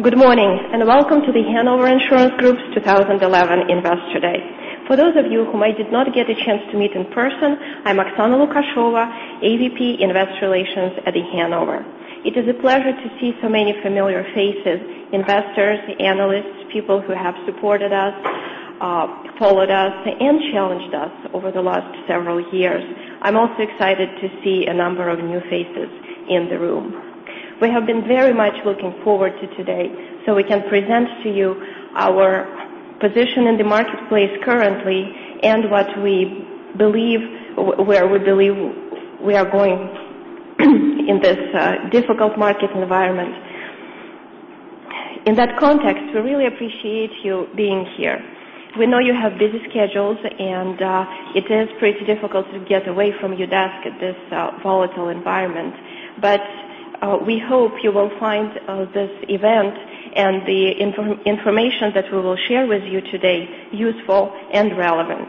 Good morning. Welcome to The Hanover Insurance Group's 2011 Investor Day. For those of you whom I did not get a chance to meet in person, I'm Oksana Lukasheva, AVP Investor Relations at The Hanover. It is a pleasure to see so many familiar faces, investors, analysts, people who have supported us, followed us, and challenged us over the last several years. I'm also excited to see a number of new faces in the room. We have been very much looking forward to today so we can present to you our position in the marketplace currently and where we believe we are going in this difficult market environment. In that context, we really appreciate you being here. We know you have busy schedules. It is pretty difficult to get away from your desk at this volatile environment. We hope you will find this event and the information that we will share with you today useful and relevant.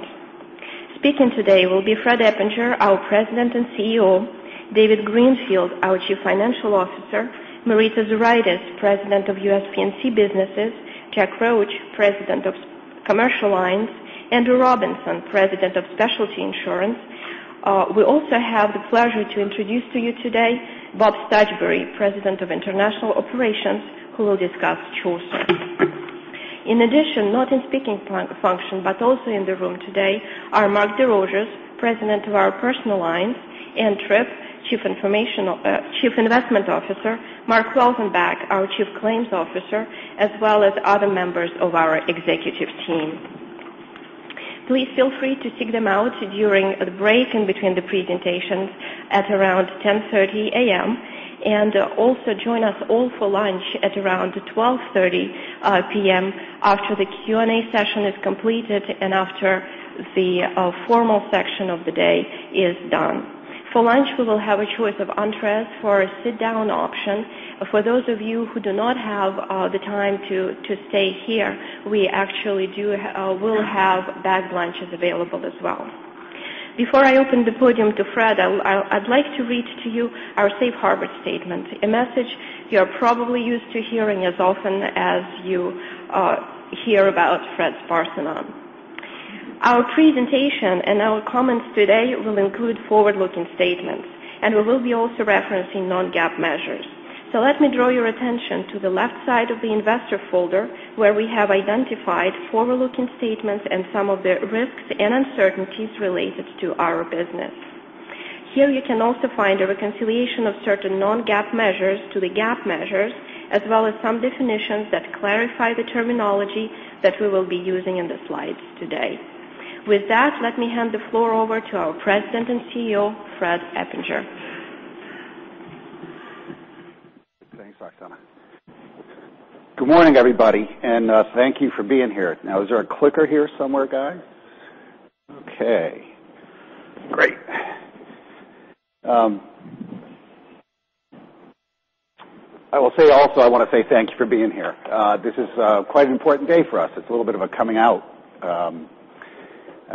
Speaking today will be Fred Eppinger, our President and CEO; David Greenfield, our Chief Financial Officer; Marita Zuraitis, President of US P&C Businesses; Jack Roche, President of Commercial Lines; Andrew Robinson, President of Specialty Insurance. We also have the pleasure to introduce to you today Bob Stuchbery, President of International Operations, who will discuss Chaucer. In addition, not in speaking function but also in the room today are Mark DesRosiers, President of our Personal Lines, and Tripp, Chief Investment Officer, Mark Welzenbach, our Chief Claims Officer, as well as other members of our executive team. Please feel free to seek them out during the break in between the presentations at around 10:30 A.M. Also join us all for lunch at around 12:30 P.M. after the Q&A session is completed and after the formal section of the day is done. For lunch, we will have a choice of entrees for a sit-down option. For those of you who do not have the time to stay here, we actually will have bagged lunches available as well. Before I open the podium to Fred, I'd like to read to you our safe harbor statement, a message you are probably used to hearing as often as you hear about Fred's Parthenon. Our presentation and our comments today will include forward-looking statements. We will be also referencing non-GAAP measures. Let me draw your attention to the left side of the investor folder, where we have identified forward-looking statements and some of the risks and uncertainties related to our business. Here you can also find a reconciliation of certain non-GAAP measures to the GAAP measures, as well as some definitions that clarify the terminology that we will be using in the slides today. With that, let me hand the floor over to our President and CEO, Fred Eppinger. Thanks, Oksana. Good morning, everybody, thank you for being here. Is there a clicker here somewhere, guys? Okay, great. I will say also, I want to say thanks for being here. This is quite an important day for us. It's a little bit of a coming out.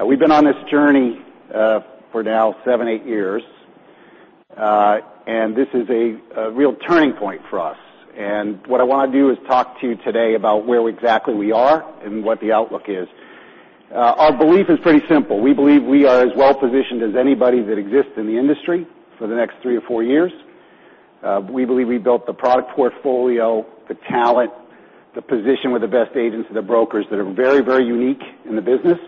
We've been on this journey for now 7, 8 years, this is a real turning point for us. What I want to do is talk to you today about where exactly we are and what the outlook is. Our belief is pretty simple. We believe we are as well positioned as anybody that exists in the industry for the next 3 or 4 years. We believe we built the product portfolio, the talent, the position with the best agents and the brokers that are very unique in the business,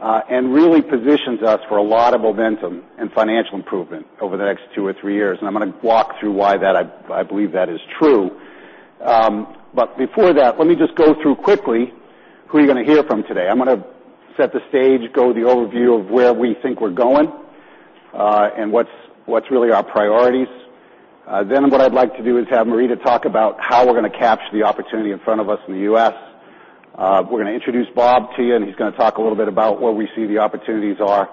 and really positions us for a lot of momentum and financial improvement over the next 2 or 3 years. I'm going to walk through why I believe that is true. Before that, let me just go through quickly who you're going to hear from today. I'm going to set the stage, go the overview of where we think we're going, and what's really our priorities. What I'd like to do is have Marita talk about how we're going to capture the opportunity in front of us in the U.S. We're going to introduce Bob to you, and he's going to talk a little bit about where we see the opportunities are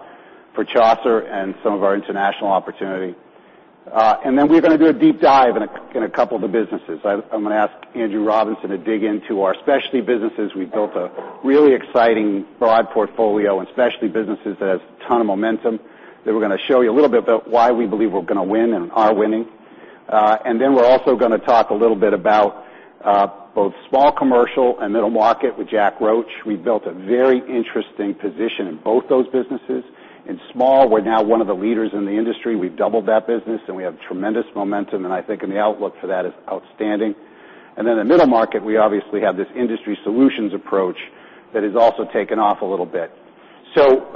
for Chaucer and some of our international opportunity. We're going to do a deep dive in a couple of the businesses. I'm going to ask Andrew Robinson to dig into our specialty businesses. We've built a really exciting broad portfolio and specialty businesses that has a ton of momentum, that we're going to show you a little bit about why we believe we're going to win and are winning. We're also going to talk a little bit about both small commercial and middle market with Jack Roche. We built a very interesting position in both those businesses. In small, we're now one of the leaders in the industry. We've doubled that business, and we have tremendous momentum, and I think in the outlook for that is outstanding. The middle market, we obviously have this industry solutions approach that has also taken off a little bit.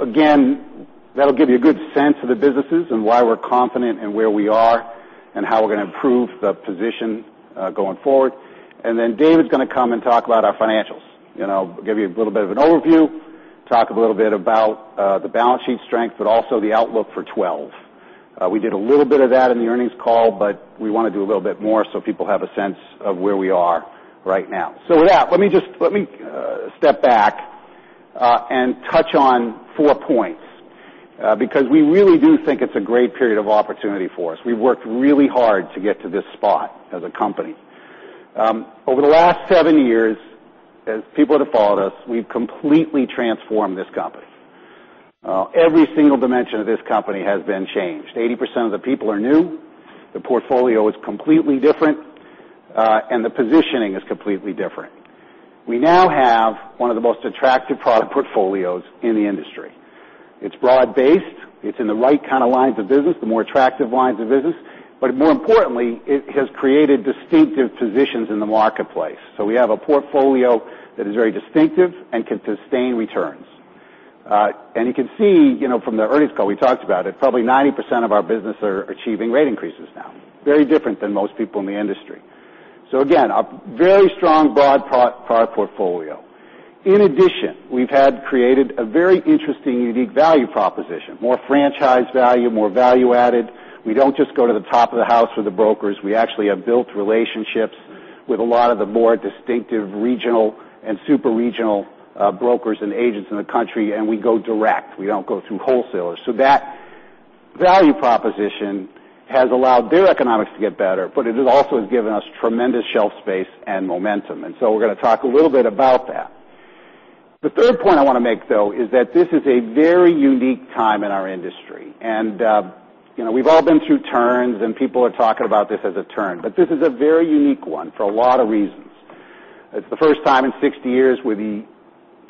Again, that'll give you a good sense of the businesses and why we're confident in where we are and how we're going to improve the position going forward. David's going to come and talk about our financials. Give you a little bit of an overview, talk a little bit about the balance sheet strength, but also the outlook for 2012. We did a little bit of that in the earnings call, but we want to do a little bit more so people have a sense of where we are right now. With that, let me step back and touch on four points because we really do think it's a great period of opportunity for us. We've worked really hard to get to this spot as a company. Over the last seven years, as people that have followed us, we've completely transformed this company. Every single dimension of this company has been changed. 80% of the people are new, the portfolio is completely different, and the positioning is completely different. We now have one of the most attractive product portfolios in the industry. It's broad-based, it's in the right kind of lines of business, the more attractive lines of business. More importantly, it has created distinctive positions in the marketplace. We have a portfolio that is very distinctive and can sustain returns. You can see from the earnings call, we talked about it, probably 90% of our business are achieving rate increases now. Very different than most people in the industry. Again, a very strong broad product portfolio. In addition, we've created a very interesting, unique value proposition, more franchise value, more value added. We don't just go to the top of the house with the brokers. We actually have built relationships with a lot of the more distinctive regional and super-regional brokers and agents in the country, and we go direct. We don't go through wholesalers. That value proposition has allowed their economics to get better, but it also has given us tremendous shelf space and momentum. We're going to talk a little bit about that. The third point I want to make, though, is that this is a very unique time in our industry. We've all been through turns, and people are talking about this as a turn, but this is a very unique one for a lot of reasons. It's the first time in 60 years where the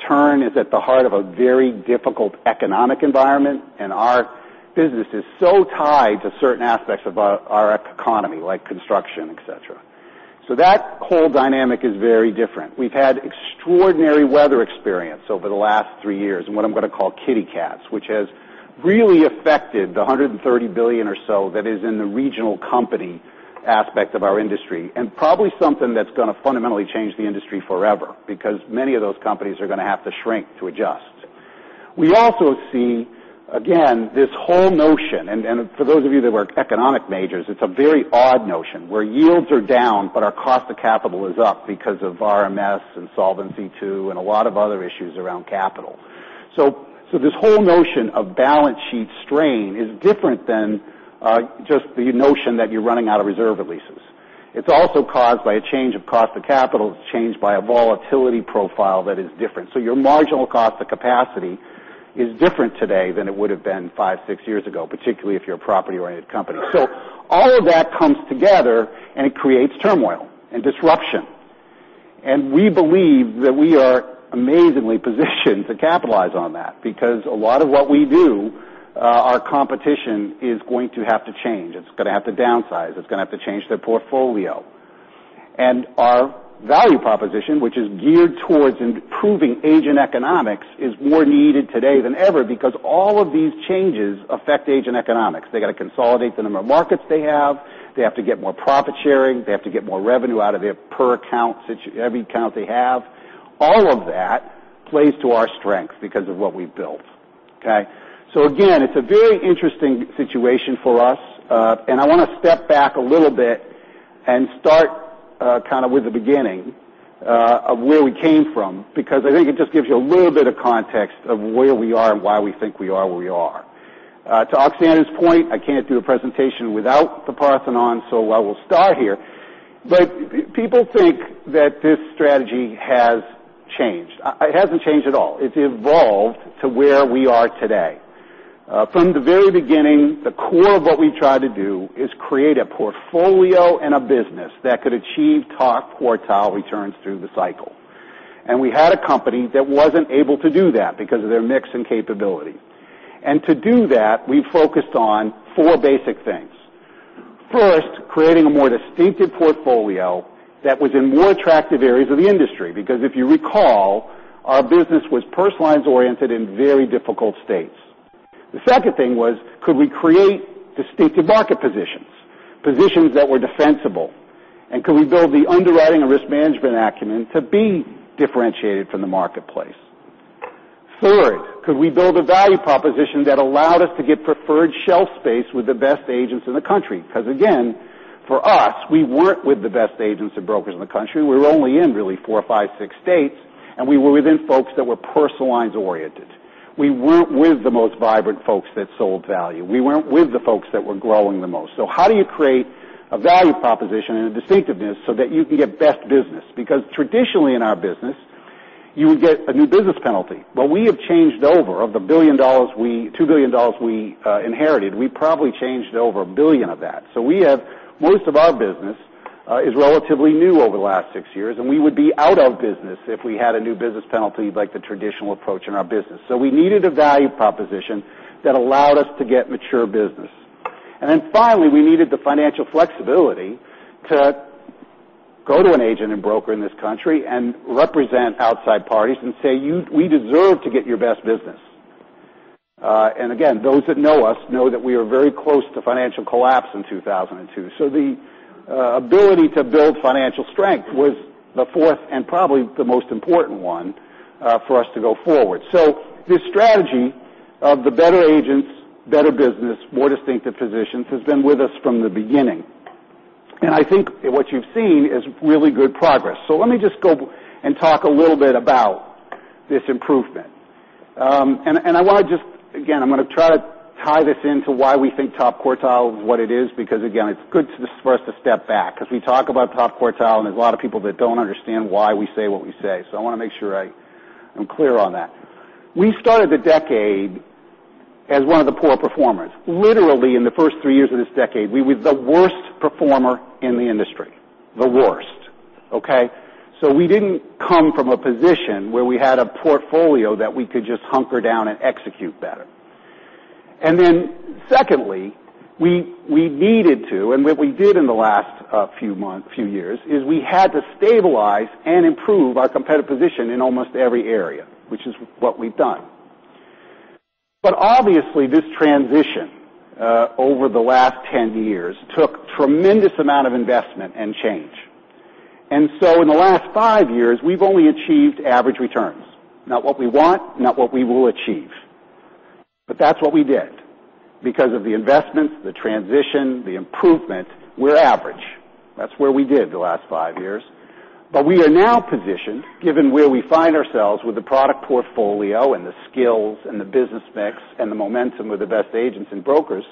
turn is at the heart of a very difficult economic environment, and our business is so tied to certain aspects of our economy, like construction, et cetera. That whole dynamic is very different. We've had extraordinary weather experience over the last three years and what I'm going to call kitty cats, which has really affected the $130 billion or so that is in the regional company aspect of our industry, and probably something that's going to fundamentally change the industry forever because many of those companies are going to have to shrink to adjust. We also see, again, this whole notion, and for those of you that were economic majors, it's a very odd notion where yields are down, but our cost of capital is up because of RMS and Solvency II and a lot of other issues around capital. This whole notion of balance sheet strain is different than just the notion that you're running out of reserve releases. It's also caused by a change of cost of capital. It's changed by a volatility profile that is different. Your marginal cost of capacity is different today than it would have been five, six years ago, particularly if you're a property-oriented company. All of that comes together and it creates turmoil and disruption. We believe that we are amazingly positioned to capitalize on that because a lot of what we do, our competition is going to have to change. It's going to have to downsize. It's going to have to change their portfolio. Our value proposition, which is geared towards improving agent economics, is more needed today than ever because all of these changes affect agent economics. They got to consolidate the number of markets they have. They have to get more profit sharing. They have to get more revenue out of their per account, every account they have. All of that plays to our strength because of what we've built. Okay. Again, it's a very interesting situation for us. I want to step back a little bit and start kind of with the beginning of where we came from, because I think it just gives you a little bit of context of where we are and why we think we are where we are. To Oksana's point, I can't do a presentation without the Parthenon, I will start here. People think that this strategy has changed. It hasn't changed at all. It's evolved to where we are today. From the very beginning, the core of what we tried to do is create a portfolio and a business that could achieve top quartile returns through the cycle. We had a company that wasn't able to do that because of their mix and capability. To do that, we focused on four basic things. First, creating a more distinctive portfolio that was in more attractive areas of the industry because if you recall, our business was personal lines oriented in very difficult states. The second thing was, could we create distinctive market positions that were defensible, and could we build the underwriting and risk management acumen to be differentiated from the marketplace? Third, could we build a value proposition that allowed us to get preferred shelf space with the best agents in the country? Again, for us, we weren't with the best agents and brokers in the country. We were only in really four, five, six states, and we were within folks that were personal lines oriented. We weren't with the most vibrant folks that sold value. We weren't with the folks that were growing the most. How do you create a value proposition and a distinctiveness so that you can get best business? Because traditionally in our business, you would get a new business penalty. We have changed over, of the $2 billion we inherited, we probably changed over $1 billion of that. Most of our business is relatively new over the last six years, and we would be out of business if we had a new business penalty like the traditional approach in our business. We needed a value proposition that allowed us to get mature business. Finally, we needed the financial flexibility to go to an agent and broker in this country and represent outside parties and say, "We deserve to get your best business." Again, those that know us know that we were very close to financial collapse in 2002. The ability to build financial strength was the fourth and probably the most important one for us to go forward. This strategy of the better agents, better business, more distinctive positions has been with us from the beginning. I think what you've seen is really good progress. Let me just go and talk a little bit about this improvement. I want to just, again, I'm going to try to tie this into why we think top quartile is what it is, because again, it's good for us to step back because we talk about top quartile, and there's a lot of people that don't understand why we say what we say. I want to make sure I'm clear on that. We started the decade as one of the poor performers. Literally, in the first three years of this decade, we were the worst performer in the industry, the worst. Okay. We didn't come from a position where we had a portfolio that we could just hunker down and execute better. Secondly, we needed to, and what we did in the last few years, is we had to stabilize and improve our competitive position in almost every area, which is what we've done. Obviously, this transition over the last 10 years took tremendous amount of investment and change. In the last five years, we've only achieved average returns. Not what we want, not what we will achieve. That's what we did. Because of the investments, the transition, the improvement, we're average. That's where we did the last five years. We are now positioned, given where we find ourselves with the product portfolio and the skills and the business mix and the momentum with the best agents and brokers,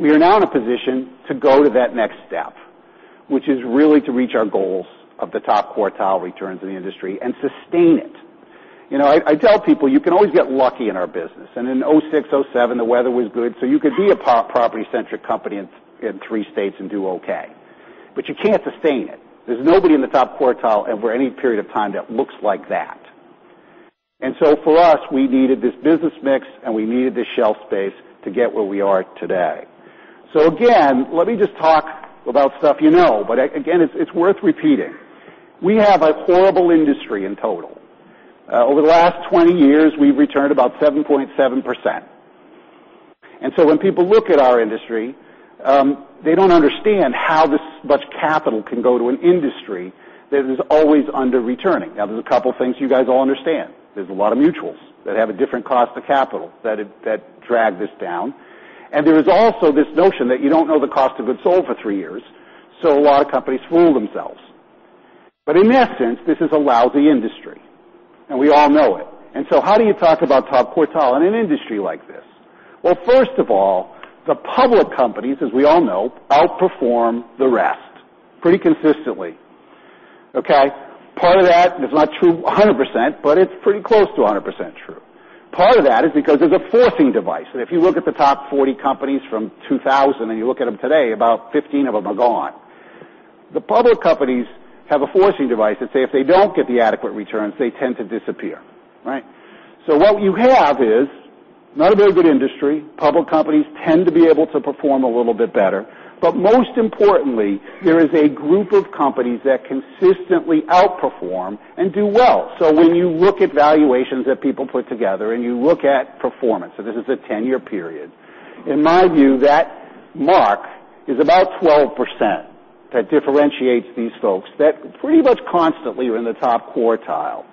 we are now in a position to go to that next step, which is really to reach our goals of the top quartile returns in the industry and sustain it. I tell people you can always get lucky in our business. In 2006, 2007, the weather was good, so you could be a property centric company in three states and do okay. You can't sustain it. There's nobody in the top quartile over any period of time that looks like that. For us, we needed this business mix, and we needed this shelf space to get where we are today. Again, let me just talk about stuff you know. Again, it's worth repeating. We have a horrible industry in total. Over the last 20 years, we've returned about 7.7%. When people look at our industry, they don't understand how this much capital can go to an industry that is always under returning. There's a couple of things you guys all understand. There's a lot of mutuals that have a different cost of capital that drag this down. There is also this notion that you don't know the cost of goods sold for three years, a lot of companies fool themselves. In essence, this is a lousy industry, and we all know it. How do you talk about top quartile in an industry like this? First of all, the public companies, as we all know, outperform the rest pretty consistently. Okay. Part of that is not true 100%, but it's pretty close to 100% true. Part of that is because there's a forcing device, and if you look at the top 40 companies from 2000, and you look at them today, about 15 of them are gone. The public companies have a forcing device that say if they don't get the adequate returns, they tend to disappear. Right. What you have is not a very good industry. Public companies tend to be able to perform a little bit better. Most importantly, there is a group of companies that consistently outperform and do well. When you look at valuations that people put together and you look at performance, this is a 10-year period, in my view, that mark is about 12% that differentiates these folks that pretty much constantly are in the top quartile.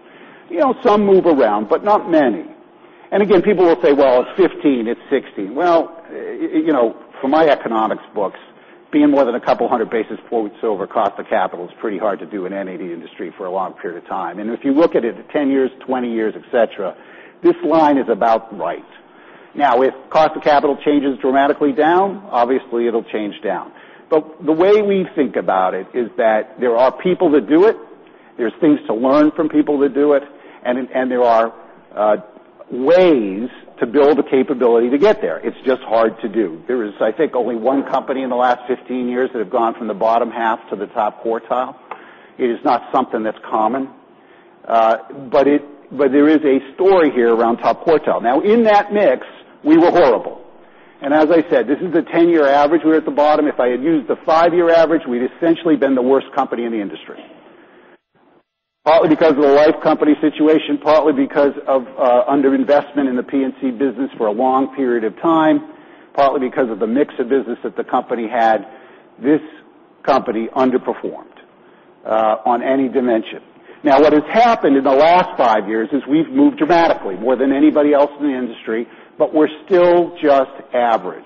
Some move around, but not many. Again, people will say, well, it's 15, it's 16. From my economics books, being more than a couple of hundred basis points over cost of capital is pretty hard to do in any industry for a long period of time. If you look at it, 10 years, 20 years, et cetera, this line is about right. If cost of capital changes dramatically down, obviously it'll change down. The way we think about it is that there are people that do it, there's things to learn from people that do it, and there are ways to build a capability to get there. It's just hard to do. There is, I think, only one company in the last 15 years that have gone from the bottom half to the top quartile. It is not something that's common. There is a story here around top quartile. In that mix, we were horrible. As I said, this is a 10-year average. We're at the bottom. If I had used the five-year average, we'd essentially been the worst company in the industry. Partly because of the life company situation, partly because of underinvestment in the P&C business for a long period of time, partly because of the mix of business that the company had, this company underperformed on any dimension. What has happened in the last five years is we've moved dramatically, more than anybody else in the industry, but we're still just average.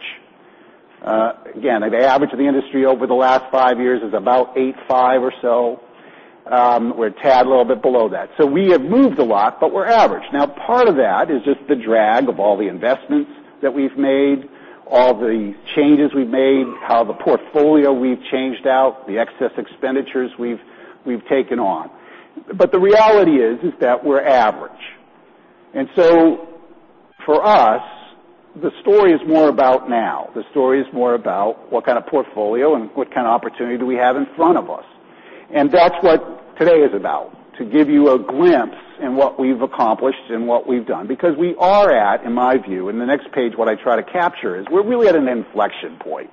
Again, the average of the industry over the last five years is about 8.5 or so. We're a tad a little bit below that. We have moved a lot, but we're average. Part of that is just the drag of all the investments that we've made, all the changes we've made, how the portfolio we've changed out, the excess expenditures we've taken on. The reality is that we're average. For us, the story is more about now. The story is more about what kind of portfolio and what kind of opportunity do we have in front of us. That's what today is about, to give you a glimpse in what we've accomplished and what we've done. We are at, in my view, in the next page, what I try to capture is we're really at an inflection point.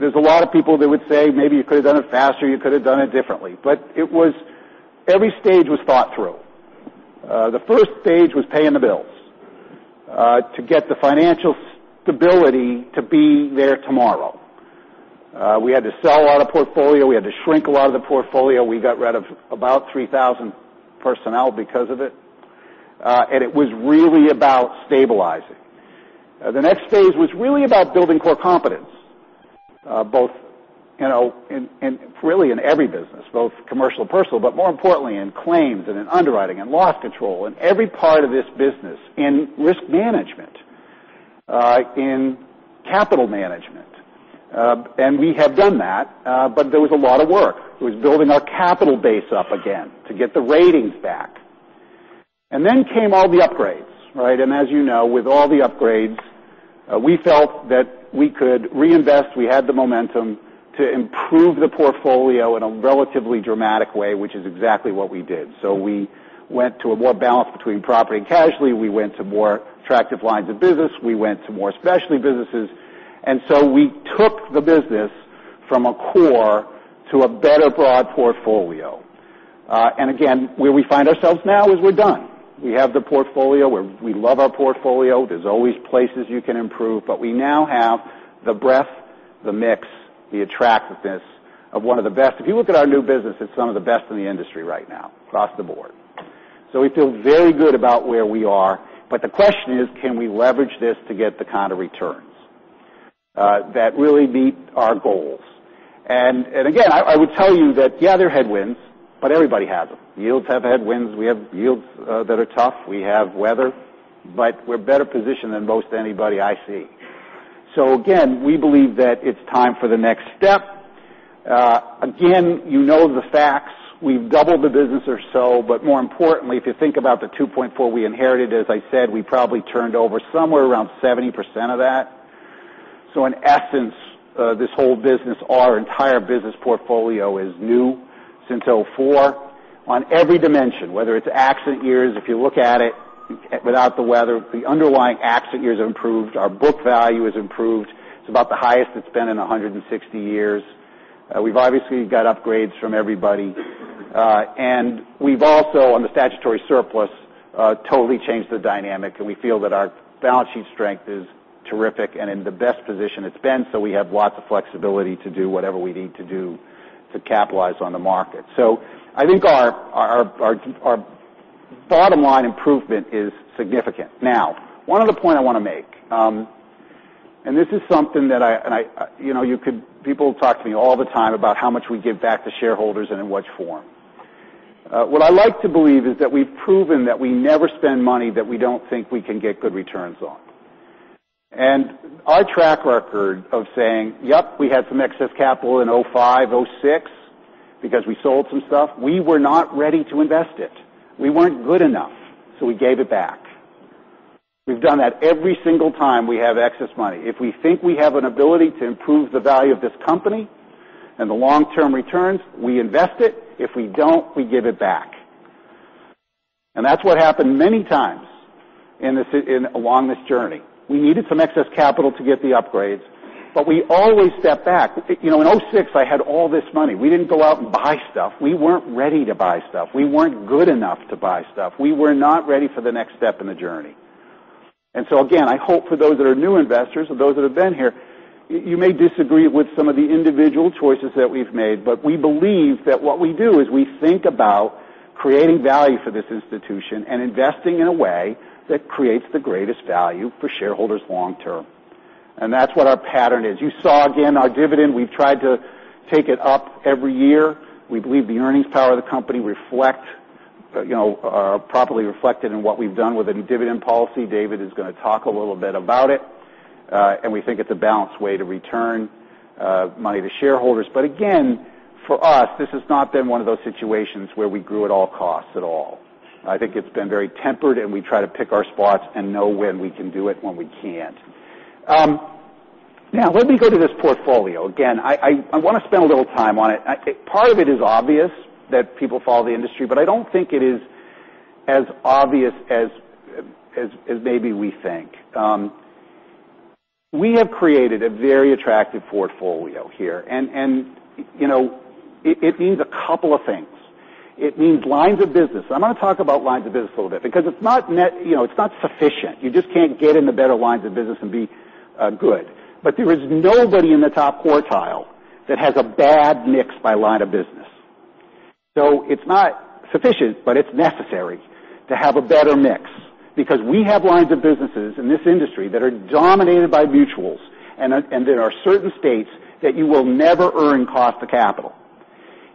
There's a lot of people that would say, maybe you could have done it faster, you could have done it differently. Every stage was thought through. The first stage was paying the bills to get the financial stability to be there tomorrow. We had to sell a lot of portfolio. We had to shrink a lot of the portfolio. We got rid of about 3,000 personnel because of it. It was really about stabilizing. The next phase was really about building core competence, both in every business, both commercial and personal, but more importantly in claims and in underwriting and loss control, in every part of this business, in risk management, in capital management. We have done that, but there was a lot of work. It was building our capital base up again to get the ratings back. Then came all the upgrades, right? As you know, with all the upgrades, we felt that we could reinvest. We had the momentum to improve the portfolio in a relatively dramatic way, which is exactly what we did. We went to a more balance between property and casualty. We went to more attractive lines of business. We went to more specialty businesses. We took the business from a core to a better broad portfolio. Again, where we find ourselves now is we're done. We have the portfolio where we love our portfolio. There's always places you can improve, but we now have the breadth, the mix, the attractiveness of one of the best. If you look at our new business, it's some of the best in the industry right now across the board. We feel very good about where we are. The question is, can we leverage this to get the kind of returns that really meet our goals? Again, I would tell you that, yeah, they're headwinds, but everybody has them. Yields have headwinds. We have yields that are tough. We have weather. We're better positioned than most anybody I see. Again, we believe that it's time for the next step. Again, you know the facts. We've doubled the business or so, but more importantly, if you think about the $2.4 we inherited, as I said, we probably turned over somewhere around 70% of that. In essence, this whole business, our entire business portfolio is new since 2004 on every dimension, whether it's accident years. If you look at it without the weather, the underlying accident years have improved. Our book value has improved. It's about the highest it's been in 160 years. We've obviously got upgrades from everybody. We've also, on the statutory surplus, totally changed the dynamic, and we feel that our balance sheet strength is terrific and in the best position it's been, so we have lots of flexibility to do whatever we need to do to capitalize on the market. I think our bottom line improvement is significant. Now, one other point I want to make, and this is something that people talk to me all the time about how much we give back to shareholders and in what form. What I like to believe is that we've proven that we never spend money that we don't think we can get good returns on. Our track record of saying, yep, we had some excess capital in 2005, 2006 because we sold some stuff, we were not ready to invest it. We weren't good enough, so we gave it back. We've done that every single time we have excess money. If we think we have an ability to improve the value of this company and the long-term returns, we invest it. If we don't, we give it back. That's what happened many times along this journey. We needed some excess capital to get the upgrades, but we always stepped back. In 2006, I had all this money. We didn't go out and buy stuff. We weren't ready to buy stuff. We weren't good enough to buy stuff. We were not ready for the next step in the journey. Again, I hope for those that are new investors or those that have been here, you may disagree with some of the individual choices that we've made, but we believe that what we do is we think about creating value for this institution and investing in a way that creates the greatest value for shareholders long term. That's what our pattern is. You saw again our dividend. We've tried to take it up every year. We believe the earnings power of the company properly reflected in what we've done with the dividend policy. David is going to talk a little bit about it. We think it's a balanced way to return money to shareholders. Again, for us, this has not been one of those situations where we grew at all costs at all. I think it's been very tempered, and we try to pick our spots and know when we can do it, when we can't. Now, let me go to this portfolio. Again, I want to spend a little time on it. Part of it is obvious that people follow the industry, but I don't think it is as obvious as maybe we think. We have created a very attractive portfolio here, it means a couple of things. It means lines of business. I'm going to talk about lines of business a little bit because it's not sufficient. You just can't get into better lines of business and be good. There is nobody in the top quartile that has a bad mix by line of business. It's not sufficient, but it's necessary to have a better mix because we have lines of businesses in this industry that are dominated by mutuals, there are certain states that you will never earn cost of capital.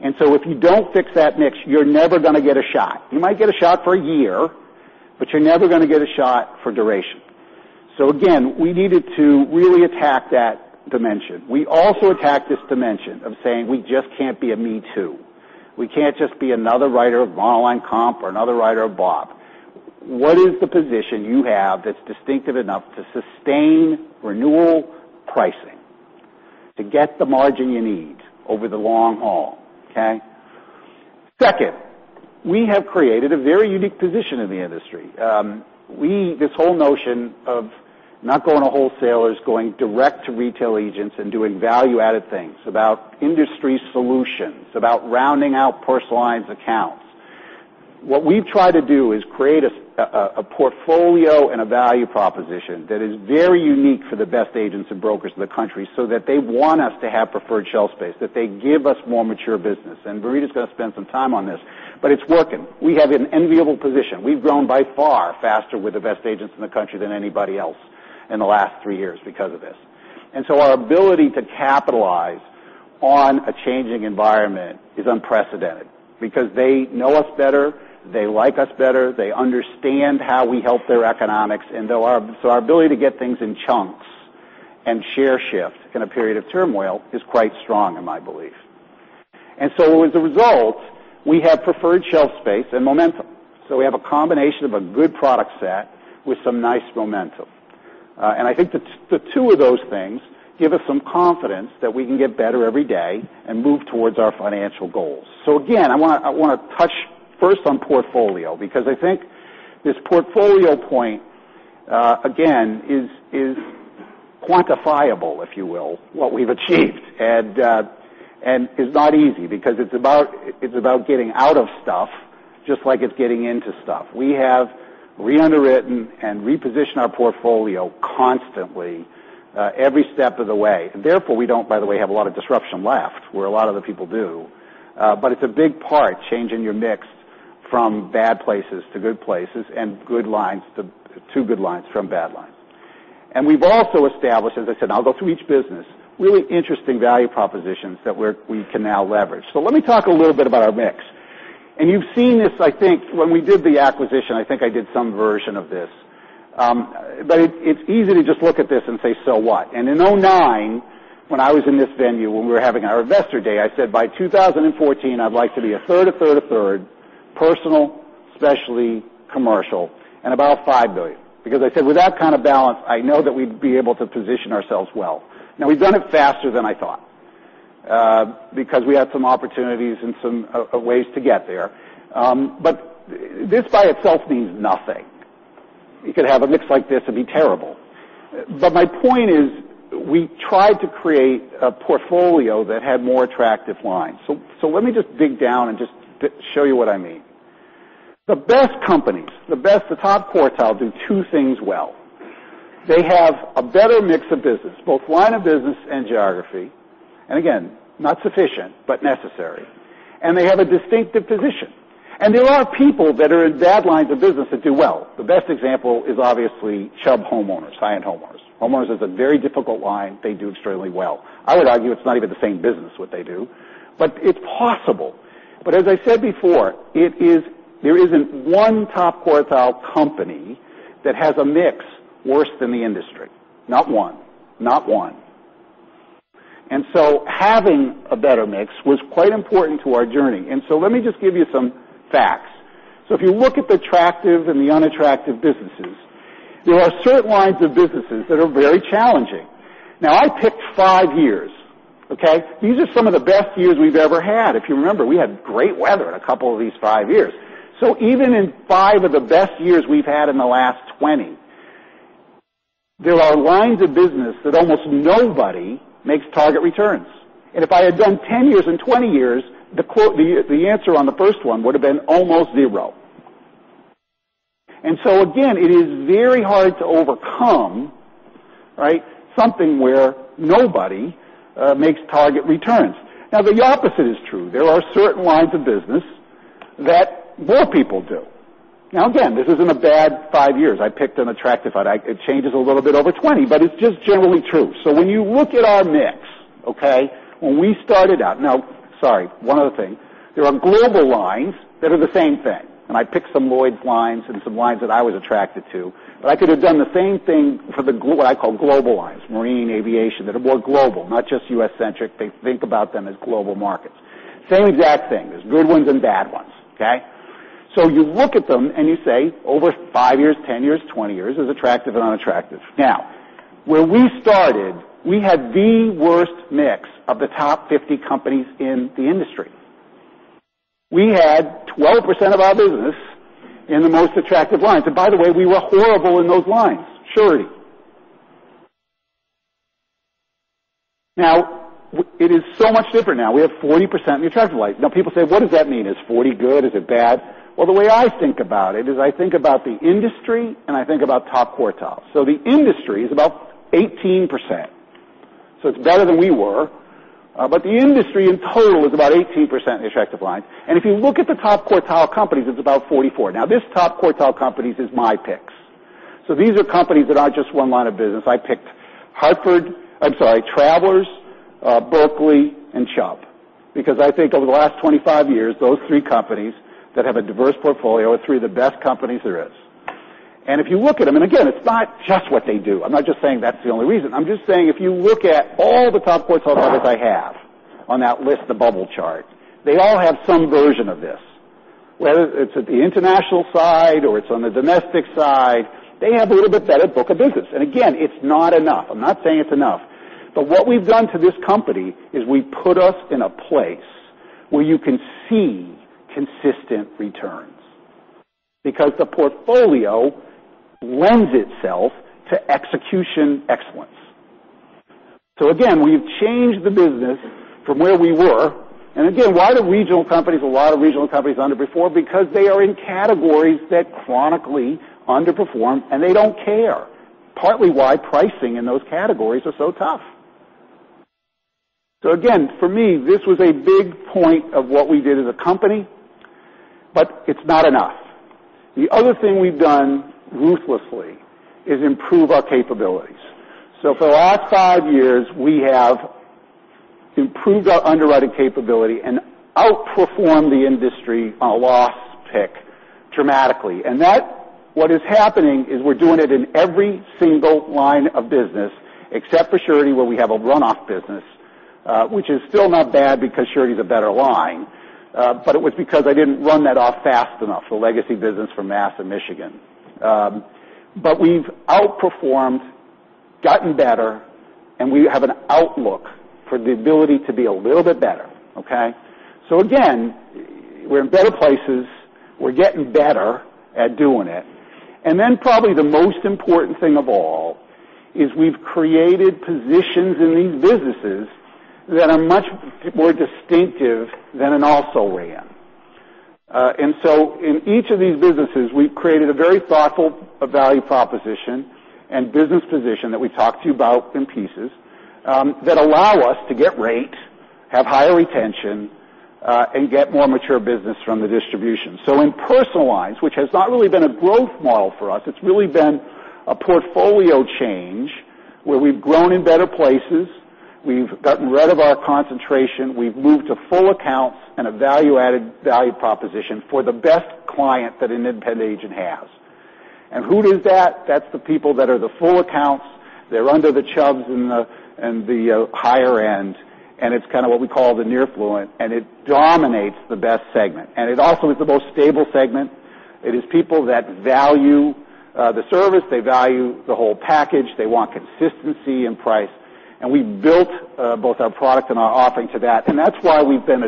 If you don't fix that mix, you're never going to get a shot. You might get a shot for a year, but you're never going to get a shot for duration. Again, we needed to really attack that dimension. We also attacked this dimension of saying we just can't be a me too. We can't just be another writer of online comp or another writer of BOP. What is the position you have that's distinctive enough to sustain renewal pricing to get the margin you need over the long haul? Okay. Second, we have created a very unique position in the industry. This whole notion of not going to wholesalers, going direct to retail agents and doing value-added things about industry solutions, about rounding out personal lines accounts. What we've tried to do is create a portfolio and a value proposition that is very unique for the best agents and brokers in the country, so that they want us to have preferred shelf space, that they give us more mature business. Marita is going to spend some time on this, but it's working. We have an enviable position. We've grown by far faster with the best agents in the country than anybody else in the last three years because of this. Our ability to capitalize on a changing environment is unprecedented because they know us better, they like us better, they understand how we help their economics, our ability to get things in chunks and share shift in a period of turmoil is quite strong, in my belief. As a result, we have preferred shelf space and momentum. We have a combination of a good product set with some nice momentum. I think the two of those things give us some confidence that we can get better every day and move towards our financial goals. Again, I want to touch first on portfolio, because I think this portfolio point, again, is quantifiable, if you will, what we've achieved. It's not easy because it's about getting out of stuff just like it's getting into stuff. We have re-underwritten and repositioned our portfolio constantly, every step of the way. Therefore, we don't, by the way, have a lot of disruption left where a lot of the people do. It's a big part, changing your mix from bad places to good places and good lines to good lines from bad lines. We've also established, as I said, I'll go through each business, really interesting value propositions that we can now leverage. Let me talk a little bit about our mix. You've seen this, I think, when we did the acquisition, I think I did some version of this. It's easy to just look at this and say, "So what?" In 2009, when I was in this venue, when we were having our investor day, I said, "By 2014, I'd like to be a third, a third, a third, personal, specialty, commercial, and about $5 billion." I said, with that kind of balance, I know that we'd be able to position ourselves well. We've done it faster than I thought, because we had some opportunities and some ways to get there. This by itself means nothing. You could have a mix like this and be terrible. My point is, we tried to create a portfolio that had more attractive lines. Let me just dig down and just show you what I mean. The best companies, the top quartile, do two things well. They have a better mix of business, both line of business and geography. Again, not sufficient, but necessary. They have a distinctive position. There are people that are in bad lines of business that do well. The best example is obviously Chubb homeowners, high-end homeowners. Homeowners is a very difficult line. They do extremely well. I would argue it's not even the same business, what they do, but it's possible. As I said before, there isn't one top quartile company that has a mix worse than the industry. Not one. Having a better mix was quite important to our journey. Let me just give you some facts. If you look at the attractive and the unattractive businesses, there are certain lines of businesses that are very challenging. I picked five years. These are some of the best years we've ever had. If you remember, we had great weather in a couple of these five years. Even in five of the best years we've had in the last 20, there are lines of business that almost nobody makes target returns. If I had done 10 years and 20 years, the answer on the first one would have been almost zero. Again, it is very hard to overcome something where nobody makes target returns. The opposite is true. There are certain lines of business that more people do. Again, this is in a bad five years. I picked an attractive one. It changes a little bit over 20, but it's just generally true. When you look at our mix, when we started out. Sorry, one other thing. There are global lines that are the same thing. I picked some Lloyd's lines and some lines that I was attracted to, but I could have done the same thing for what I call global lines, marine, aviation, that are more global, not just U.S.-centric. They think about them as global markets. Same exact thing. There's good ones and bad ones. You look at them and you say, over five years, 10 years, 20 years, there's attractive and unattractive. Where we started, we had the worst mix of the top 50 companies in the industry. We had 12% of our business in the most attractive lines. By the way, we were horrible in those lines. Surety. It is so much different now. We have 40% in the attractive lines. People say, what does that mean? Is 40 good? Is it bad? Well, the way I think about it is I think about the industry and I think about top quartile. The industry is about 18%. It's better than we were. The industry in total is about 18% in attractive lines. If you look at the top quartile companies, it's about 44. This top quartile companies is my picks. These are companies that aren't just one line of business. I picked Travelers, Berkley, and Chubb because I think over the last 25 years, those three companies that have a diverse portfolio are three of the best companies there is. If you look at them, again, it's not just what they do. I'm not just saying that's the only reason. I'm just saying if you look at all the top quartile partners I have on that list, the bubble chart, they all have some version of this. Whether it's at the international side or it's on the domestic side, they have a little bit better book of business. Again, it's not enough. I'm not saying it's enough. What we've done to this company is we've put us in a place where you can see consistent returns because the portfolio lends itself to execution excellence. Again, we've changed the business from where we were. Again, why do regional companies, a lot of regional companies underperform? Because they are in categories that chronically underperform, and they don't care. Partly why pricing in those categories are so tough. Again, for me, this was a big point of what we did as a company. But it's not enough. The other thing we've done ruthlessly is improve our capabilities. For the last five years, we have improved our underwriting capability and outperformed the industry on a loss pick dramatically. What is happening is we're doing it in every single line of business except for surety, where we have a runoff business, which is still not bad because surety is a better line. It was because I didn't run that off fast enough, the legacy business from Mass and Michigan. We've outperformed, gotten better, and we have an outlook for the ability to be a little bit better. Okay. Again, we're in better places. We're getting better at doing it. Probably the most important thing of all is we've created positions in these businesses that are much more distinctive than an also ran. In each of these businesses, we've created a very thoughtful value proposition and business position that we talked to you about in pieces that allow us to get rate, have higher retention, and get more mature business from the distribution. In personal lines, which has not really been a growth model for us, it's really been a portfolio change where we've grown in better places, we've gotten rid of our concentration, we've moved to full accounts and a value-added value proposition for the best client that an independent agent has. Who is that? That's the people that are the full accounts. They're under the Chubb and the higher end, and it's kind of what we call the near affluent, and it dominates the best segment. It also is the most stable segment. It is people that value the service, they value the whole package, they want consistency and price. We built both our product and our offering to that, and that's why we've been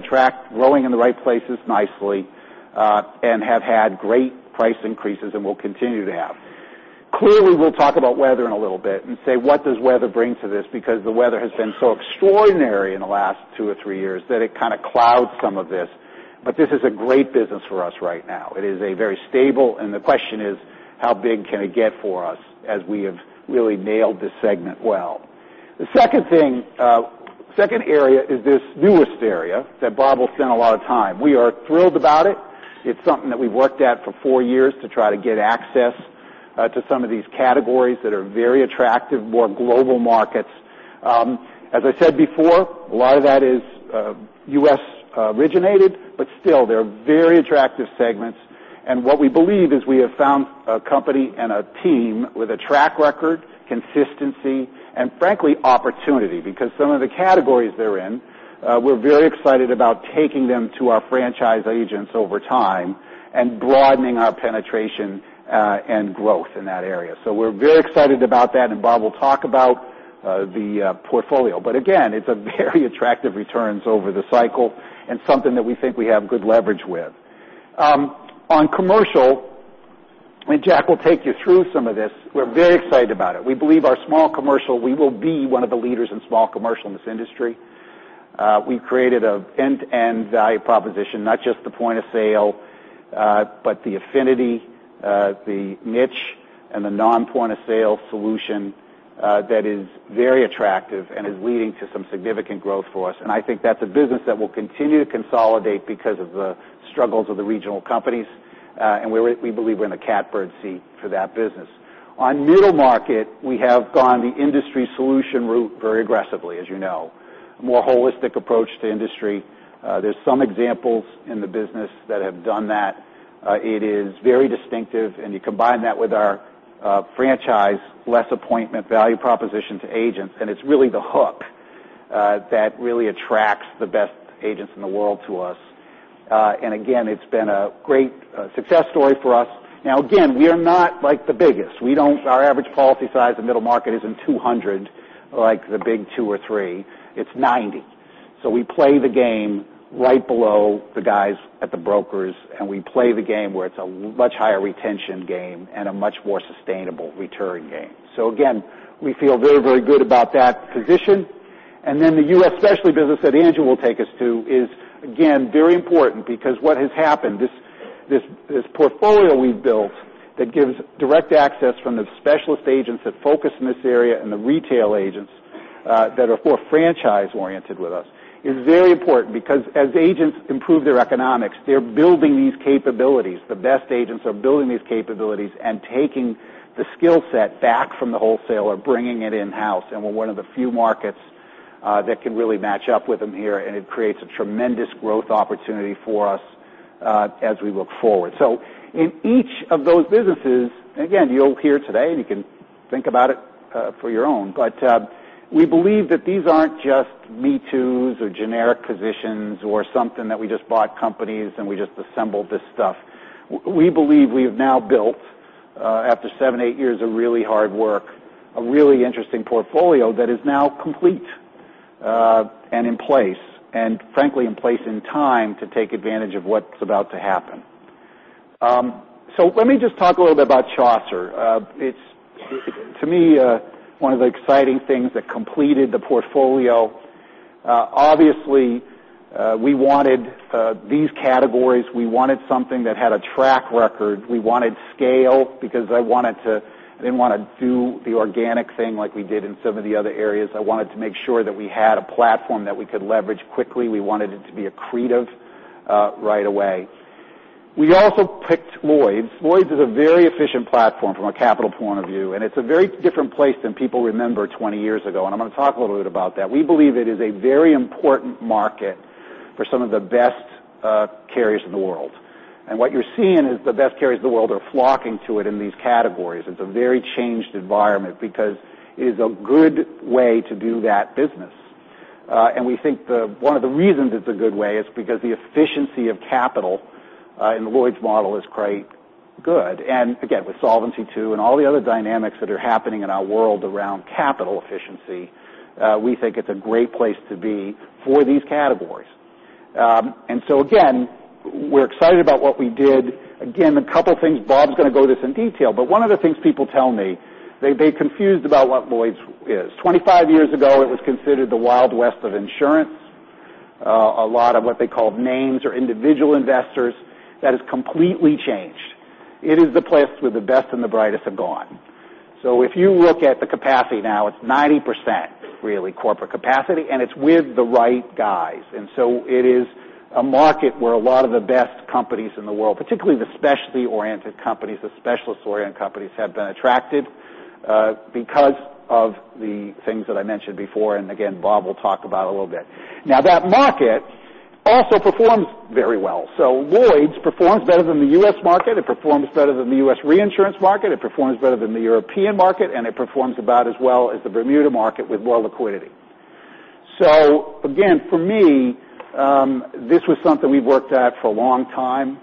growing in the right places nicely, and have had great price increases and will continue to have. Clearly, we'll talk about weather in a little bit and say, what does weather bring to this? Because the weather has been so extraordinary in the last two or three years that it kind of clouds some of this. This is a great business for us right now. It is very stable, and the question is, how big can it get for us as we have really nailed this segment well? The second area is this newest area that Bob will spend a lot of time. We are thrilled about it. It's something that we've worked at for four years to try to get access to some of these categories that are very attractive, more global markets. As I said before, a lot of that is U.S.-originated, but still, they're very attractive segments. What we believe is we have found a company and a team with a track record, consistency, and frankly, opportunity, because some of the categories they're in, we're very excited about taking them to our franchise agents over time and broadening our penetration and growth in that area. We're very excited about that, and Bob will talk about the portfolio. Again, it's a very attractive returns over the cycle and something that we think we have good leverage with. On commercial, and Jack will take you through some of this, we're very excited about it. We believe our small commercial, we will be one of the leaders in small commercial in this industry. We've created an end-to-end value proposition, not just the Point of Sale, but the affinity, the niche, and the non-Point of Sale solution that is very attractive and is leading to some significant growth for us. I think that's a business that will continue to consolidate because of the struggles of the regional companies. We believe we're in the catbird seat for that business. On middle market, we have gone the industry solution route very aggressively, as you know, a more holistic approach to industry. There's some examples in the business that have done that. It is very distinctive, you combine that with our franchise, less appointment value proposition to agents, and it's really the hook that really attracts the best agents in the world to us. Again, it's been a great success story for us. Now, again, we are not the biggest. Our average policy size in middle market isn't 200 like the big two or three, it's 90. We play the game right below the guys at the brokers. We play the game where it's a much higher retention game and a much more sustainable return game. Again, we feel very, very good about that position. The U.S. specialty business that Andrew will take us to is, again, very important because what has happened, this portfolio we've built that gives direct access from the specialist agents that focus in this area and the retail agents that are more franchise-oriented with us is very important because as agents improve their economics, they're building these capabilities. The best agents are building these capabilities and taking the skill set back from the wholesaler, bringing it in-house. We're one of the few markets that can really match up with them here, and it creates a tremendous growth opportunity for us as we look forward. In each of those businesses, again, you'll hear today and you can think about it for your own, we believe that these aren't just me-toos or generic positions or something that we just bought companies. We just assembled this stuff. We believe we have now built, after seven, eight years of really hard work, a really interesting portfolio that is now complete and in place, frankly, in place in time to take advantage of what's about to happen. Let me just talk a little bit about Chaucer. It's, to me, one of the exciting things that completed the portfolio. Obviously, we wanted these categories. We wanted something that had a track record. We wanted scale because I didn't want to do the organic thing like we did in some of the other areas. I wanted to make sure that we had a platform that we could leverage quickly. We wanted it to be accretive right away. We also picked Lloyd's. Lloyd's is a very efficient platform from a capital point of view. It's a very different place than people remember 20 years ago. I'm going to talk a little bit about that. We believe it is a very important market for some of the best carriers in the world. What you're seeing is the best carriers in the world are flocking to it in these categories. It's a very changed environment because it is a good way to do that business. We think one of the reasons it's a good way is because the efficiency of capital in the Lloyd's model is quite good. Again, with Solvency II and all the other dynamics that are happening in our world around capital efficiency, we think it's a great place to be for these categories. We're excited about what we did. A couple things, Bob's going to go into this in detail, but one of the things people tell me, they're confused about what Lloyd's is. 25 years ago, it was considered the Wild West of insurance, a lot of what they called names or individual investors. That has completely changed. It is the place where the best and the brightest have gone. If you look at the capacity now, it's 90%, really, corporate capacity, and it's with the right guys. It is a market where a lot of the best companies in the world, particularly the specialty-oriented companies, the specialist-oriented companies, have been attracted because of the things that I mentioned before, and again, Bob will talk about a little bit. That market also performs very well. Lloyd's performs better than the U.S. market, it performs better than the U.S. reinsurance market, it performs better than the European market, and it performs about as well as the Bermuda market with more liquidity. Again, for me, this was something we worked at for a long time.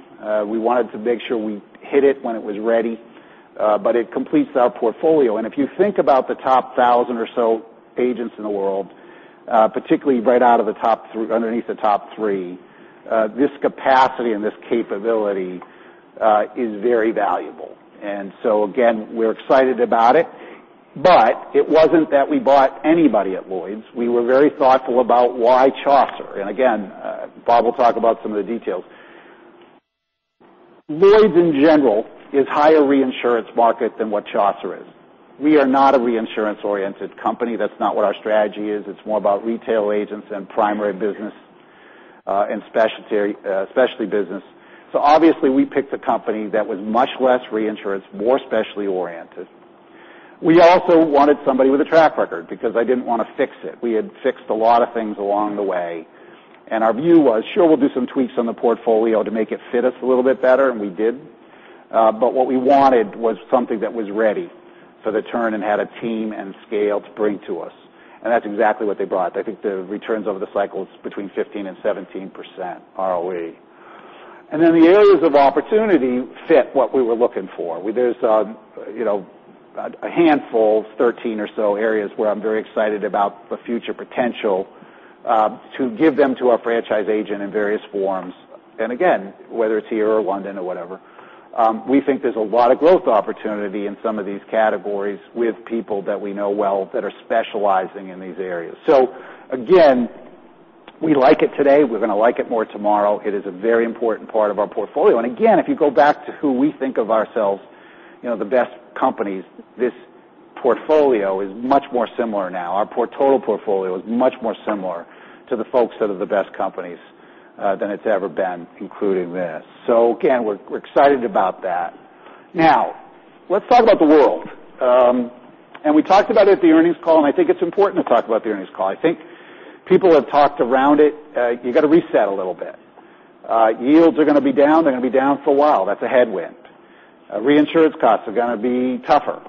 We wanted to make sure we hit it when it was ready, it completes our portfolio. If you think about the top 1,000 or so agents in the world, particularly right underneath the top three, this capacity and this capability is very valuable. Again, we're excited about it. It wasn't that we bought anybody at Lloyd's. We were very thoughtful about why Chaucer. Again, Bob will talk about some of the details. Lloyd's, in general, is higher reinsurance market than what Chaucer is. We are not a reinsurance-oriented company. That's not what our strategy is. It's more about retail agents and primary business and specialty business. Obviously, we picked a company that was much less reinsurance, more specialty oriented. We also wanted somebody with a track record because I didn't want to fix it. We had fixed a lot of things along the way, our view was, sure we'll do some tweaks on the portfolio to make it fit us a little bit better, we did. What we wanted was something that was ready for the turn and had a team and scale to bring to us. That's exactly what they brought. I think the returns over the cycle is between 15%-17% ROE. The areas of opportunity fit what we were looking for. There's a handful, 13 or so areas where I'm very excited about the future potential to give them to our franchise agent in various forms. Again, whether it's here or London or whatever, we think there's a lot of growth opportunity in some of these categories with people that we know well that are specializing in these areas. Again, we like it today, we're going to like it more tomorrow. It is a very important part of our portfolio. Again, if you go back to who we think of ourselves, the best companies, this portfolio is much more similar now. Our total portfolio is much more similar to the folks that are the best companies than it's ever been, including this. Again, we're excited about that. Now, let's talk about the world. We talked about it at the earnings call, and I think it's important to talk about the earnings call. I think people have talked around it. You got to reset a little bit. Yields are going to be down. They're going to be down for a while. That's a headwind. Reinsurance costs are going to be tougher.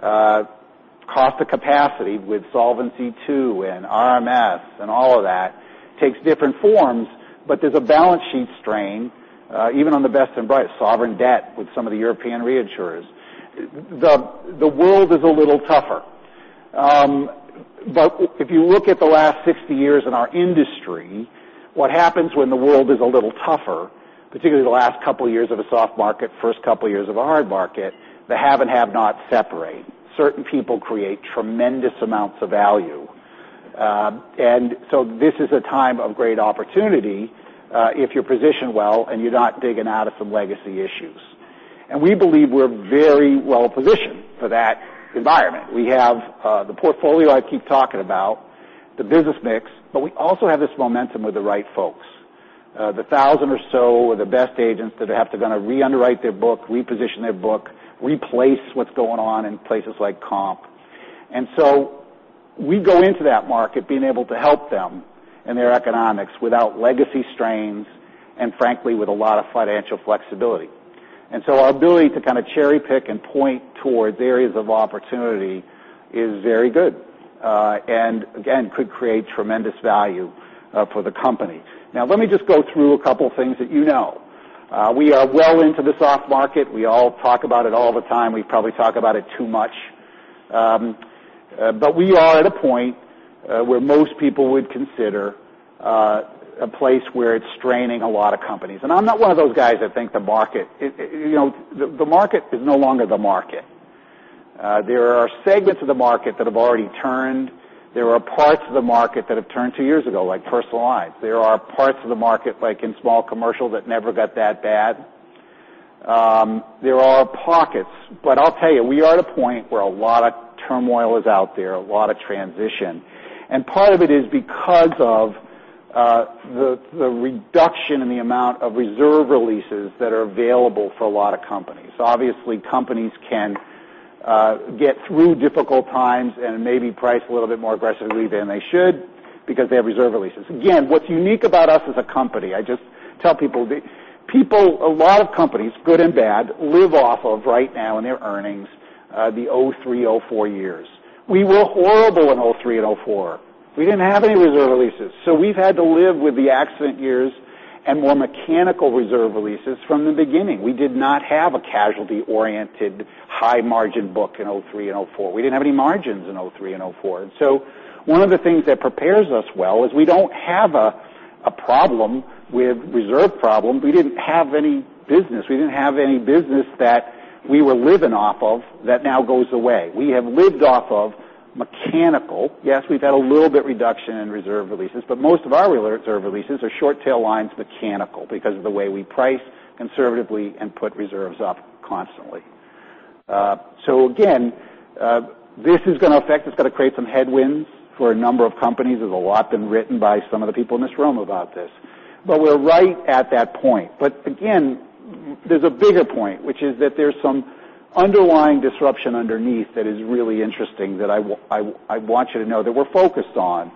Cost to capacity with Solvency II and RMS and all of that takes different forms, but there's a balance sheet strain, even on the best and brightest sovereign debt with some of the European reinsurers. The world is a little tougher. If you look at the last 60 years in our industry, what happens when the world is a little tougher, particularly the last couple of years of a soft market, first couple of years of a hard market, the have and have not separate. Certain people create tremendous amounts of value. This is a time of great opportunity if you're positioned well and you're not digging out of some legacy issues. We believe we're very well positioned for that environment. We have the portfolio I keep talking about, the business mix, but we also have this momentum of the right folks. The 1,000 or so are the best agents that they have to kind of re-underwrite their book, reposition their book, replace what's going on in places like comp. We go into that market being able to help them and their economics without legacy strains, and frankly, with a lot of financial flexibility. Our ability to kind of cherry-pick and point towards areas of opportunity is very good, and again, could create tremendous value for the company. Now let me just go through a couple things that you know. We are well into the soft market. We all talk about it all the time. We probably talk about it too much. We are at a point where most people would consider a place where it's straining a lot of companies. I'm not one of those guys that think The market is no longer the market. There are segments of the market that have already turned. There are parts of the market that have turned two years ago, like personal lines. There are parts of the market, like in small commercial, that never got that bad. There are pockets, but I'll tell you, we are at a point where a lot of turmoil is out there, a lot of transition. Part of it is because of the reduction in the amount of reserve releases that are available for a lot of companies. Obviously, companies can get through difficult times and maybe price a little bit more aggressively than they should because they have reserve releases. What's unique about us as a company, I just tell people, a lot of companies, good and bad, live off of right now in their earnings, the 2003, 2004 years. We were horrible in 2003 and 2004. We didn't have any reserve releases. We've had to live with the accident years and more mechanical reserve releases from the beginning. We did not have a casualty-oriented high margin book in 2003 and 2004. We didn't have any margins in 2003 and 2004. One of the things that prepares us well is we don't have a problem with reserve problems. We didn't have any business. We didn't have any business that we were living off of that now goes away. We have lived off of mechanical. Yes, we've had a little bit reduction in reserve releases, but most of our reserve releases are short tail lines mechanical because of the way we price conservatively and put reserves up constantly. Again, this is going to affect, it's going to create some headwinds for a number of companies. There's a lot been written by some of the people in this room about this. We're right at that point. Again, there's a bigger point, which is that there's some underlying disruption underneath that is really interesting that I want you to know that we're focused on.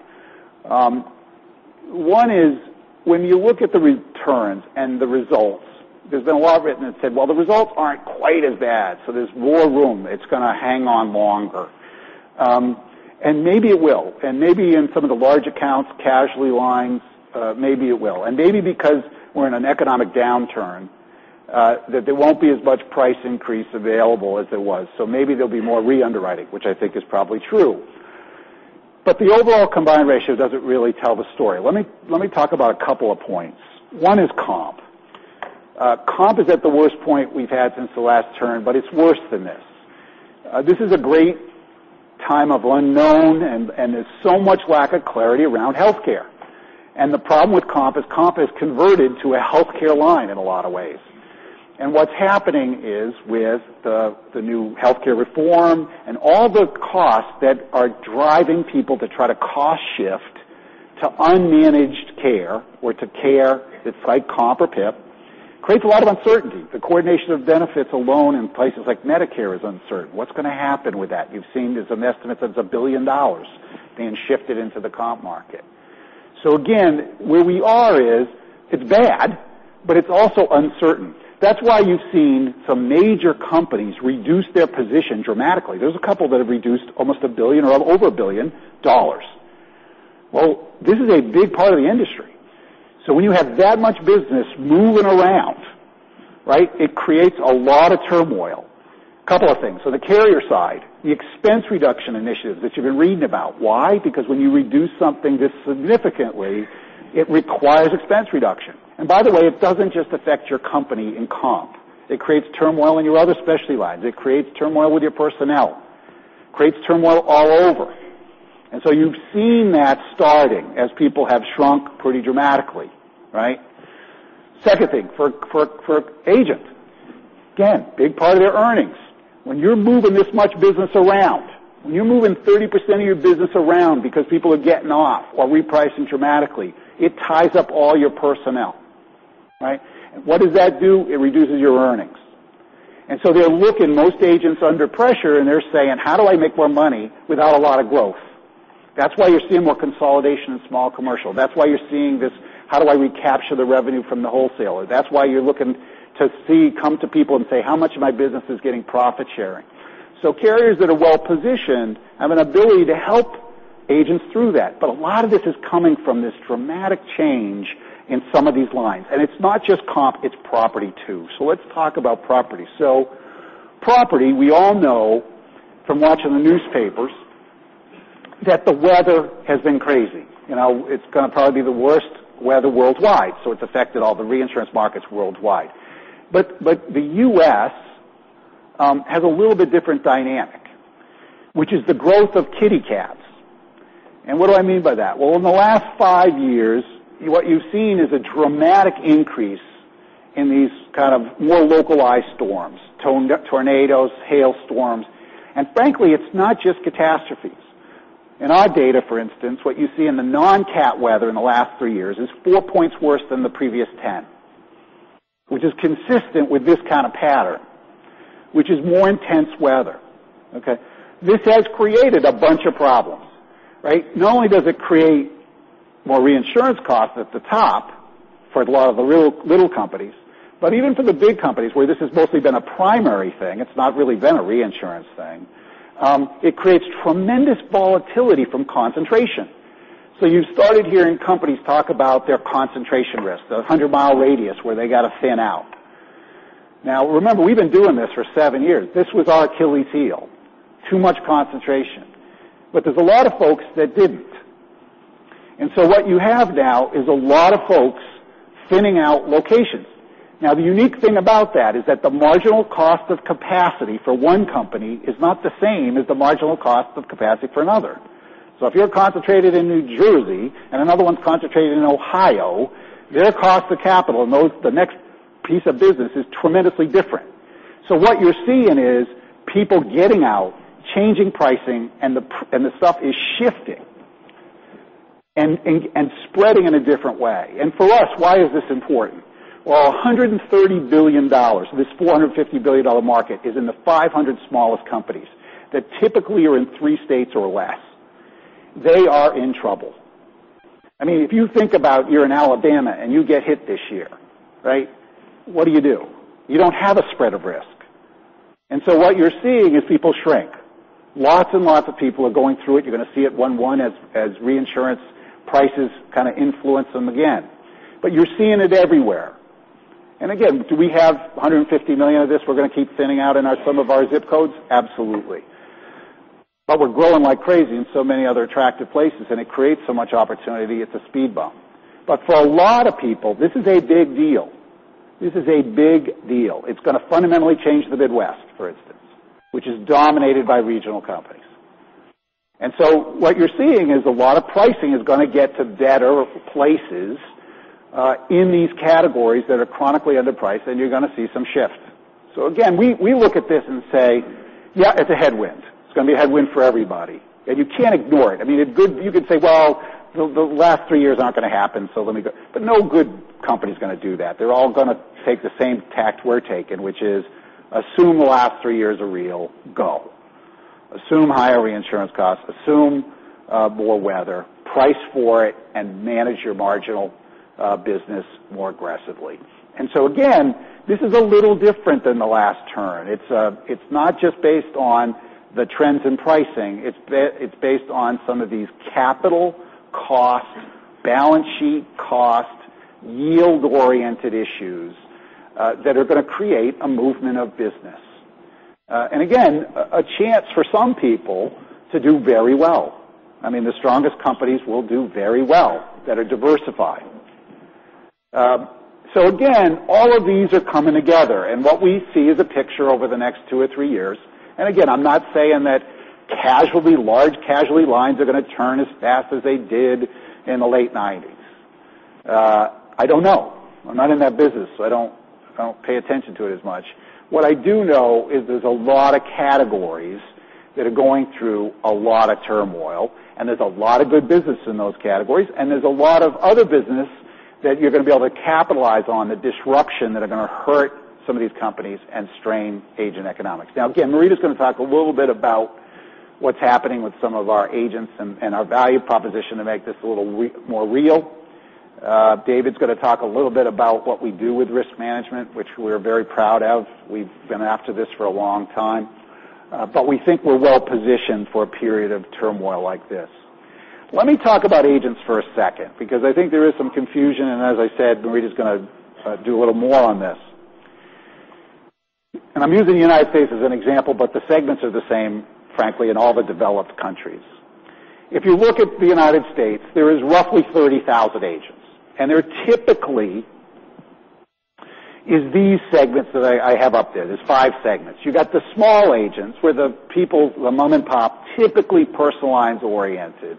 One is when you look at the returns and the results, there's been a lot written that said, well, the results aren't quite as bad, so there's more room. It's going to hang on longer. Maybe it will, and maybe in some of the large accounts, casualty lines maybe it will. Maybe because we're in an economic downturn that there won't be as much price increase available as there was. Maybe there'll be more re-underwriting, which I think is probably true. The overall combined ratio doesn't really tell the story. Let me talk about a couple of points. One is comp. Comp is at the worst point we've had since the last turn, but it's worse than this. This is a great time of unknown and there's so much lack of clarity around healthcare. The problem with comp is comp is converted to a healthcare line in a lot of ways. What's happening is with the new healthcare reform and all the costs that are driving people to try to cost shift to unmanaged care or to care that's like comp or PIP creates a lot of uncertainty. The coordination of benefits alone in places like Medicare is uncertain. What's going to happen with that? You've seen there's an estimate that's $1 billion being shifted into the comp market. Again, where we are is it's bad, but it's also uncertain. That's why you've seen some major companies reduce their position dramatically. There's a couple that have reduced almost $1 billion or over $1 billion. Well, this is a big part of the industry. When you have that much business moving around, it creates a lot of turmoil. Couple of things. The carrier side, the expense reduction initiatives that you've been reading about. Why? Because when you reduce something this significantly, it requires expense reduction. By the way, it doesn't just affect your company in comp. It creates turmoil in your other specialty lines. It creates turmoil with your personnel, creates turmoil all over. You've seen that starting as people have shrunk pretty dramatically. Second thing, for agents, again, big part of their earnings. When you're moving this much business around, when you're moving 30% of your business around because people are getting off or repricing dramatically, it ties up all your personnel. What does that do? It reduces your earnings. They're looking most agents under pressure, and they're saying, "How do I make more money without a lot of growth?" That's why you're seeing more consolidation in small commercial. That's why you're seeing this, how do I recapture the revenue from the wholesaler? That's why you're looking to see come to people and say, how much of my business is getting profit sharing? Carriers that are well positioned have an ability to help agents through that. A lot of this is coming from this dramatic change in some of these lines. It's not just comp, it's property, too. Let's talk about property. Property, we all know from watching the newspapers that the weather has been crazy. It's going to probably be the worst weather worldwide. It's affected all the reinsurance markets worldwide. The U.S. has a little bit different dynamic, which is the growth of kitty cats. What do I mean by that? Well, in the last five years, what you've seen is a dramatic increase in these kind of more localized storms, tornadoes, hail storms. Frankly, it's not just catastrophes. In our data, for instance, what you see in the non-cat weather in the last three years is four points worse than the previous 10, which is consistent with this kind of pattern, which is more intense weather. This has created a bunch of problems. Not only does it create more reinsurance costs at the top for a lot of the little companies, but even for the big companies where this has mostly been a primary thing, it's not really been a reinsurance thing, it creates tremendous volatility from concentration. You started hearing companies talk about their concentration risk, the 100-mile radius where they got to thin out. Now remember, we've been doing this for seven years. This was our Achilles heel, too much concentration. There's a lot of folks that didn't. What you have now is a lot of folks thinning out locations. Now, the unique thing about that is that the marginal cost of capacity for one company is not the same as the marginal cost of capacity for another. If you're concentrated in New Jersey and another one's concentrated in Ohio, their cost of capital in the next piece of business is tremendously different. What you're seeing is people getting out, changing pricing, and the stuff is shifting and spreading in a different way. For us, why is this important? Well, $130 billion, this $450 billion market is in the 500 smallest companies that typically are in three states or less. They are in trouble. If you think about you're in Alabama and you get hit this year, what do you do? You don't have a spread of risk. What you're seeing is people shrink. Lots and lots of people are going through it. You're going to see it 1-1 as reinsurance prices kind of influence them again, but you're seeing it everywhere. Again, do we have $150 million of this we're going to keep thinning out in some of our zip codes? Absolutely. We're growing like crazy in so many other attractive places, and it creates so much opportunity, it's a speed bump. For a lot of people, this is a big deal. This is a big deal. It's going to fundamentally change the Midwest, for instance, which is dominated by regional companies. What you're seeing is a lot of pricing is going to get to better places in these categories that are chronically underpriced, and you're going to see some shifts. Again, we look at this and say, "Yeah, it's a headwind." It's going to be a headwind for everybody, and you can't ignore it. You could say, "Well, the last three years aren't going to happen, so let me go." No good company's going to do that. They're all going to take the same tact we're taking, which is assume the last three years are real, go. Assume higher reinsurance costs, assume more weather, price for it, and manage your marginal business more aggressively. Again, this is a little different than the last turn. It's not just based on the trends in pricing. It's based on some of these capital costs, balance sheet costs, yield-oriented issues that are going to create a movement of business. Again, a chance for some people to do very well. The strongest companies will do very well that are diversified. Again, all of these are coming together, and what we see is a picture over the next two or three years. Again, I'm not saying that large casualty lines are going to turn as fast as they did in the late 1990s. I don't know. I'm not in that business, so I don't pay attention to it as much. What I do know is there's a lot of categories that are going through a lot of turmoil, and there's a lot of good business in those categories, and there's a lot of other business that you're going to be able to capitalize on the disruption that are going to hurt some of these companies and strain agent economics. Again, Marita's going to talk a little bit about what's happening with some of our agents and our value proposition to make this a little more real. David's going to talk a little bit about what we do with risk management, which we're very proud of. We've been after this for a long time. We think we're well positioned for a period of turmoil like this. Let me talk about agents for a second because I think there is some confusion, and as I said, Marita's going to do a little more on this. I'm using the U.S. as an example, but the segments are the same, frankly, in all the developed countries. If you look at the U.S., there is roughly 30,000 agents, and they're typically is these segments that I have up there. There's 5 segments. You've got the small agents, where the mom-and-pop, typically personal lines oriented,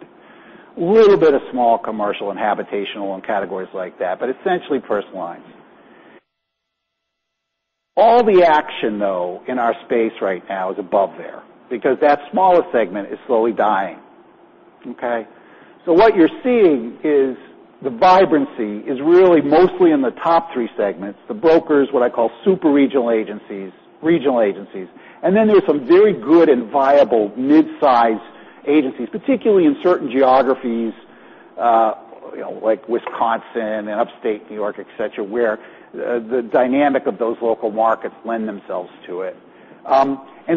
little bit of small commercial and habitational and categories like that, but essentially personal lines. All the action, though, in our space right now is above there because that smallest segment is slowly dying. Okay? What you're seeing is the vibrancy is really mostly in the top three segments, the brokers, what I call super regional agencies, regional agencies. Then there's some very good and viable mid-size agencies, particularly in certain geographies like Wisconsin and Upstate New York, et cetera, where the dynamic of those local markets lend themselves to it.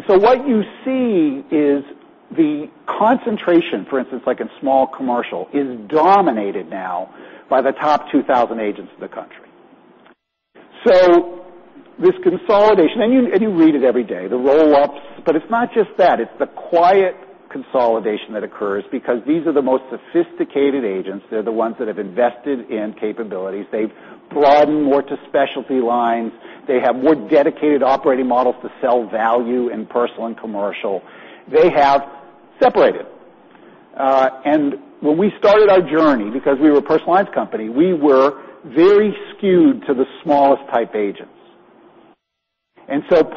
What you see is the concentration, for instance, like in small commercial, is dominated now by the top 2,000 agents of the country. This consolidation, and you read it every day, the roll-ups, but it's not just that. It's the quiet consolidation that occurs because these are the most sophisticated agents. They're the ones that have invested in capabilities. They've broadened more to specialty lines. They have more dedicated operating models to sell value in personal and commercial. They have separated. When we started our journey, because we were a personal lines company, we were very skewed to the smallest type agents.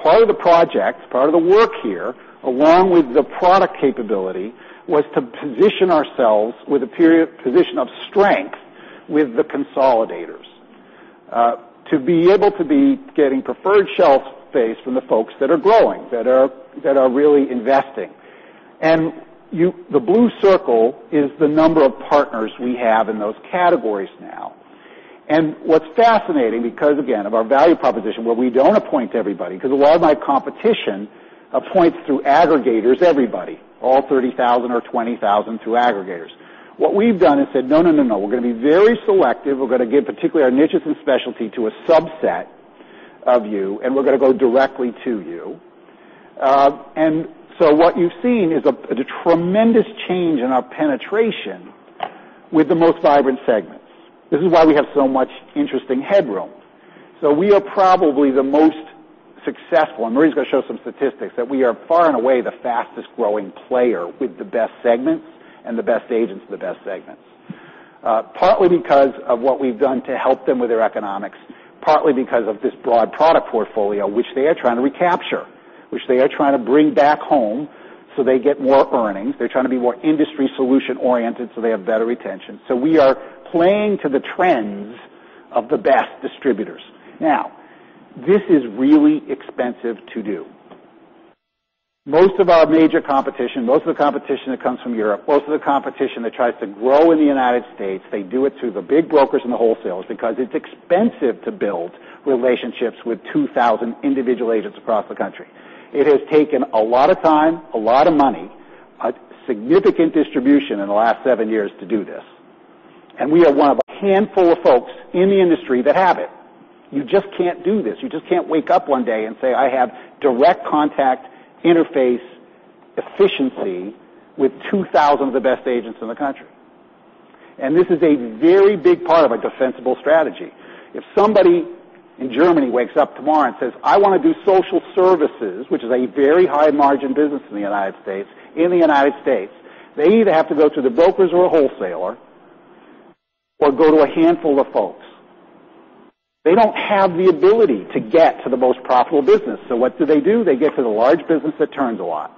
Part of the project, part of the work here, along with the product capability, was to position ourselves with a position of strength with the consolidators, to be able to be getting preferred shelf space from the folks that are growing, that are really investing. The blue circle is the number of partners we have in those categories now. What's fascinating because, again, of our value proposition, where we don't appoint everybody because a lot of my competition appoints through aggregators everybody, all 30,000 or 20,000 through aggregators. What we've done is said, "No, we're going to be very selective. We're going to give particularly our niches in specialty to a subset of you, and we're going to go directly to you." What you've seen is a tremendous change in our penetration with the most vibrant segments. This is why we have so much interesting headroom. We are probably the most successful, and Marita's going to show some statistics, that we are far and away the fastest-growing player with the best segments and the best agents in the best segments. Partly because of what we've done to help them with their economics, partly because of this broad product portfolio, which they are trying to recapture, which they are trying to bring back home so they get more earnings. They're trying to be more industry solution-oriented so they have better retention. We are playing to the trends of the best distributors. This is really expensive to do. Most of our major competition, most of the competition that comes from Europe, most of the competition that tries to grow in the United States, they do it through the big brokers and the wholesalers because it's expensive to build relationships with 2,000 individual agents across the country. It has taken a lot of time, a lot of money, a significant distribution in the last seven years to do this. We are one of a handful of folks in the industry that have it. You just can't do this. You just can't wake up one day and say, I have direct contact interface efficiency with 2,000 of the best agents in the country. This is a very big part of a defensible strategy. If somebody in Germany wakes up tomorrow and says, "I want to do social services," which is a very high margin business in the U.S., they either have to go through the brokers or a wholesaler or go to a handful of folks. They don't have the ability to get to the most profitable business. What do they do? They get to the large business that turns a lot.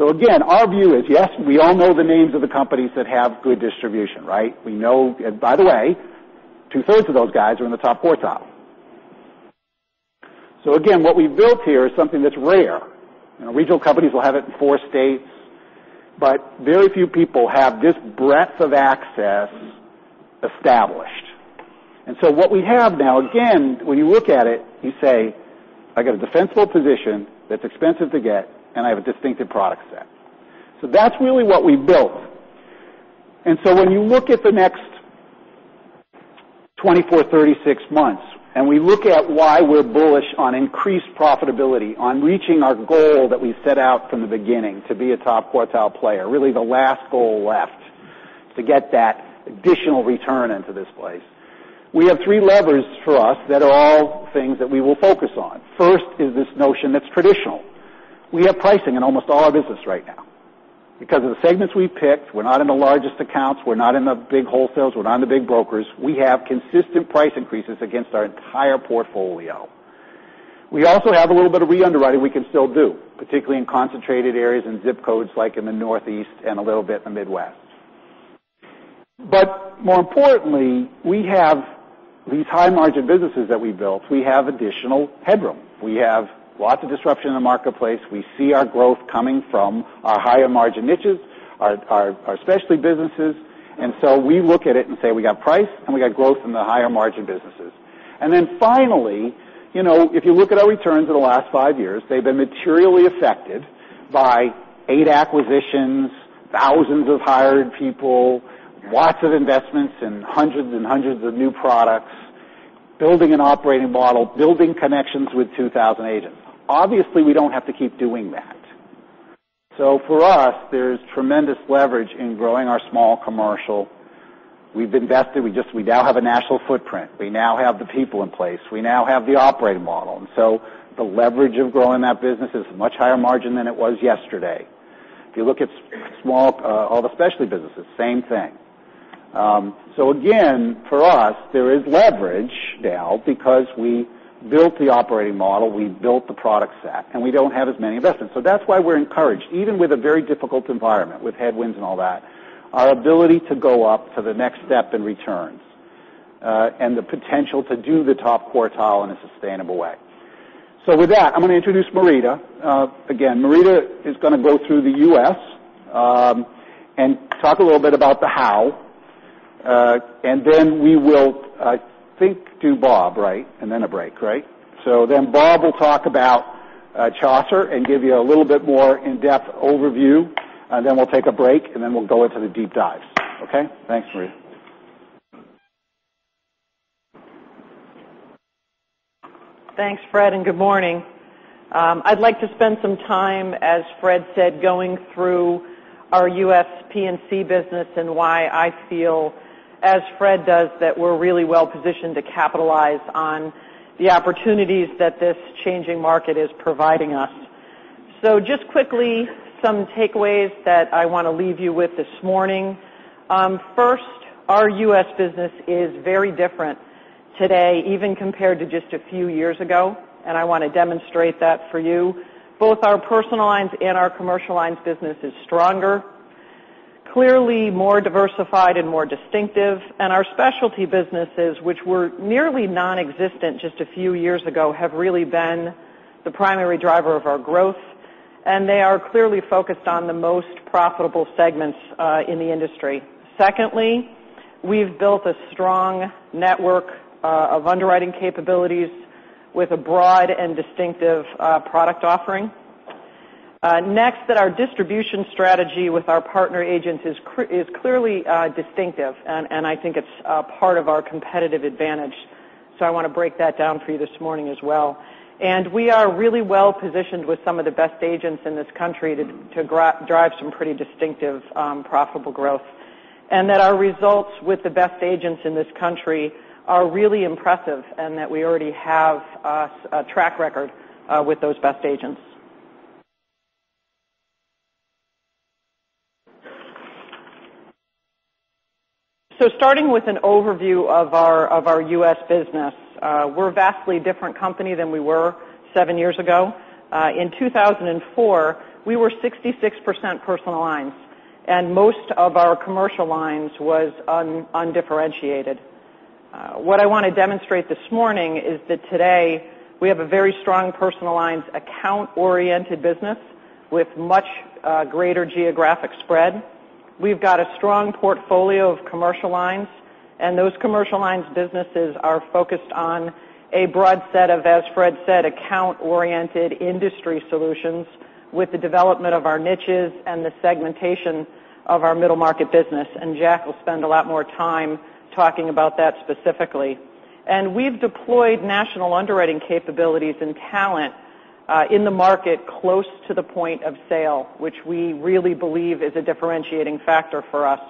Again, our view is, yes, we all know the names of the companies that have good distribution, right? By the way, two-thirds of those guys are in the top quartile. Again, what we've built here is something that's rare. Regional companies will have it in four states, but very few people have this breadth of access established. What we have now, again, when you look at it, you say, I got a defensible position that's expensive to get, and I have a distinctive product set. That's really what we built. When you look at the next 24, 36 months, and we look at why we're bullish on increased profitability, on reaching our goal that we set out from the beginning to be a top quartile player, really the last goal left to get that additional return into this place, we have three levers for us that are all things that we will focus on. First is this notion that's traditional. We have pricing in almost all our business right now. Because of the segments we've picked, we're not in the largest accounts, we're not in the big wholesalers, we're not in the big brokers. We have consistent price increases against our entire portfolio. We also have a little bit of re-underwriting we can still do, particularly in concentrated areas and zip codes like in the Northeast and a little bit in the Midwest. More importantly, we have these high margin businesses that we built. We have additional headroom. We have lots of disruption in the marketplace. We see our growth coming from our higher margin niches, our specialty businesses. We look at it and say we got price and we got growth in the higher margin businesses. Finally, if you look at our returns for the last five years, they've been materially affected by eight acquisitions, thousands of hired people, lots of investments, and hundreds and hundreds of new products, building an operating model, building connections with 2,000 agents. Obviously, we don't have to keep doing that. For us, there's tremendous leverage in growing our small commercial. We've invested. We now have a national footprint. We now have the people in place. We now have the operating model. The leverage of growing that business is much higher margin than it was yesterday. If you look at all the specialty businesses, same thing. Again, for us, there is leverage now because we built the operating model, we built the product set, and we don't have as many investments. That's why we're encouraged, even with a very difficult environment, with headwinds and all that, our ability to go up to the next step in returns, and the potential to do the top quartile in a sustainable way. With that, I'm going to introduce Marita. Marita is going to go through the U.S. and talk a little bit about the how, and then we will, I think, do Bob, right? A break, right? Bob will talk about Chaucer and give you a little bit more in-depth overview, and then we'll take a break, and then we'll go into the deep dives. Okay? Thanks, Marita. Thanks, Fred, and good morning. I'd like to spend some time, as Fred said, going through our U.S. P&C business and why I feel, as Fred does, that we're really well positioned to capitalize on the opportunities that this changing market is providing us. Just quickly, some takeaways that I want to leave you with this morning. First, our U.S. business is very different today, even compared to just a few years ago, and I want to demonstrate that for you. Both our personal lines and our commercial lines business is stronger, clearly more diversified and more distinctive. Our specialty businesses, which were nearly non-existent just a few years ago, have really been the primary driver of our growth, and they are clearly focused on the most profitable segments in the industry. Secondly, we've built a strong network of underwriting capabilities with a broad and distinctive product offering. Next, that our distribution strategy with our partner agents is clearly distinctive, and I think it's part of our competitive advantage. I want to break that down for you this morning as well. We are really well-positioned with some of the best agents in this country to drive some pretty distinctive profitable growth, and that our results with the best agents in this country are really impressive and that we already have a track record with those best agents. Starting with an overview of our U.S. business, we're a vastly different company than we were seven years ago. In 2004, we were 66% personal lines, and most of our commercial lines was undifferentiated. What I want to demonstrate this morning is that today, we have a very strong personal lines account-oriented business with much greater geographic spread. We've got a strong portfolio of commercial lines, and those commercial lines businesses are focused on a broad set of, as Fred said, account-oriented industry solutions with the development of our niches and the segmentation of our middle market business. Jack will spend a lot more time talking about that specifically. We've deployed national underwriting capabilities and talent in the market close to the Point of Sale, which we really believe is a differentiating factor for us.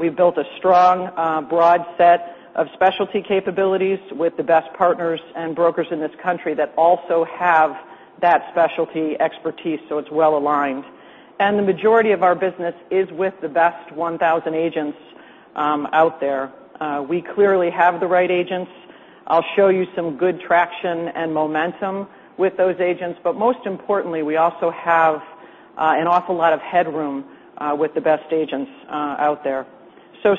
We've built a strong, broad set of specialty capabilities with the best partners and brokers in this country that also have that specialty expertise, so it's well-aligned. The majority of our business is with the best 1,000 agents out there. We clearly have the right agents. I'll show you some good traction and momentum with those agents, but most importantly, we also have an awful lot of headroom with the best agents out there.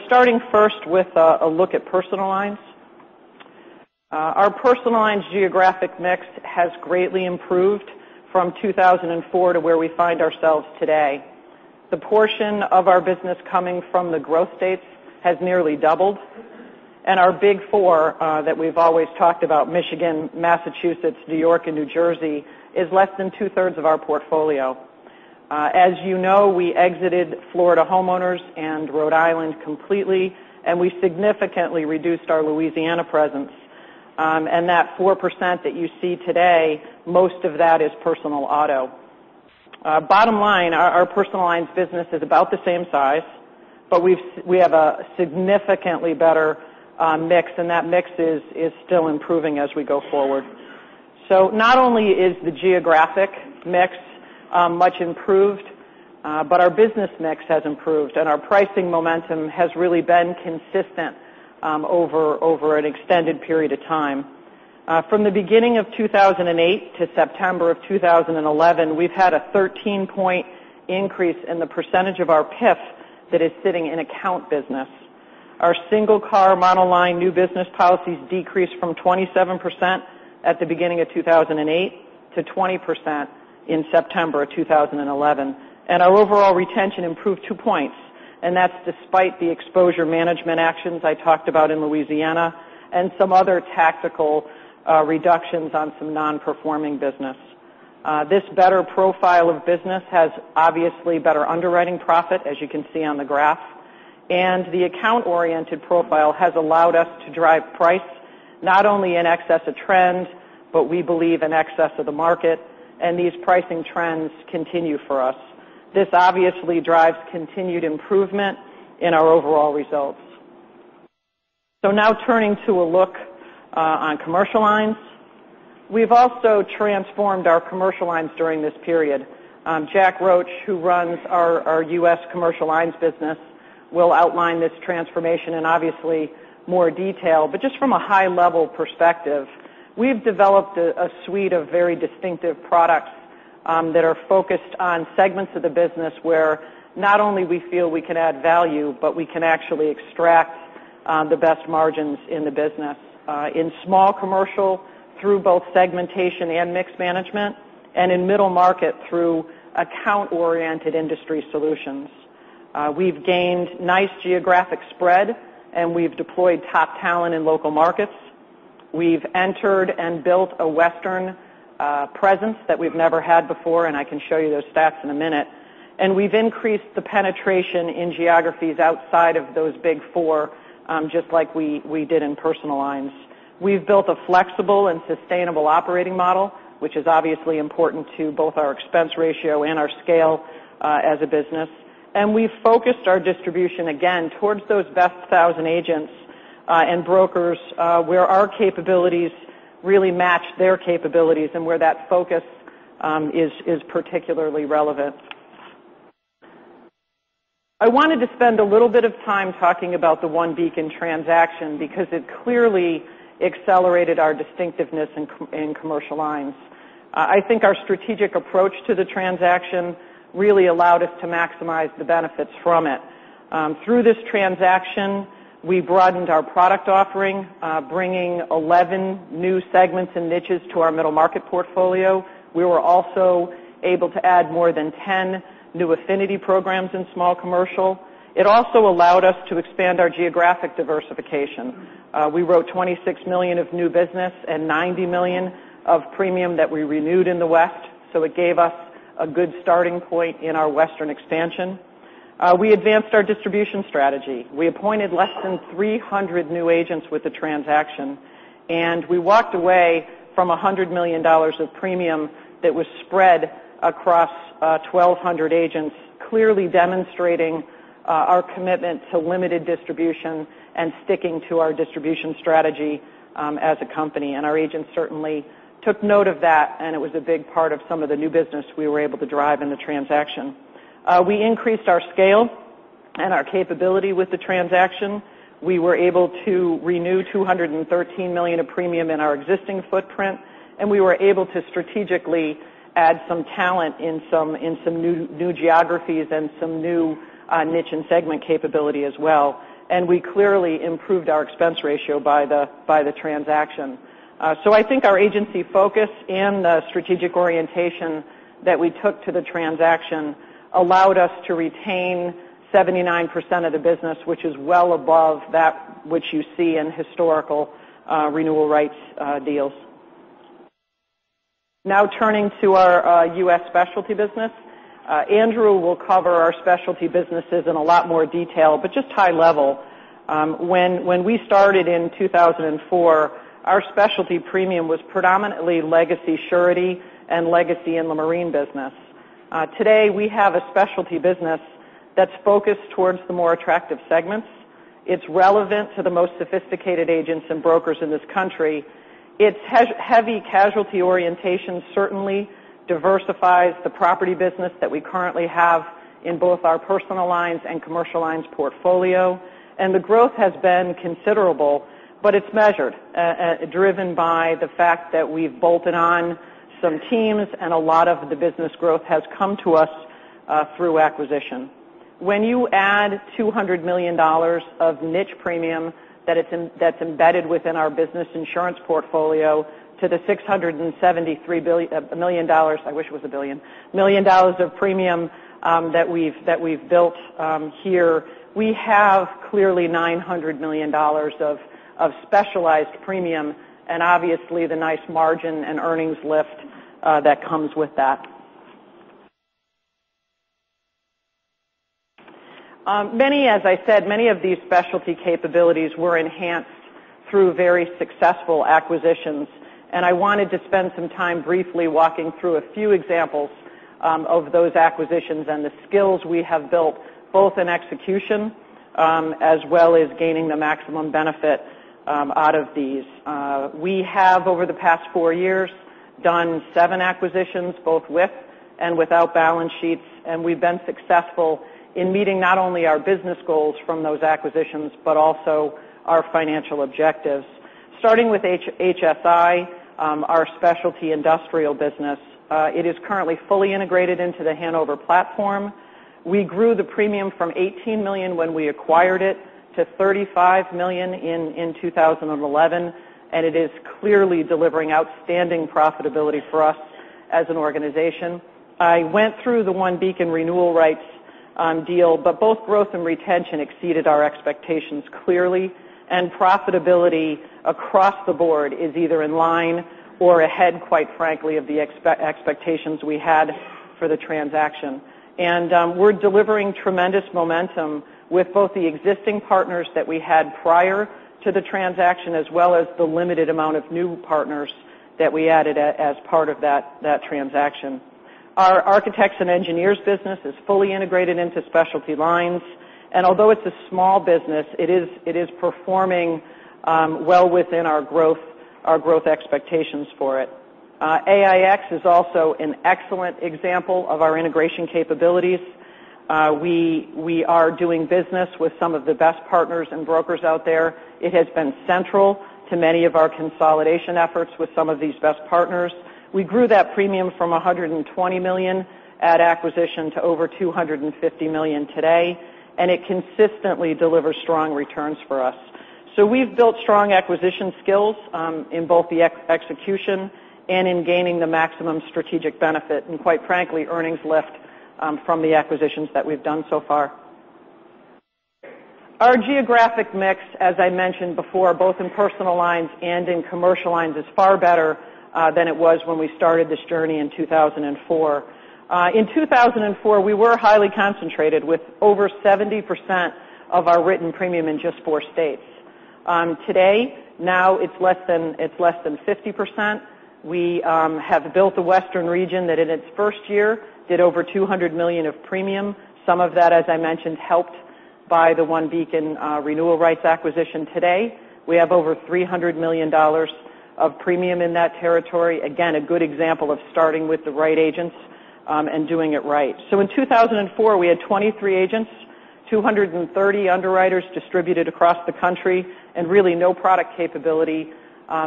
Starting first with a look at personal lines. Our personal lines geographic mix has greatly improved from 2004 to where we find ourselves today. The portion of our business coming from the growth states has nearly doubled. Our big four that we've always talked about, Michigan, Massachusetts, New York, and New Jersey, is less than two-thirds of our portfolio. As you know, we exited Florida homeowners and Rhode Island completely, and we significantly reduced our Louisiana presence. That 4% that you see today, most of that is personal auto. Bottom line, our personal lines business is about the same size, but we have a significantly better mix, and that mix is still improving as we go forward. Not only is the geographic mix much improved, but our business mix has improved, and our pricing momentum has really been consistent over an extended period of time. From the beginning of 2008 to September of 2011, we've had a 13-point increase in the percentage of our PIF that is sitting in account business. Our single-car monoline new business policies decreased from 27% at the beginning of 2008 to 20% in September of 2011. Our overall retention improved two points, and that's despite the exposure management actions I talked about in Louisiana and some other tactical reductions on some non-performing business. This better profile of business has obviously better underwriting profit, as you can see on the graph. The account-oriented profile has allowed us to drive price not only in excess of trend, but we believe in excess of the market, and these pricing trends continue for us. This obviously drives continued improvement in our overall results. Now turning to a look on commercial lines. We've also transformed our commercial lines during this period. Jack Roche, who runs our U.S. commercial lines business, will outline this transformation in obviously more detail. But just from a high-level perspective, we've developed a suite of very distinctive products that are focused on segments of the business where not only we feel we can add value, but we can actually extract the best margins in the business, in small commercial through both segmentation and mix management, and in middle market through account-oriented industry solutions. We've gained nice geographic spread, and we've deployed top talent in local markets. We've entered and built a Western presence that we've never had before, and I can show you those stats in a minute. We've increased the penetration in geographies outside of those big four, just like we did in personal lines. We've built a flexible and sustainable operating model, which is obviously important to both our expense ratio and our scale as a business. We've focused our distribution, again, towards those best 1,000 agents and brokers where our capabilities really match their capabilities and where that focus is particularly relevant. I wanted to spend a little bit of time talking about the OneBeacon transaction because it clearly accelerated our distinctiveness in commercial lines. I think our strategic approach to the transaction really allowed us to maximize the benefits from it. Through this transaction, we broadened our product offering, bringing 11 new segments and niches to our middle market portfolio. We were also able to add more than 10 new affinity programs in small commercial. It also allowed us to expand our geographic diversification. We wrote $26 million of new business and $90 million of premium that we renewed in the West. It gave us a good starting point in our Western expansion. We advanced our distribution strategy. We appointed less than 300 new agents with the transaction, and we walked away from $100 million of premium that was spread across 1,200 agents, clearly demonstrating our commitment to limited distribution and sticking to our distribution strategy as a company. Our agents certainly took note of that, and it was a big part of some of the new business we were able to drive in the transaction. We increased our scale and our capability with the transaction. We were able to renew $213 million of premium in our existing footprint, and we were able to strategically add some talent in some new geographies and some new niche and segment capability as well. We clearly improved our expense ratio by the transaction. I think our agency focus and the strategic orientation that we took to the transaction allowed us to retain 79% of the business, which is well above that which you see in historical renewal rights deals. Turning to our U.S. specialty business. Andrew will cover our specialty businesses in a lot more detail, but just high level. When we started in 2004, our specialty premium was predominantly legacy surety and legacy in the marine business. Today, we have a specialty business that's focused towards the more attractive segments. It's relevant to the most sophisticated agents and brokers in this country. Its heavy casualty orientation certainly diversifies the property business that we currently have in both our personal lines and commercial lines portfolio. The growth has been considerable, but it's measured, driven by the fact that we've bolted on some teams and a lot of the business growth has come to us through acquisition. When you add $200 million of niche premium that's embedded within our business insurance portfolio to the $673 million, I wish it was a billion, million dollars of premium that we've built here, we have clearly $900 million of specialized premium and obviously the nice margin and earnings lift that comes with that. As I said, many of these specialty capabilities were enhanced through very successful acquisitions. I wanted to spend some time briefly walking through a few examples of those acquisitions and the skills we have built, both in execution as well as gaining the maximum benefit out of these. We have, over the past four years, done seven acquisitions, both with and without balance sheets. We've been successful in meeting not only our business goals from those acquisitions, but also our financial objectives. Starting with HSI, our specialty industrial business, it is currently fully integrated into the Hanover platform. We grew the premium from $18 million when we acquired it to $35 million in 2011, and it is clearly delivering outstanding profitability for us as an organization. I went through the OneBeacon Renewal Rights deal, both growth and retention exceeded our expectations clearly, and profitability across the board is either in line or ahead, quite frankly, of the expectations we had for the transaction. We're delivering tremendous momentum with both the existing partners that we had prior to the transaction, as well as the limited amount of new partners that we added as part of that transaction. Our Architects and Engineers business is fully integrated into specialty lines, and although it's a small business, it is performing well within our growth expectations for it. AIX is also an excellent example of our integration capabilities. We are doing business with some of the best partners and brokers out there. It has been central to many of our consolidation efforts with some of these best partners. We grew that premium from $120 million at acquisition to over $250 million today, it consistently delivers strong returns for us. We've built strong acquisition skills in both the execution and in gaining the maximum strategic benefit, and quite frankly, earnings lift from the acquisitions that we've done so far. Our geographic mix, as I mentioned before, both in personal lines and in commercial lines, is far better than it was when we started this journey in 2004. In 2004, we were highly concentrated with over 70% of our written premium in just four states. Today, now it's less than 50%. We have built a western region that in its first year did over $200 million of premium. Some of that, as I mentioned, helped by the OneBeacon Renewal Rights acquisition. Today, we have over $300 million of premium in that territory. Again, a good example of starting with the right agents and doing it right. In 2004, we had 23 agents, 230 underwriters distributed across the country, and really no product capability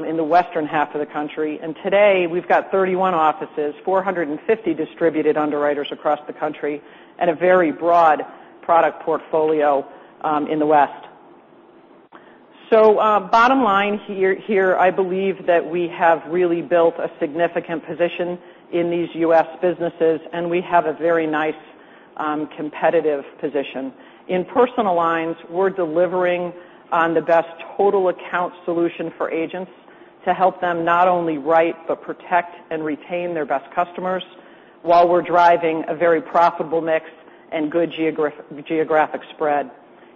in the western half of the country. Today, we've got 31 offices, 450 distributed underwriters across the country, and a very broad product portfolio in the west. Bottom line here, I believe that we have really built a significant position in these U.S. businesses, and we have a very nice competitive position. In personal lines, we're delivering on the best total account solution for agents to help them not only write but protect and retain their best customers while we're driving a very profitable mix and good geographic spread.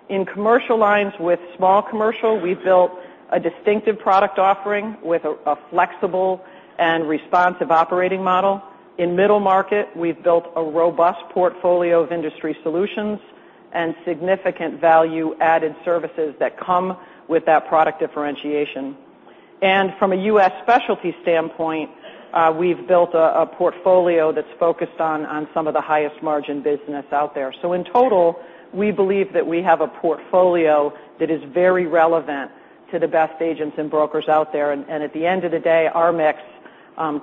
In commercial lines with Small Commercial, we've built a distinctive product offering with a flexible and responsive operating model. In Middle Market, we've built a robust portfolio of industry solutions and significant value-added services that come with that product differentiation. From a U.S. specialty standpoint, we've built a portfolio that's focused on some of the highest margin business out there. In total, we believe that we have a portfolio that is very relevant to the best agents and brokers out there. At the end of the day, our mix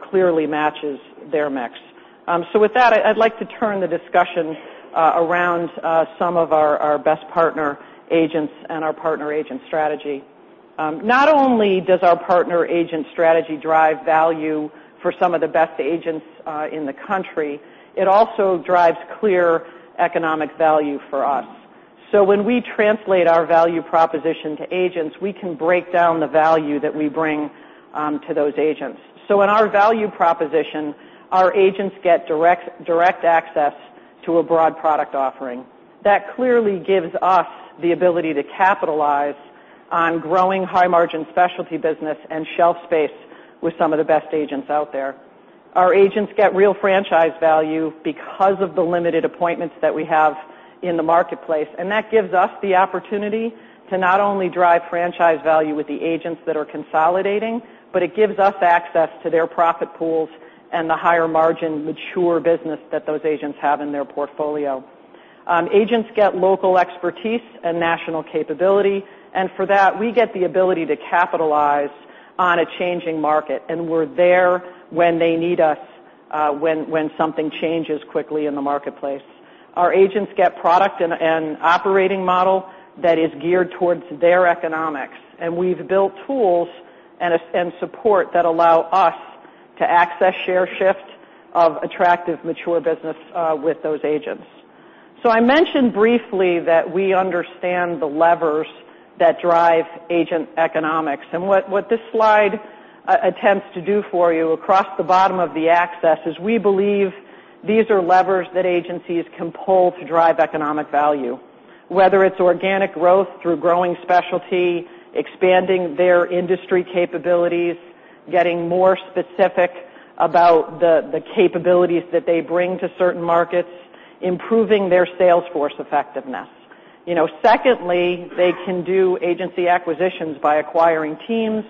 clearly matches their mix. With that, I'd like to turn the discussion around some of our best partner agents and our partner agent strategy. Not only does our partner agent strategy drive value for some of the best agents in the country, it also drives clear economic value for us. When we translate our value proposition to agents, we can break down the value that we bring to those agents. In our value proposition, our agents get direct access to a broad product offering. That clearly gives us the ability to capitalize on growing high-margin specialty business and shelf space with some of the best agents out there. Our agents get real franchise value because of the limited appointments that we have in the marketplace, and that gives us the opportunity to not only drive franchise value with the agents that are consolidating, but it gives us access to their profit pools and the higher margin mature business that those agents have in their portfolio. Agents get local expertise and national capability, and for that, we get the ability to capitalize on a changing market, and we're there when they need us when something changes quickly in the marketplace. Our agents get product and operating model that is geared towards their economics, and we've built tools and support that allow us to access share shifts of attractive mature business with those agents. I mentioned briefly that we understand the levers that drive agent economics. What this slide attempts to do for you across the bottom of the axis is we believe these are levers that agencies can pull to drive economic value, whether it's organic growth through growing specialty, expanding their industry capabilities, getting more specific about the capabilities that they bring to certain markets, improving their sales force effectiveness. Secondly, they can do agency acquisitions by acquiring teams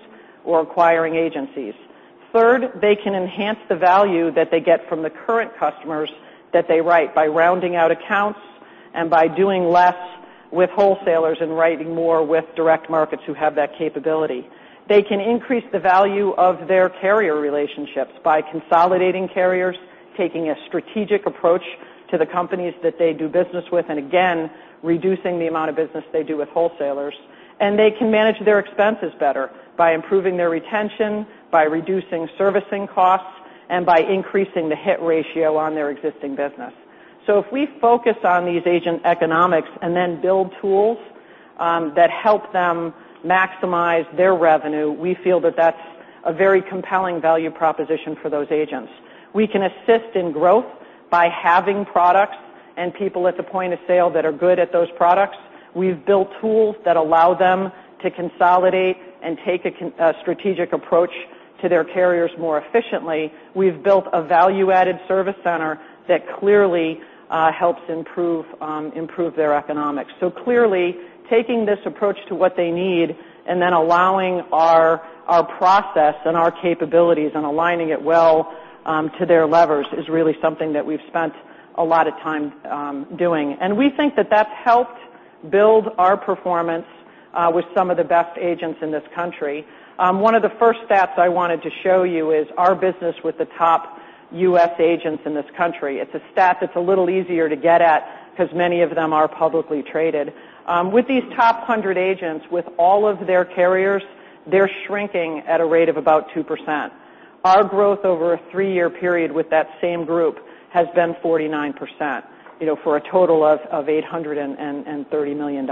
or acquiring agencies. Third, they can enhance the value that they get from the current customers that they write by rounding out accounts and by doing less with wholesalers and writing more with direct markets who have that capability. They can increase the value of their carrier relationships by consolidating carriers, taking a strategic approach to the companies that they do business with, and again, reducing the amount of business they do with wholesalers. They can manage their expenses better by improving their retention, by reducing servicing costs, and by increasing the hit ratio on their existing business. If we focus on these agent economics and then build tools that help them maximize their revenue, we feel that that's a very compelling value proposition for those agents. We can assist in growth by having products and people at the Point of Sale that are good at those products. We've built tools that allow them to consolidate and take a strategic approach to their carriers more efficiently. We've built a value-added service center that clearly helps improve their economics. Clearly, taking this approach to what they need and then allowing our process and our capabilities and aligning it well to their levers is really something that we've spent a lot of time doing. We think that that's helped build our performance with some of the best agents in this country. One of the first stats I wanted to show you is our business with the top U.S. agents in this country. It's a stat that's a little easier to get at because many of them are publicly traded. With these top 100 agents, with all of their carriers, they're shrinking at a rate of about 2%. Our growth over a three-year period with that same group has been 49%, for a total of $830 million.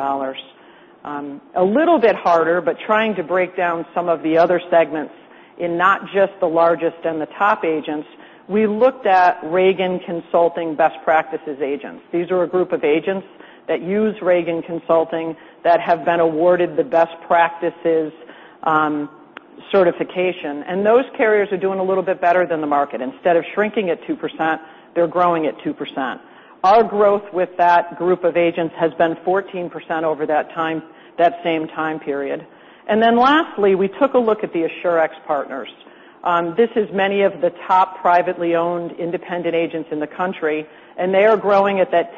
A little bit harder, but trying to break down some of the other segments in not just the largest and the top agents, we looked at Reagan Consulting Best Practices agents. These are a group of agents that use Reagan Consulting that have been awarded the Best Practices certification, and those carriers are doing a little bit better than the market. Instead of shrinking at 2%, they're growing at 2%. Our growth with that group of agents has been 14% over that same time period. Lastly, we took a look at the Assurex partners. This is many of the top privately owned independent agents in the country, and they are growing at that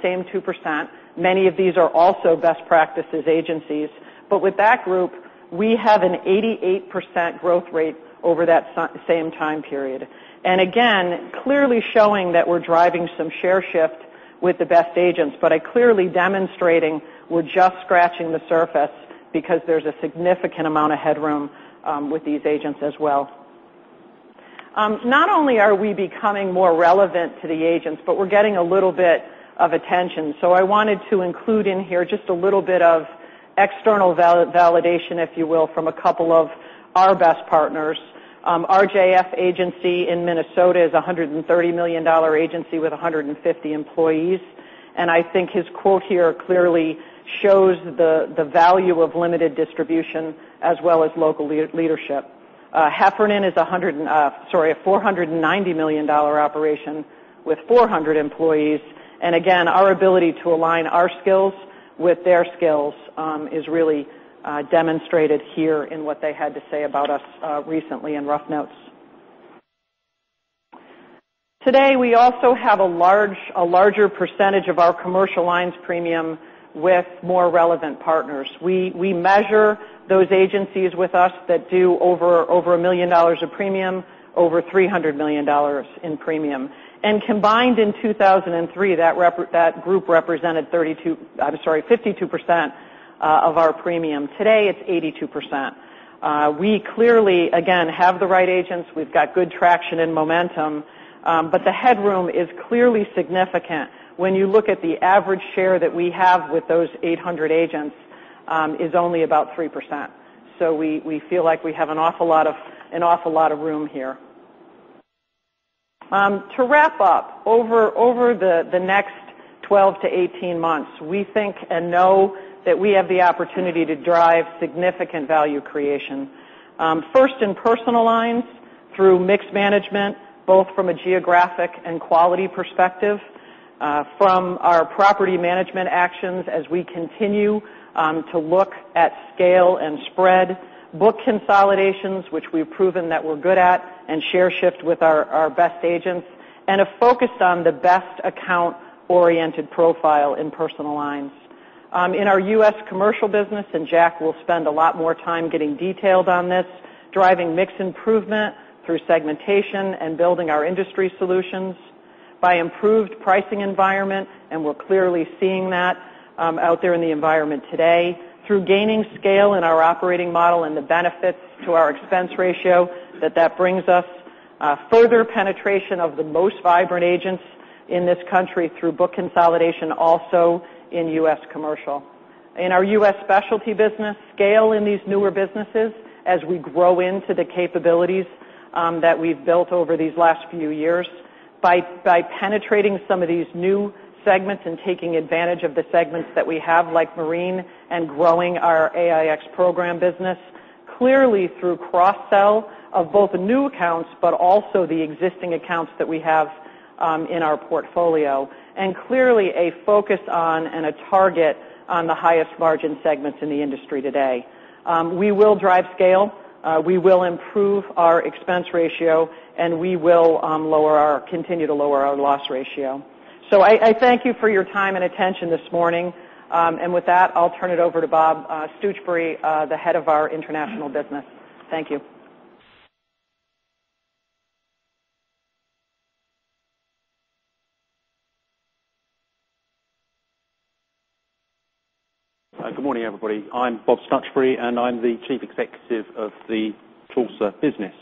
same 2%. Many of these are also Best Practices agencies. With that group, we have an 88% growth rate over that same time period. Again, clearly showing that we're driving some share shift with the best agents, but clearly demonstrating we're just scratching the surface because there's a significant amount of headroom with these agents as well. Not only are we becoming more relevant to the agents, but we're getting a little bit of attention. I wanted to include in here just a little bit of external validation, if you will, from a couple of our best partners. RJF Agency in Minnesota is a $130 million agency with 150 employees. I think his quote here clearly shows the value of limited distribution as well as local leadership. Heffernan is a $490 million operation with 400 employees. Again, our ability to align our skills with their skills is really demonstrated here in what they had to say about us recently in Rough Notes. Today, we also have a larger percentage of our commercial lines premium with more relevant partners. We measure those agencies with us that do over $1 million of premium, over $300 million in premium. Combined in 2003, that group represented 52% of our premium. Today, it's 82%. We clearly, again, have the right agents. We've got good traction and momentum. The headroom is clearly significant when you look at the average share that we have with those 800 agents is only about 3%. We feel like we have an awful lot of room here. To wrap up, over the next 12-18 months, we think and know that we have the opportunity to drive significant value creation. First in personal lines through mixed management, both from a geographic and quality perspective, from our property management actions as we continue to look at scale and spread, book consolidations, which we've proven that we're good at, and share shift with our best agents, and have focused on the best account-oriented profile in personal lines. In our U.S. commercial business, Jack will spend a lot more time getting detailed on this, driving mix improvement through segmentation and building our industry solutions by improved pricing environment, and we're clearly seeing that out there in the environment today, through gaining scale in our operating model and the benefits to our expense ratio that that brings us, further penetration of the most vibrant agents in this country through book consolidation, also in U.S. commercial. In our U.S. specialty business, scale in these newer businesses as we grow into the capabilities that we've built over these last few years by penetrating some of these new segments and taking advantage of the segments that we have, like marine, and growing our AIX program business, clearly through cross-sell of both new accounts, but also the existing accounts that we have in our portfolio. Clearly a focus on and a target on the highest margin segments in the industry today. We will drive scale, we will improve our expense ratio, and we will continue to lower our loss ratio. I thank you for your time and attention this morning. With that, I'll turn it over to Bob Stuchbery, the head of our international business. Thank you. Good morning, everybody. I'm Bob Stuchbery, and I'm the Chief Executive of the Chaucer business.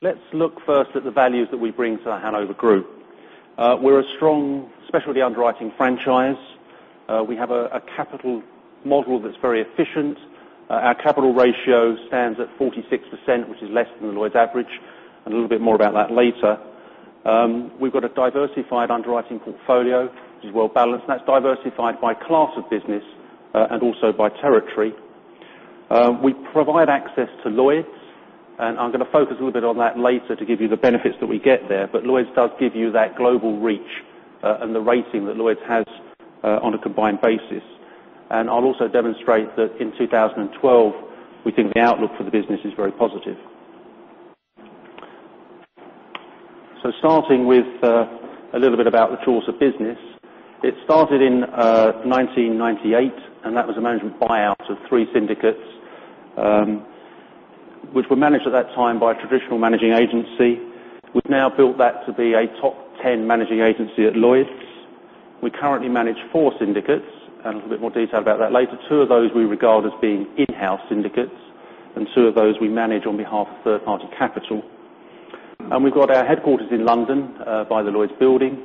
Let's look first at the values that we bring to The Hanover Group. We're a strong specialty underwriting franchise. We have a capital model that's very efficient. Our capital ratio stands at 46%, which is less than the Lloyd's average, and a little bit more about that later. We've got a diversified underwriting portfolio, which is well-balanced, and that's diversified by class of business, and also by territory. We provide access to Lloyd's, and I'm going to focus a little bit on that later to give you the benefits that we get there, but Lloyd's does give you that global reach, and the rating that Lloyd's has on a combined basis. I'll also demonstrate that in 2012, we think the outlook for the business is very positive. Starting with a little bit about the Chaucer business. It started in 1998, and that was a management buyout of three syndicates, which were managed at that time by a traditional managing agency. We've now built that to be a top 10 managing agency at Lloyd's. We currently manage four syndicates, and a little bit more detail about that later. Two of those we regard as being in-house syndicates, and two of those we manage on behalf of third-party capital. We've got our headquarters in London by the Lloyd's building,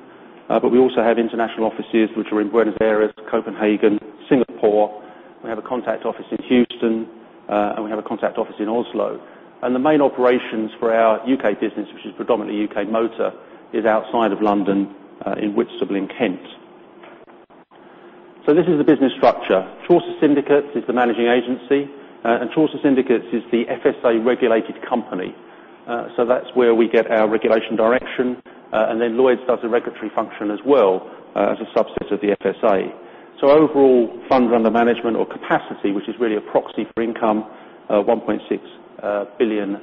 but we also have international offices, which are in Buenos Aires, Copenhagen, Singapore. We have a contact office in Houston, and we have a contact office in Oslo. The main operations for our U.K. business, which is predominantly U.K. motor, is outside of London, in Whitstable in Kent. This is the business structure. Chaucer Syndicates is the managing agency, and Chaucer Syndicates is the FSA-regulated company. That's where we get our regulation direction, and then Lloyd's does a regulatory function as well as a subset of the FSA. Overall, funds under management or capacity, which is really a proxy for income, $1.6 billion.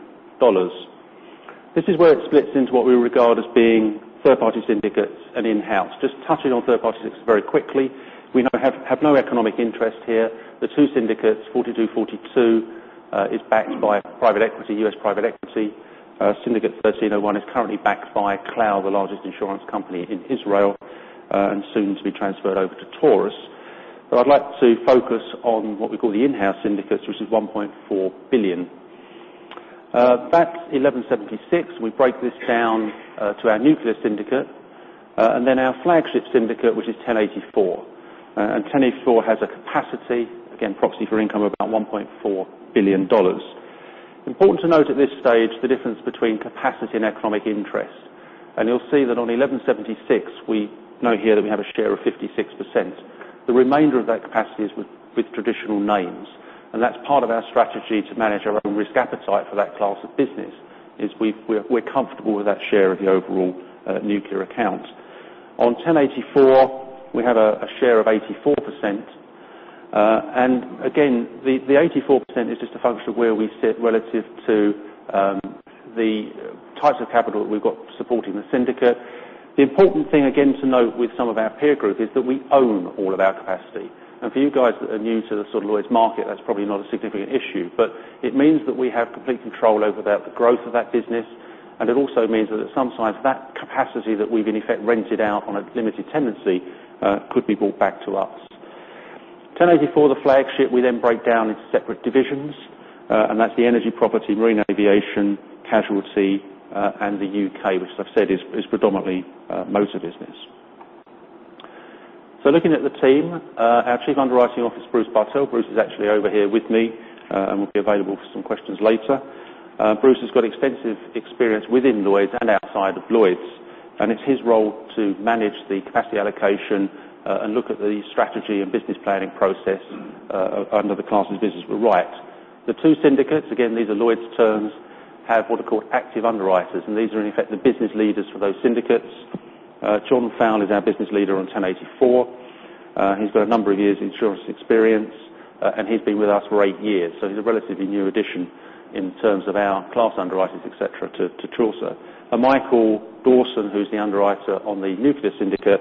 This is where it splits into what we regard as being third-party syndicates and in-house. Just touching on third party very quickly, we have no economic interest here. The two syndicates, 4242, is backed by a U.S. private equity. Syndicate 1301 is currently backed by Clal, the largest insurance company in Israel, and soon to be transferred over to Taurus. I'd like to focus on what we call the in-house syndicates, which is $1.4 billion. That's 1176. We break this down to our nuclear syndicate, and then our flagship Syndicate 1084. Syndicate 1084 has a capacity, again, proxy for income about $1.4 billion. Important to note at this stage, the difference between capacity and economic interest. You'll see that on Syndicate 1176, we note here that we have a share of 56%. The remainder of that capacity is with traditional names, and that's part of our strategy to manage our own risk appetite for that class of business, is we're comfortable with that share of the overall nuclear account. On Syndicate 1084, we have a share of 84%. Again, the 84% is just a function of where we sit relative to the types of capital that we've got supporting the syndicate. The important thing again to note with some of our peer group is that we own all of our capacity. For you guys that are new to the sort of Lloyd's market, that's probably not a significant issue, but it means that we have complete control over the growth of that business. It also means that at some size, that capacity that we've in effect rented out on a limited tenancy, could be brought back to us. Syndicate 1084, the flagship, we then break down into separate divisions. That's the energy property, marine aviation, casualty, and the U.K., which as I've said, is predominantly motor business. Looking at the team, our Chief Underwriting Officer, Bruce Bartell. Bruce is actually over here with me, and will be available for some questions later. Bruce has got extensive experience within Lloyd's and outside of Lloyd's, and it's his role to manage the capacity allocation, and look at the strategy and business planning process under the classes of business we write. The two syndicates, again, these are Lloyd's terms, have what are called active underwriters, and these are in effect the business leaders for those syndicates. John Fowle is our business leader on Syndicate 1084. He's got a number of years insurance experience, and he's been with us for eight years, so he's a relatively new addition in terms of our class underwriters, et cetera, to Chaucer. Michael Dawson, who's the underwriter on Syndicate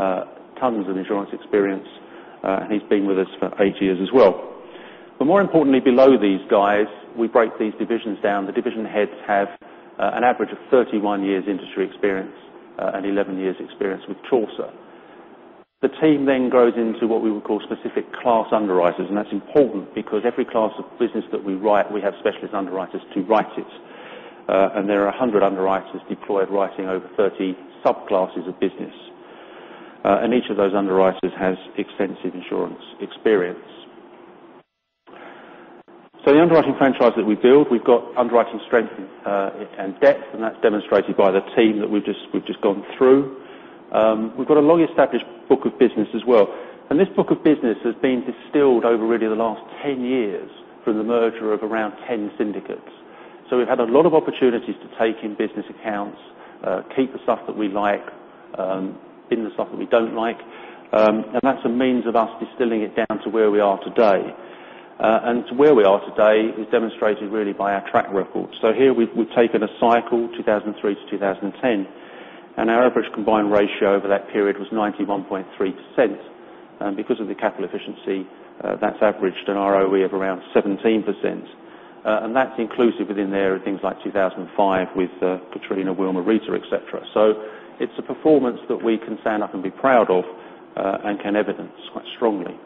1176, tons of insurance experience. He's been with us for eight years as well. More importantly, below these guys, we break these divisions down. The division heads have an average of 31 years industry experience, and 11 years experience with Chaucer. The team then grows into what we would call specific class underwriters, and that's important because every class of business that we write, we have specialist underwriters to write it. There are 100 underwriters deployed writing over 30 subclasses of business. Each of those underwriters has extensive insurance experience. The underwriting franchise that we build, we've got underwriting strength and depth, and that's demonstrated by the team that we've just gone through. We've got a long-established book of business as well, this book of business has been distilled over really the last 10 years from the merger of around 10 syndicates. We've had a lot of opportunities to take in business accounts, keep the stuff that we like, bin the stuff that we don't like. That's a means of us distilling it down to where we are today. To where we are today is demonstrated really by our track record. Here we've taken a cycle 2003-2010, and our average combined ratio over that period was 91.3%. Because of the capital efficiency, that's averaged an ROE of around 17%. That's inclusive within there of things like 2005 with Katrina, Wilma, Rita, et cetera. It's a performance that we can stand up and be proud of, and can evidence quite strongly.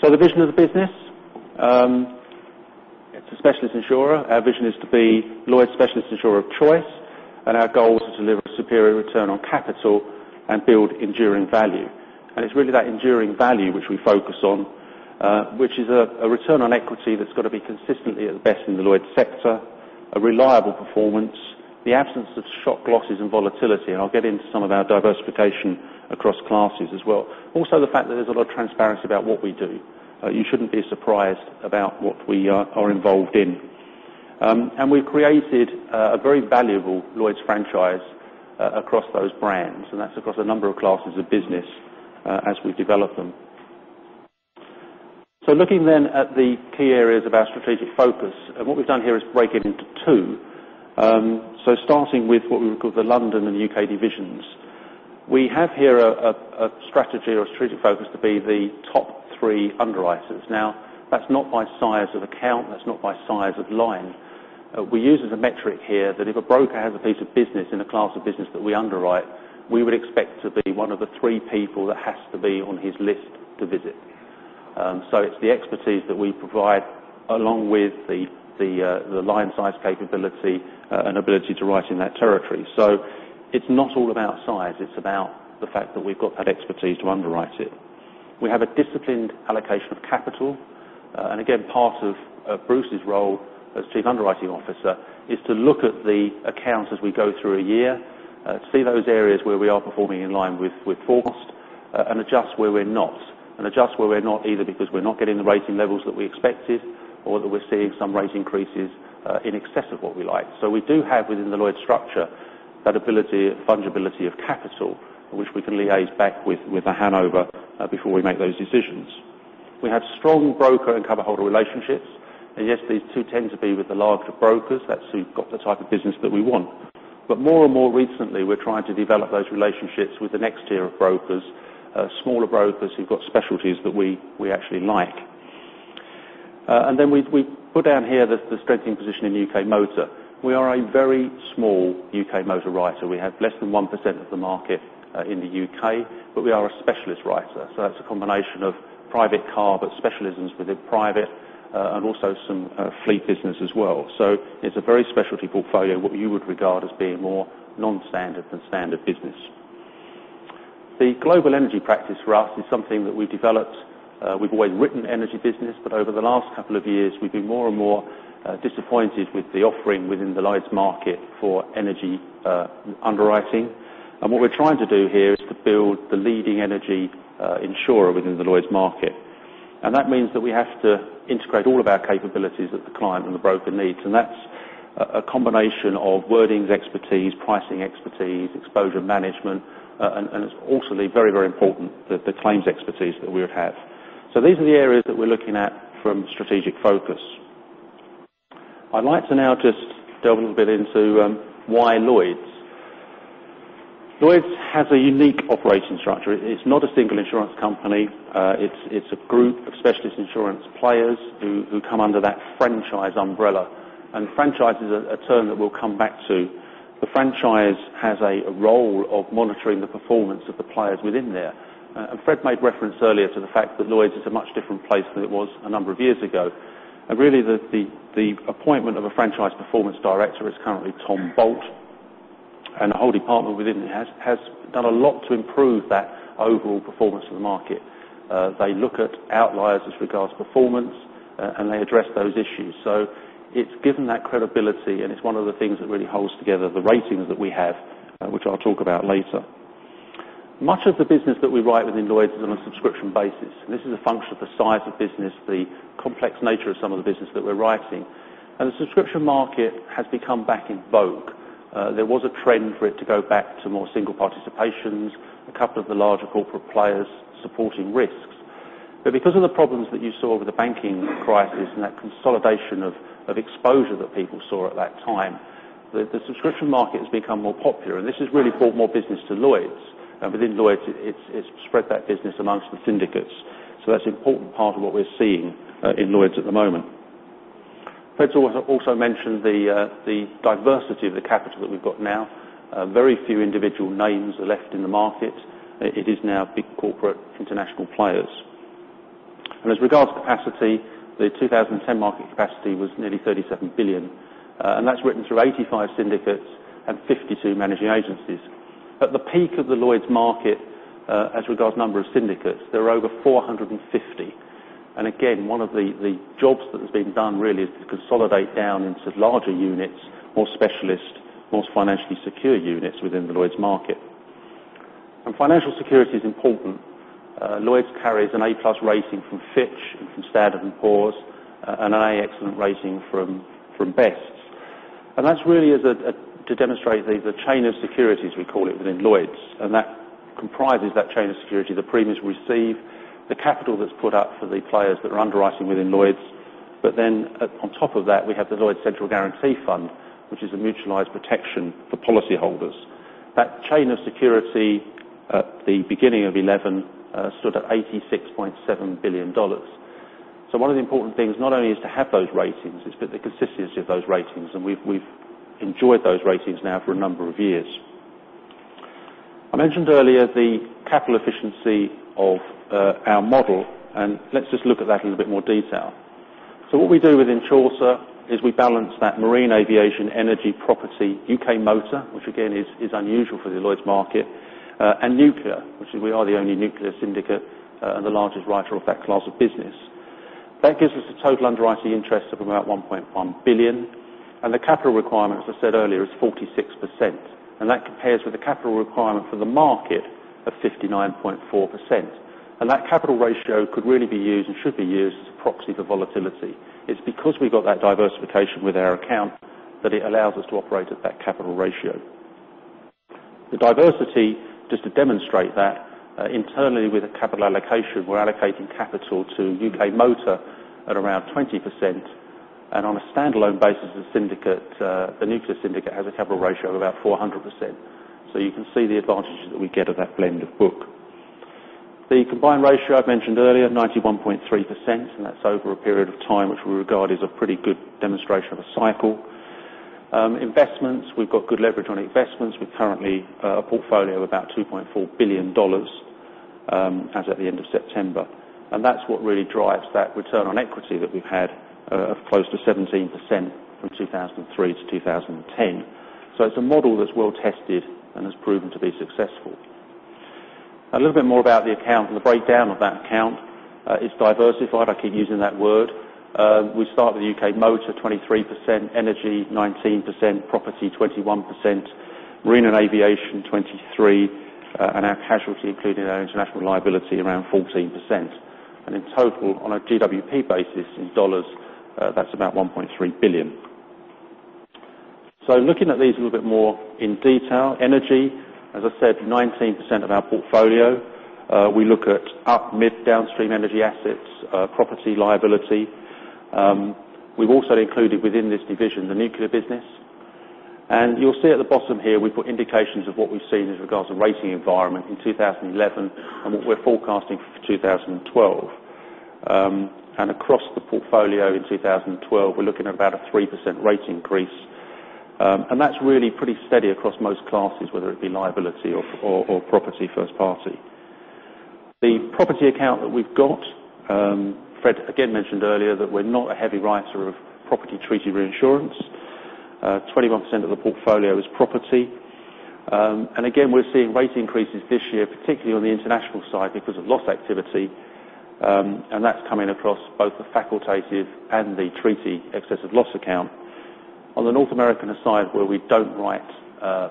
The vision of the business. It's a specialist insurer. Our vision is to be Lloyd's specialist insurer of choice, and our goal is to deliver superior return on capital and build enduring value. It's really that enduring value which we focus on, which is a return on equity that's got to be consistently at the best in the Lloyd's sector, a reliable performance, the absence of shock losses and volatility, and I'll get into some of our diversification across classes as well. Also, the fact that there's a lot of transparency about what we do. You shouldn't be surprised about what we are involved in. We've created a very valuable Lloyd's franchise across those brands, and that's across a number of classes of business as we develop them. Looking then at the key areas of our strategic focus, and what we've done here is break it into two. Starting with what we would call the London and U.K. divisions. We have here a strategy or a strategic focus to be the top three underwriters. Now, that's not by size of account, that's not by size of line. We use as a metric here that if a broker has a piece of business in a class of business that we underwrite, we would expect to be one of the three people that has to be on his list to visit. It's the expertise that we provide along with the line size capability and ability to write in that territory. It's not all about size, it's about the fact that we've got that expertise to underwrite it. We have a disciplined allocation of capital. Again, part of Bruce's role as Chief Underwriting Officer is to look at the accounts as we go through a year, to see those areas where we are performing in line with forecast, and adjust where we're not. Adjust where we're not, either because we're not getting the rating levels that we expected or that we're seeing some rate increases in excess of what we like. We do have within the Lloyd's structure that ability, fungibility of capital, which we can liaise back with The Hanover before we make those decisions. We have strong broker and cover holder relationships, and yes, these two tend to be with the larger brokers. That's who've got the type of business that we want. More and more recently, we're trying to develop those relationships with the next tier of brokers, smaller brokers who've got specialties that we actually like. We put down here the strengthening position in U.K. motor. We are a very small U.K. motor writer. We have less than 1% of the market in the U.K., but we are a specialist writer, so that's a combination of private car, but specialisms within private, and also some fleet business as well. It's a very specialty portfolio, what you would regard as being more non-standard than standard business. The global energy practice for us is something that we've developed. We've always written energy business. Over the last couple of years, we've been more and more disappointed with the offering within the Lloyd's market for energy underwriting. What we're trying to do here is to build the leading energy insurer within the Lloyd's market. That means that we have to integrate all of our capabilities that the client and the broker needs, and that's a combination of wordings expertise, pricing expertise, exposure management, and it's ultimately very important that the claims expertise that we would have. These are the areas that we're looking at from strategic focus. I'd like to now just delve a little bit into why Lloyd's. Lloyd's has a unique operating structure. It's not a single insurance company. It's a group of specialist insurance players who come under that franchise umbrella. Franchise is a term that we'll come back to. The franchise has a role of monitoring the performance of the players within there. Fred made reference earlier to the fact that Lloyd's is a much different place than it was a number of years ago. Really, the appointment of a franchise performance director is currently Tom Bolt, and the whole department within it has done a lot to improve that overall performance of the market. They look at outliers as regards to performance, and they address those issues. It's given that credibility, and it's one of the things that really holds together the ratings that we have, which I'll talk about later. Much of the business that we write within Lloyd's is on a subscription basis. This is a function of the size of business, the complex nature of some of the business that we're writing. The subscription market has become back in vogue. There was a trend for it to go back to more single participations, a couple of the larger corporate players supporting risks. Because of the problems that you saw with the banking crisis and that consolidation of exposure that people saw at that time, the subscription market has become more popular, and this has really brought more business to Lloyd's. Within Lloyd's, it's spread that business amongst the syndicates. That's an important part of what we're seeing in Lloyd's at the moment. Fred also mentioned the diversity of the capital that we've got now. Very few individual names are left in the market. It is now big corporate international players. As regards to capacity, the 2010 market capacity was nearly $37 billion. That's written through 85 syndicates and 52 managing agencies. At the peak of the Lloyd's market, as regards number of syndicates, there were over 450. Again, one of the jobs that has been done really is to consolidate down into larger units, more specialist, more financially secure units within the Lloyd's market. Financial security is important. Lloyd's carries an A+ rating from Fitch and from Standard & Poor's, and an A excellent rating from Best. That's really is to demonstrate the chain of securities, we call it, within Lloyd's. That comprises that chain of security, the premiums we receive, the capital that's put up for the players that are underwriting within Lloyd's. On top of that, we have the Lloyd's Central Guarantee Fund, which is a mutualized protection for policyholders. That chain of security at the beginning of 2011 stood at $86.7 billion. One of the important things not only is to have those ratings, is the consistency of those ratings. We've enjoyed those ratings now for a number of years. I mentioned earlier the capital efficiency of our model. Let's just look at that in a bit more detail. What we do within Chaucer is we balance that marine, aviation, energy, property, U.K. motor, which again is unusual for the Lloyd's market, and nuclear, which we are the only nuclear syndicate, and the largest writer of that class of business. That gives us a total underwriting interest of about $1.1 billion. The capital requirement, as I said earlier, is 46%. That compares with the capital requirement for the market of 59.4%. That capital ratio could really be used, and should be used, as a proxy for volatility. It's because we've got that diversification with our account that it allows us to operate at that capital ratio. The diversity, just to demonstrate that, internally with the capital allocation, we're allocating capital to U.K. motor at around 20%. On a standalone basis, the nuclear syndicate has a capital ratio of about 400%. You can see the advantages that we get of that blend of book. The combined ratio I've mentioned earlier, 91.3%. That's over a period of time which we regard as a pretty good demonstration of a cycle. Investments, we've got good leverage on investments. We've currently a portfolio of about $2.4 billion as at the end of September. That's what really drives that return on equity that we've had of close to 17% from 2003 to 2010. It's a model that's well-tested and has proven to be successful. A little bit more about the account and the breakdown of that account. It's diversified. I keep using that word. We start with U.K. motor, 23%, energy, 19%, property, 21%, marine and aviation, 23%, and our casualty, including our international liability, around 14%. In total, on a GWP basis in dollars, that's about $1.3 billion. Looking at these a little bit more in detail, energy, as I said, 19% of our portfolio. We look at up mid downstream energy assets, property liability. We've also included within this division the nuclear business. You'll see at the bottom here, we've got indications of what we've seen as regards the rating environment in 2011 and what we're forecasting for 2012. Across the portfolio in 2012, we're looking at about a 3% rate increase. That's really pretty steady across most classes, whether it be liability or property first party. The property account that we've got, Fred again mentioned earlier that we're not a heavy writer of property treaty reinsurance. 21% of the portfolio is property. Again, we're seeing rate increases this year, particularly on the international side because of loss activity, and that's coming across both the facultative and the treaty excessive loss account. On the North American side, where we don't write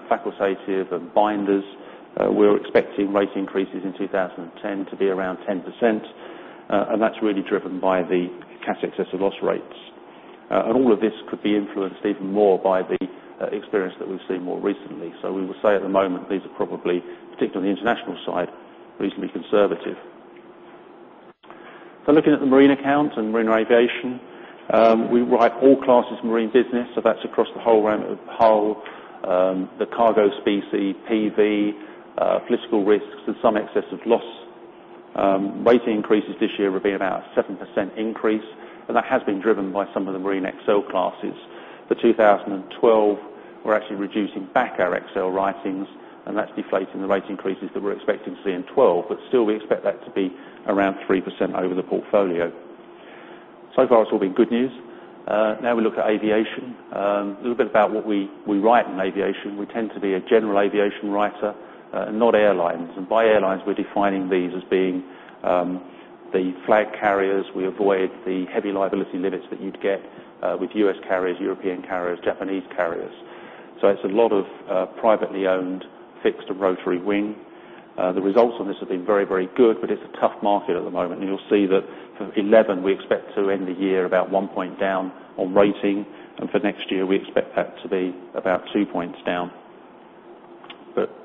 facultative and binders, we're expecting rate increases in 2010 to be around 10%. That's really driven by the cat excess of loss rates. All of this could be influenced even more by the experience that we've seen more recently. We would say at the moment, these are probably, particularly on the international side, reasonably conservative. Looking at the marine account and marine aviation, we write all classes of marine business. That's across the whole realm of hull, the cargo specie, PV, political risks, and some excessive loss. Rate increases this year will be about a 7% increase, and that has been driven by some of the marine XL classes. For 2012, we're actually reducing back our XL writings, and that's deflating the rate increases that we're expecting to see in 2012. Still, we expect that to be around 3% over the portfolio. So far, it's all been good news. Now we look at aviation. A little bit about what we write in aviation. We tend to be a general aviation writer, not airlines. By airlines, we're defining these as being the flag carriers. We avoid the heavy liability limits that you'd get with U.S. carriers, European carriers, Japanese carriers. It's a lot of privately owned fixed and rotary wing. The results on this have been very, very good, but it's a tough market at the moment. You'll see that for 2011, we expect to end the year about one point down on rating. For next year, we expect that to be about two points down.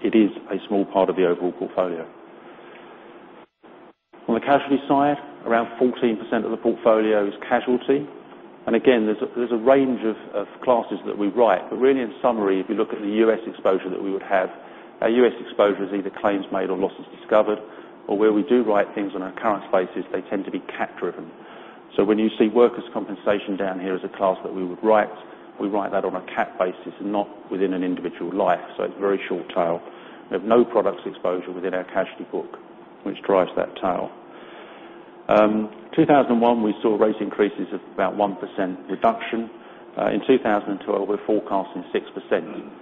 It is a small part of the overall portfolio. On the casualty side, around 14% of the portfolio is casualty. Again, there's a range of classes that we write. Really in summary, if you look at the U.S. exposure that we would have, our U.S. exposure is either claims made or losses discovered, or where we do write things on a current basis, they tend to be cat driven. When you see workers' compensation down here as a class that we would write, we write that on a cat basis and not within an individual life. It's very short tail. We have no products exposure within our casualty book, which drives that tail. 2001, we saw rate increases of about 1% reduction. In 2012, we're forecasting 6%.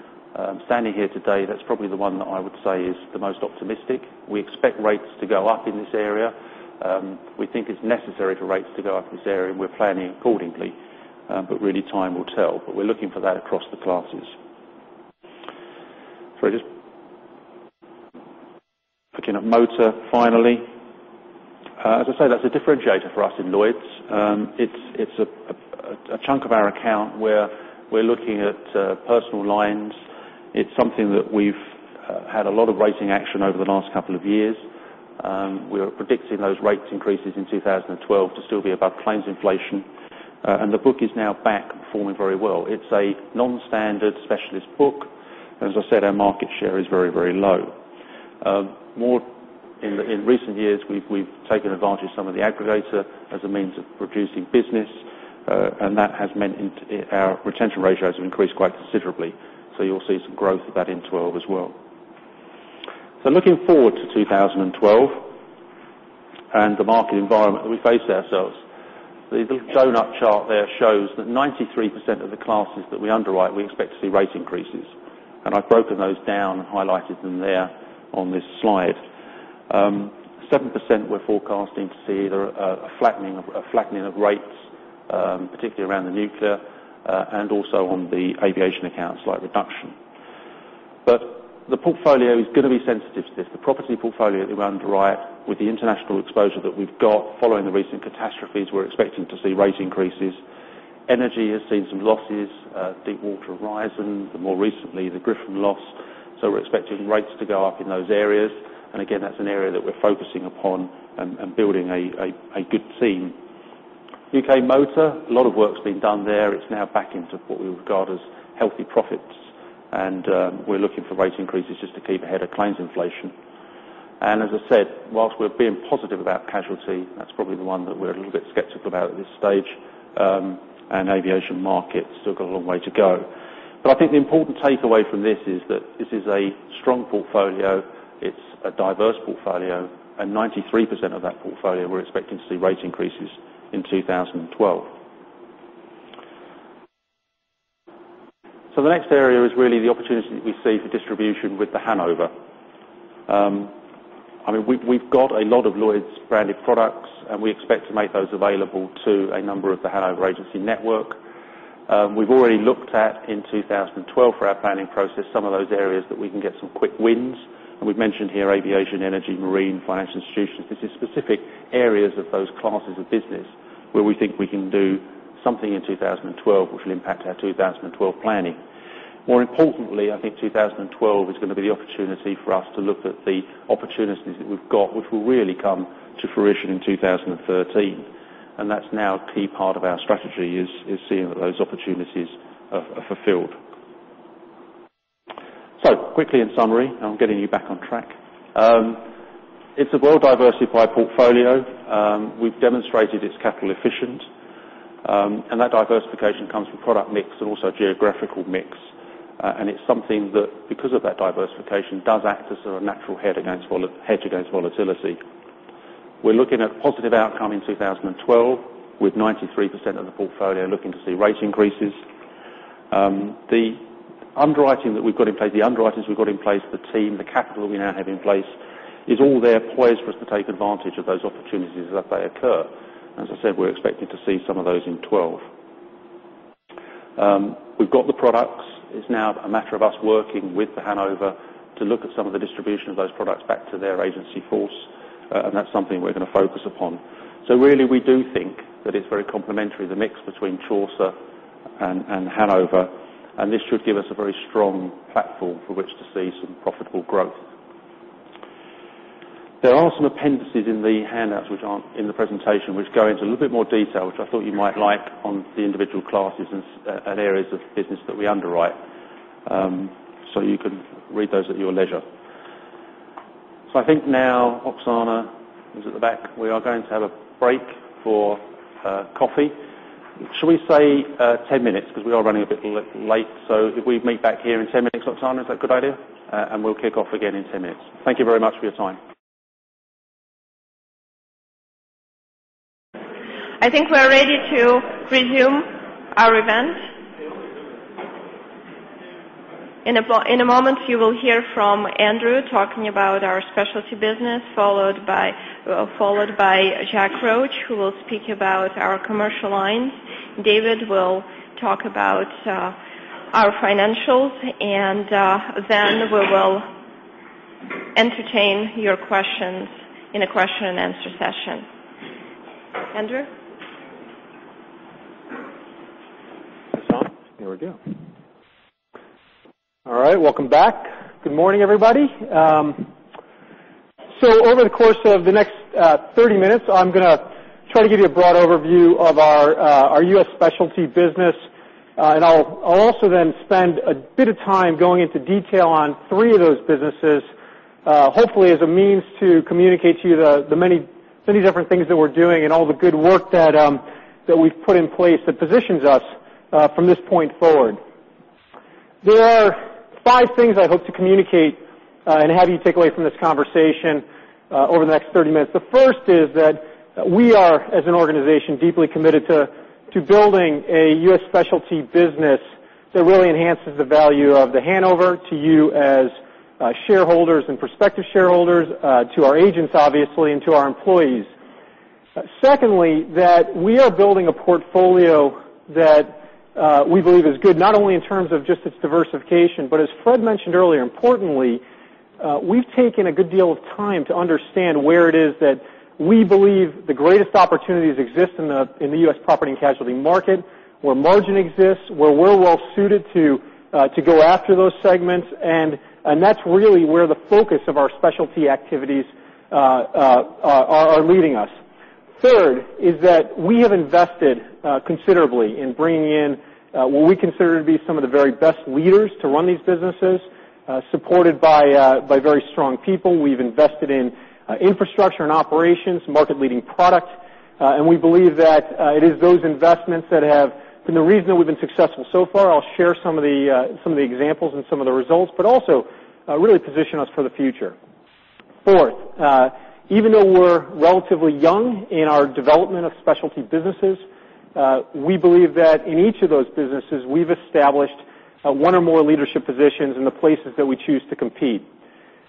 Standing here today, that's probably the one that I would say is the most optimistic. We expect rates to go up in this area. We think it's necessary for rates to go up in this area, and we're planning accordingly. Really, time will tell. We're looking for that across the classes. I just Looking at motor finally. As I say, that's a differentiator for us in Lloyd's. It's a chunk of our account where we're looking at personal lines. It's something that we've had a lot of rating action over the last couple of years. We're predicting those rates increases in 2012 to still be above claims inflation. The book is now back performing very well. It's a non-standard specialist book. As I said, our market share is very, very low. In recent years, we've taken advantage of some of the aggregator as a means of producing business, and that has meant our retention ratios have increased quite considerably. You'll see some growth of that in 2012 as well. Looking forward to 2012 and the market environment that we face ourselves. The doughnut chart there shows that 93% of the classes that we underwrite, we expect to see rate increases. I've broken those down and highlighted them there on this slide. 7% we're forecasting to see a flattening of rates, particularly around the nuclear, and also on the aviation account, a slight reduction. The portfolio is going to be sensitive to this. The property portfolio that we underwrite with the international exposure that we've got following the recent catastrophes, we're expecting to see rate increases. Energy has seen some losses, Deepwater Horizon, more recently, the Gryphon loss. We're expecting rates to go up in those areas. Again, that's an area that we're focusing upon and building a good team. U.K. motor, a lot of work's been done there. It's now back into what we would regard as healthy profits, and we're looking for rate increases just to keep ahead of claims inflation. As I said, while we're being positive about casualty, that's probably the one that we're a little bit skeptical about at this stage, and aviation market still got a long way to go. I think the important takeaway from this is that this is a strong portfolio, it's a diverse portfolio, and 93% of that portfolio, we're expecting to see rate increases in 2012. The next area is really the opportunity that we see for distribution with The Hanover. We've got a lot of Lloyd's branded products, and we expect to make those available to a number of The Hanover Agency network. We've already looked at in 2012 for our planning process some of those areas that we can get some quick wins. We've mentioned here aviation, energy, marine, financial institutions. This is specific areas of those classes of business where we think we can do something in 2012 which will impact our 2012 planning. More importantly, I think 2012 is going to be the opportunity for us to look at the opportunities that we've got, which will really come to fruition in 2013. That's now a key part of our strategy, is seeing that those opportunities are fulfilled. Quickly, in summary, I'm getting you back on track. It's a well-diversified portfolio. We've demonstrated it's capital efficient, and that diversification comes from product mix and also geographical mix. It's something that, because of that diversification, does act as a natural hedge against volatility. We're looking at a positive outcome in 2012, with 93% of the portfolio looking to see rate increases. The underwriting that we've got in place, the underwriters we've got in place, the team, the capital that we now have in place, is all there poised for us to take advantage of those opportunities as they occur. We're expecting to see some of those in 2012. We've got the products. It's now a matter of us working with The Hanover to look at some of the distribution of those products back to their agency force, and that's something we're going to focus upon. Really, we do think that it's very complementary, the mix between Chaucer and The Hanover, and this should give us a very strong platform for which to see some profitable growth. There are some appendices in the handouts, which aren't in the presentation, which go into a little bit more detail, which I thought you might like on the individual classes and areas of the business that we underwrite. You can read those at your leisure. I think now, Oksana, who's at the back, we are going to have a break for coffee. Should we say 10 minutes? Because we are running a bit late. If we meet back here in 10 minutes, Oksana, is that a good idea? We will kick off again in 10 minutes. Thank you very much for your time. I think we are ready to resume our event. In a moment, you will hear from Andrew talking about our specialty business, followed by Jack Roche, who will speak about our commercial lines. David will talk about our financials. We will entertain your questions in a question-and-answer session. Andrew? Is this on? Here we go. All right. Welcome back. Good morning, everybody. Over the course of the next 30 minutes, I am going to try to give you a broad overview of our U.S. specialty business. I will also then spend a bit of time going into detail on three of those businesses, hopefully as a means to communicate to you the many different things that we are doing and all the good work that we have put in place that positions us from this point forward. There are five things I hope to communicate and have you take away from this conversation over the next 30 minutes. The first is that we are, as an organization, deeply committed to building a U.S. specialty business that really enhances the value of The Hanover to you as shareholders and prospective shareholders, to our agents, obviously, and to our employees. Secondly, that we are building a portfolio that we believe is good, not only in terms of just its diversification, but as Fred mentioned earlier, importantly, we have taken a good deal of time to understand where it is that we believe the greatest opportunities exist in the U.S. property and casualty market, where margin exists, where we are well-suited to go after those segments. That is really where the focus of our specialty activities are leading us. Third is that we have invested considerably in bringing in what we consider to be some of the very best leaders to run these businesses, supported by very strong people. We have invested in infrastructure and operations, market-leading product. We believe that it is those investments that have been the reason that we have been successful so far. I'll share some of the examples and some of the results, but also really position us for the future. Fourth, even though we're relatively young in our development of specialty businesses, we believe that in each of those businesses, we've established one or more leadership positions in the places that we choose to compete.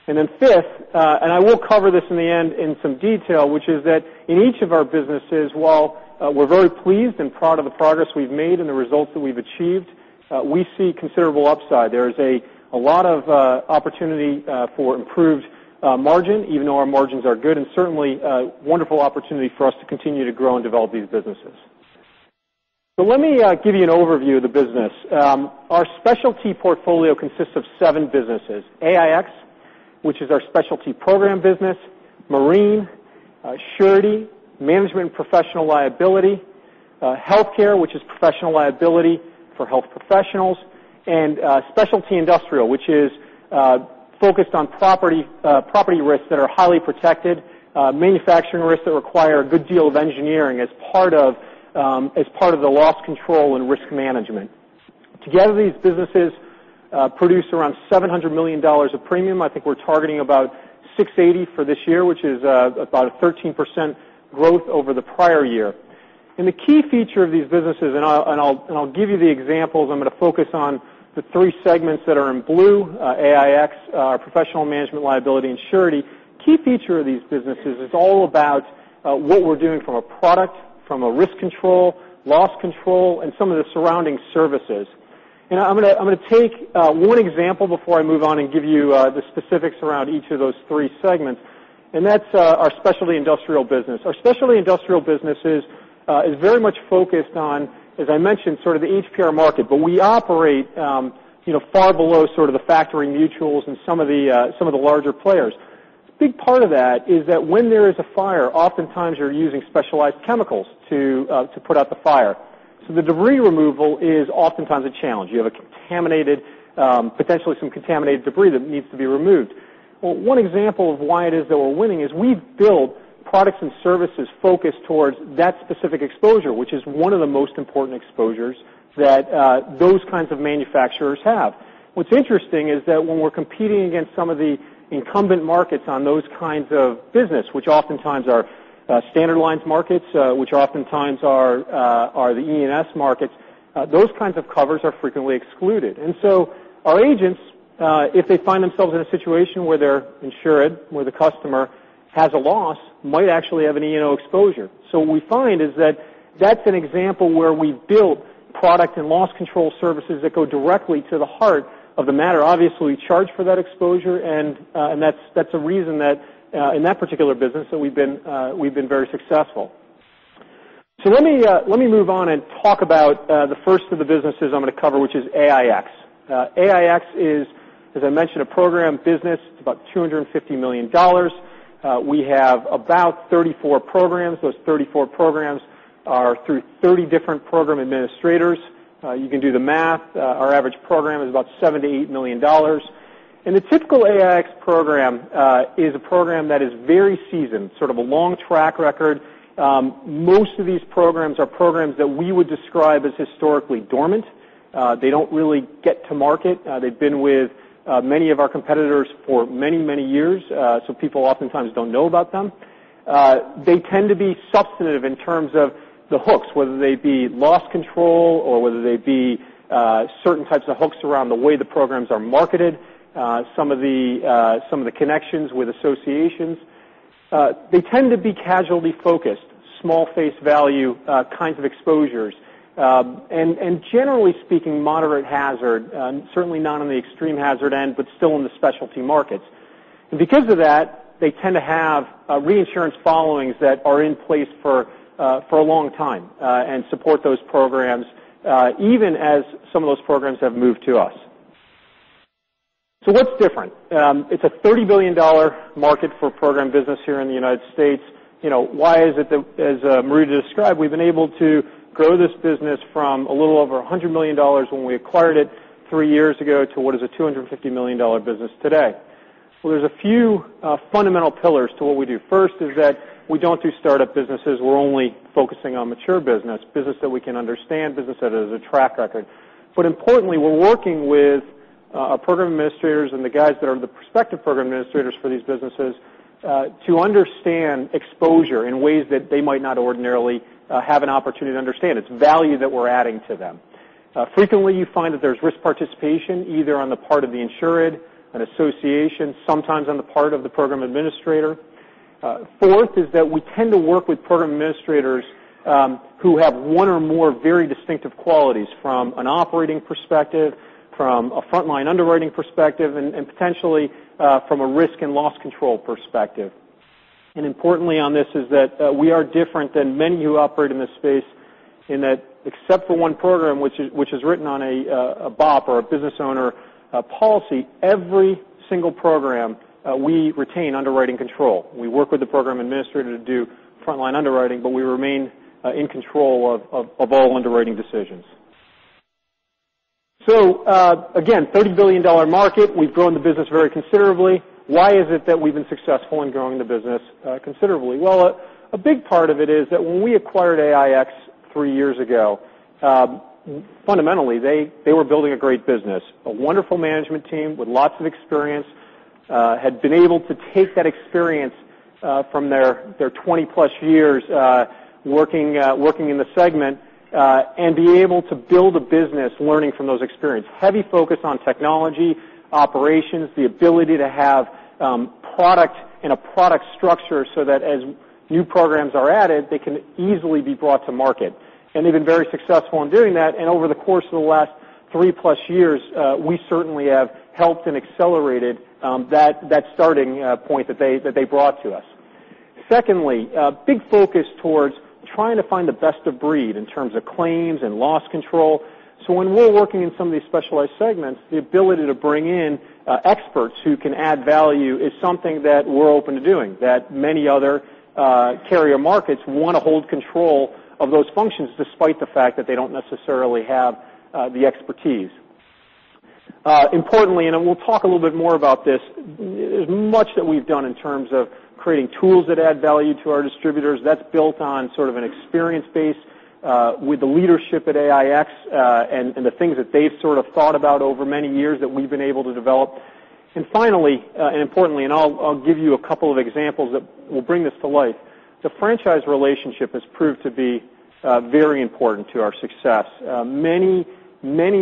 Fifth, I will cover this in the end in some detail, which is that in each of our businesses, while we're very pleased and proud of the progress we've made and the results that we've achieved, we see considerable upside. There is a lot of opportunity for improved margin, even though our margins are good, and certainly a wonderful opportunity for us to continue to grow and develop these businesses. Let me give you an overview of the business. Our specialty portfolio consists of seven businesses, AIX, which is our specialty program business, Marine, Surety, Management Professional Liability, Healthcare, which is professional liability for health professionals, and Specialty Industrial, which is focused on property risks that are highly protected, manufacturing risks that require a good deal of engineering as part of the loss control and risk management. Together, these businesses produce around $700 million of premium. I think we're targeting about 680 for this year, which is about a 13% growth over the prior year. The key feature of these businesses, and I'll give you the examples. I'm going to focus on the three segments that are in blue, AIX, Professional Management Liability, and Surety. Key feature of these businesses is all about what we're doing from a product, from a risk control, loss control, and some of the surrounding services. I'm going to take one example before I move on and give you the specifics around each of those three segments, and that's our Specialty Industrial business. Our Specialty Industrial business is very much focused on, as I mentioned, sort of the HPR market, but we operate far below sort of the factory mutuals and some of the larger players. A big part of that is that when there is a fire, oftentimes you're using specialized chemicals to put out the fire. The debris removal is oftentimes a challenge. You have potentially some contaminated debris that needs to be removed. Well, one example of why it is that we're winning is we've built products and services focused towards that specific exposure, which is one of the most important exposures that those kinds of manufacturers have. What's interesting is that when we're competing against some of the incumbent markets on those kinds of business, which oftentimes are standard lines markets, which oftentimes are the E&S markets, those kinds of covers are frequently excluded. Our agents, if they find themselves in a situation where their insured, where the customer has a loss, might actually have an E&O exposure. What we find is that that's an example where we built product and loss control services that go directly to the heart of the matter. Obviously, we charge for that exposure, and that's a reason that in that particular business, that we've been very successful. Let me move on and talk about the first of the businesses I'm going to cover, which is AIX. AIX is, as I mentioned, a program business. It's about $250 million. We have about 34 programs. Those 34 programs are through 30 different program administrators. You can do the math. Our average program is about $78 million. The typical AIX program is a program that is very seasoned, sort of a long track record. Most of these programs are programs that we would describe as historically dormant. They don't really get to market. They've been with many of our competitors for many, many years, so people oftentimes don't know about them. They tend to be substantive in terms of the hooks, whether they be loss control or whether they be certain types of hooks around the way the programs are marketed, some of the connections with associations. They tend to be casualty-focused, small face value kinds of exposures. Generally speaking, moderate hazard, certainly not on the extreme hazard end, but still in the specialty markets. Because of that, they tend to have reinsurance followings that are in place for a long time and support those programs, even as some of those programs have moved to us. What's different? It's a $30 billion market for program business here in the U.S. Why is it that, as Marita described, we've been able to grow this business from a little over $100 million when we acquired it three years ago, to what is a $250 million business today? There's a few fundamental pillars to what we do. First is that we don't do startup businesses. We're only focusing on mature business that we can understand, business that has a track record. Importantly, we're working with program administrators and the guys that are the prospective program administrators for these businesses to understand exposure in ways that they might not ordinarily have an opportunity to understand. It's value that we're adding to them. Frequently, you find that there's risk participation, either on the part of the insured, an association, sometimes on the part of the program administrator. Fourth is that we tend to work with program administrators who have one or more very distinctive qualities from an operating perspective, from a frontline underwriting perspective, and potentially from a risk and loss control perspective. Importantly on this is that we are different than many who operate in this space in that except for one program, which is written on a BOP or a business owner policy, every single program we retain underwriting control. We work with the program administrator to do frontline underwriting, but we remain in control of all underwriting decisions. Again, $30 billion market. We've grown the business very considerably. Why is it that we've been successful in growing the business considerably? A big part of it is that when we acquired AIX three years ago, fundamentally, they were building a great business, a wonderful management team with lots of experience, had been able to take that experience from their 20-plus years working in the segment and be able to build a business learning from those experience. Heavy focus on technology, operations, the ability to have product in a product structure so that as new programs are added, they can easily be brought to market. They've been very successful in doing that. Over the course of the last three-plus years, we certainly have helped and accelerated that starting point that they brought to us. Big focus towards trying to find the best of breed in terms of claims and loss control. When we're working in some of these specialized segments, the ability to bring in experts who can add value is something that we're open to doing, that many other carrier markets want to hold control of those functions despite the fact that they don't necessarily have the expertise. Importantly, we'll talk a little bit more about this, there's much that we've done in terms of creating tools that add value to our distributors. That's built on sort of an experience base with the leadership at AIX and the things that they've sort of thought about over many years that we've been able to develop. Finally, importantly, I'll give you a couple of examples that will bring this to life. The franchise relationship has proved to be very important to our success. Many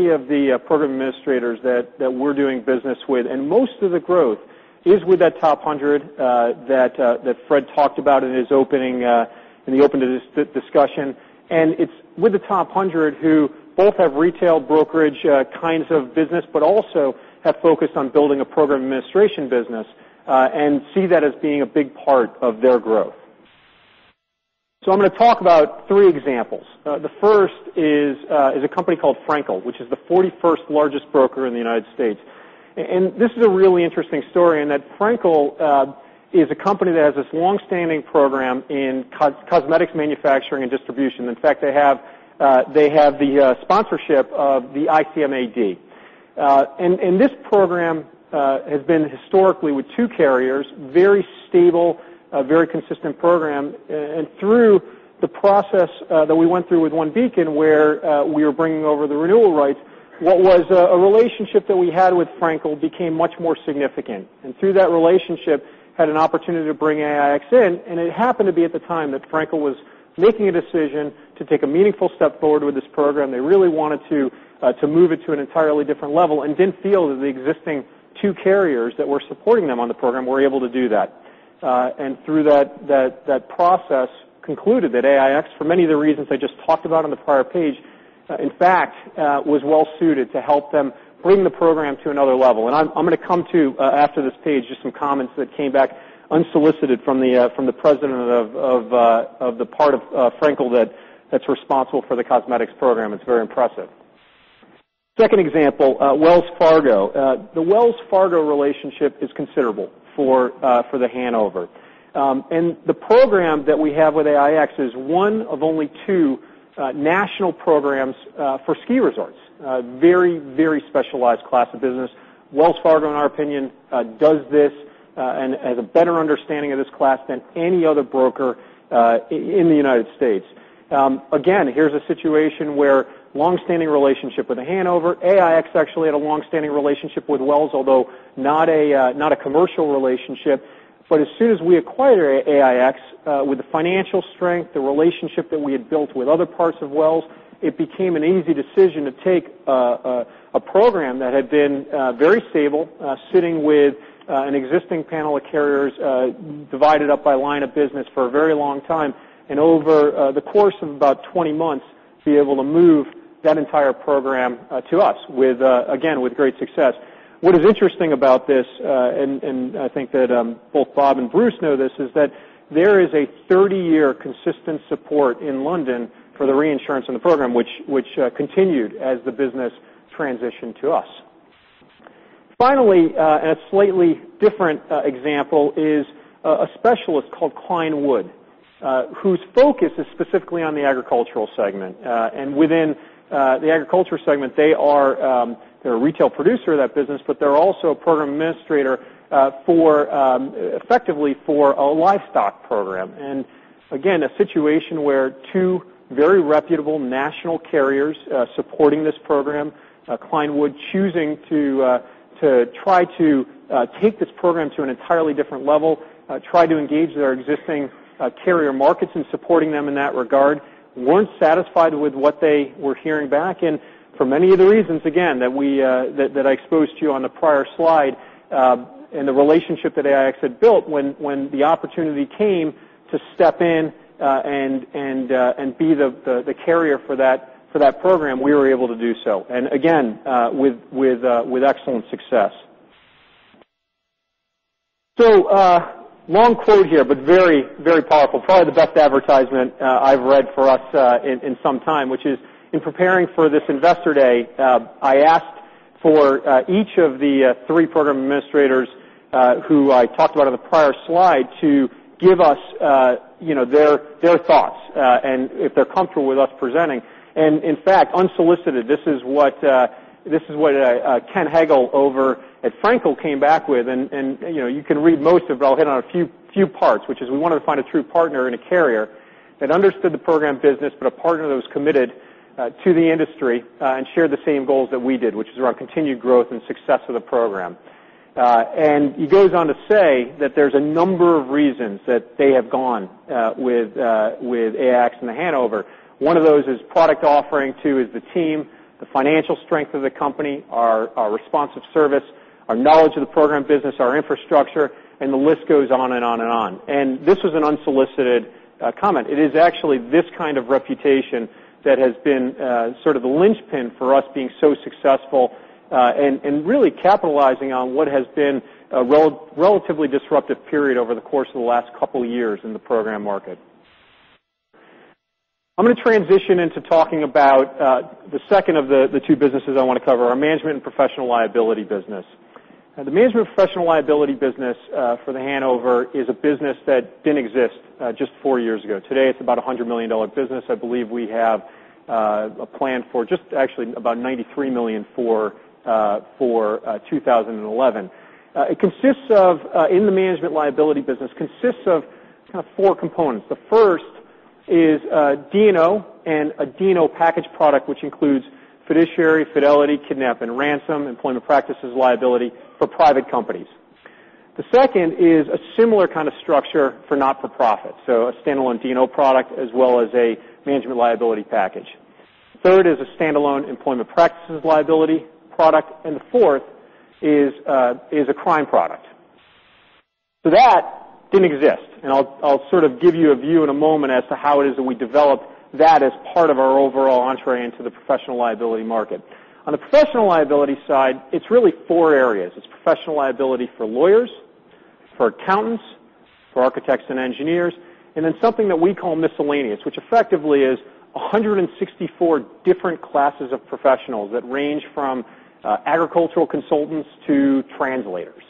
of the program administrators that we're doing business with, and most of the growth is with that top 100 that Fred talked about in the open discussion. It's with the top 100 who both have retail brokerage kinds of business, but also have focused on building a program administration business and see that as being a big part of their growth. I'm going to talk about three examples. The first is a company called Frenkel, which is the 41st largest broker in the U.S. This is a really interesting story in that Frenkel is a company that has this long-standing program in cosmetics manufacturing and distribution. In fact, they have the sponsorship of the ICMAD. This program has been historically with two carriers, very stable, very consistent program. Through the process that we went through with OneBeacon, where we were bringing over the renewal rights, what was a relationship that we had with Frenkel became much more significant. Through that relationship, had an opportunity to bring AIX in, and it happened to be at the time that Frenkel was making a decision to take a meaningful step forward with this program. They really wanted to move it to an entirely different level and didn't feel that the existing two carriers that were supporting them on the program were able to do that. Through that process concluded that AIX, for many of the reasons I just talked about on the prior page, in fact, was well-suited to help them bring the program to another level. I'm going to come to, after this page, just some comments that came back unsolicited from the president of the part of Frenkel that's responsible for the cosmetics program. It's very impressive. Second example, Wells Fargo. The Wells Fargo relationship is considerable for The Hanover. The program that we have with AIX is one of only two national programs for ski resorts. Very specialized class of business. Wells Fargo, in our opinion, does this and has a better understanding of this class than any other broker in the U.S. Again, here's a situation where long-standing relationship with The Hanover. AIX actually had a long-standing relationship with Wells, although not a commercial relationship. As soon as we acquired AIX, with the financial strength, the relationship that we had built with other parts of Wells, it became an easy decision to take a program that had been very stable, sitting with an existing panel of carriers divided up by line of business for a very long time. Over the course of about 20 months, be able to move that entire program to us, again, with great success. What is interesting about this, and I think that both Bob and Bruce know this, is that there is a 30-year consistent support in London for the reinsurance on the program, which continued as the business transitioned to us. Finally, a slightly different example is a specialist called Kleinwood, whose focus is specifically on the agricultural segment. Within the agricultural segment, they're a retail producer of that business, but they're also a program administrator effectively for a livestock program. Again, a situation where two very reputable national carriers supporting this program, Kleinwood choosing to try to take this program to an entirely different level, try to engage their existing carrier markets in supporting them in that regard, weren't satisfied with what they were hearing back. For many of the reasons, again, that I exposed to you on the prior slide, the relationship that AIX had built when the opportunity came to step in and be the carrier for that program, we were able to do so. Again, with excellent success. Long quote here, very powerful. Probably the best advertisement I've read for us in some time, which is in preparing for this Investor Day, I asked for each of the three program administrators who I talked about on the prior slide to give us their thoughts, and if they're comfortable with us presenting. In fact, unsolicited, this is what Ken Helmuth over at Frenkel came back with. You can read most of it, I'll hit on a few parts, which is we wanted to find a true partner in a carrier that understood the program business, a partner that was committed to the industry and shared the same goals that we did, which is around continued growth and success of the program. He goes on to say that there's a number of reasons that they have gone with AIX and The Hanover. One of those is product offering, two is the team, the financial strength of the company, our responsive service, our knowledge of the program business, our infrastructure, the list goes on and on and on. This was an unsolicited comment. It is actually this kind of reputation that has been sort of the linchpin for us being so successful and really capitalizing on what has been a relatively disruptive period over the course of the last couple of years in the program market. I'm going to transition into talking about the second of the two businesses I want to cover, our Management and Professional Liability business. The Management and Professional Liability business for The Hanover is a business that didn't exist just four years ago. Today, it's about $100 million business. I believe we have a plan for just actually about $93 million for 2011. The management liability business consists of four components. The first is D&O and a D&O package product, which includes fiduciary, fidelity, kidnap and ransom, employment practices liability for private companies. The second is a similar kind of structure for not-for-profit, so a standalone D&O product as well as a management liability package. The third is a standalone employment practices liability product, and the fourth is a crime product. That didn't exist, and I'll sort of give you a view in a moment as to how it is we developed that as part of our overall entree into the professional liability market. On the professional liability side, it's really four areas. It's professional liability for lawyers, for accountants, for architects and engineers, and then something that we call miscellaneous, which effectively is 164 different classes of professionals that range from agricultural consultants to translators.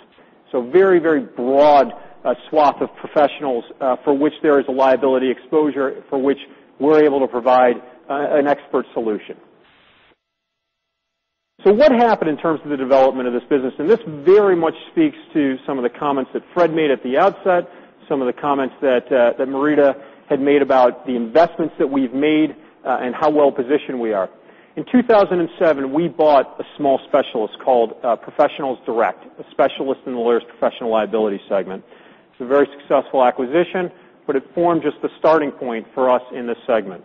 Very broad swath of professionals, for which there is a liability exposure, for which we're able to provide an expert solution. What happened in terms of the development of this business? This very much speaks to some of the comments that Fred made at the outset, some of the comments that Marita had made about the investments that we've made, and how well-positioned we are. In 2007, we bought a small specialist called Professionals Direct, a specialist in the lawyers' professional liability segment. It's a very successful acquisition, but it formed just the starting point for us in this segment.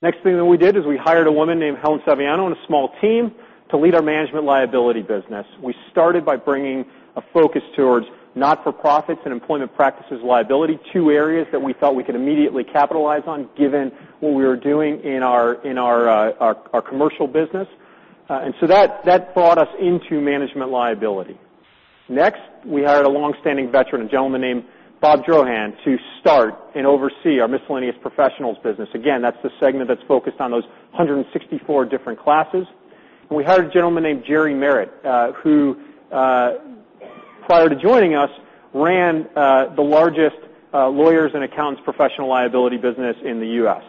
The next thing that we did is we hired a woman named Helen Savaiano and a small team to lead our management liability business. We started by bringing a focus towards not-for-profits and employment practices liability, two areas that we thought we could immediately capitalize on given what we were doing in our commercial business. That brought us into management liability. Next, we hired a longstanding veteran, a gentleman named Bob Drohan, to start and oversee our miscellaneous professionals business. Again, that's the segment that's focused on those 164 different classes. We hired a gentleman named Jerry Merritt, who, prior to joining us, ran the largest lawyers and accountants' professional liability business in the U.S.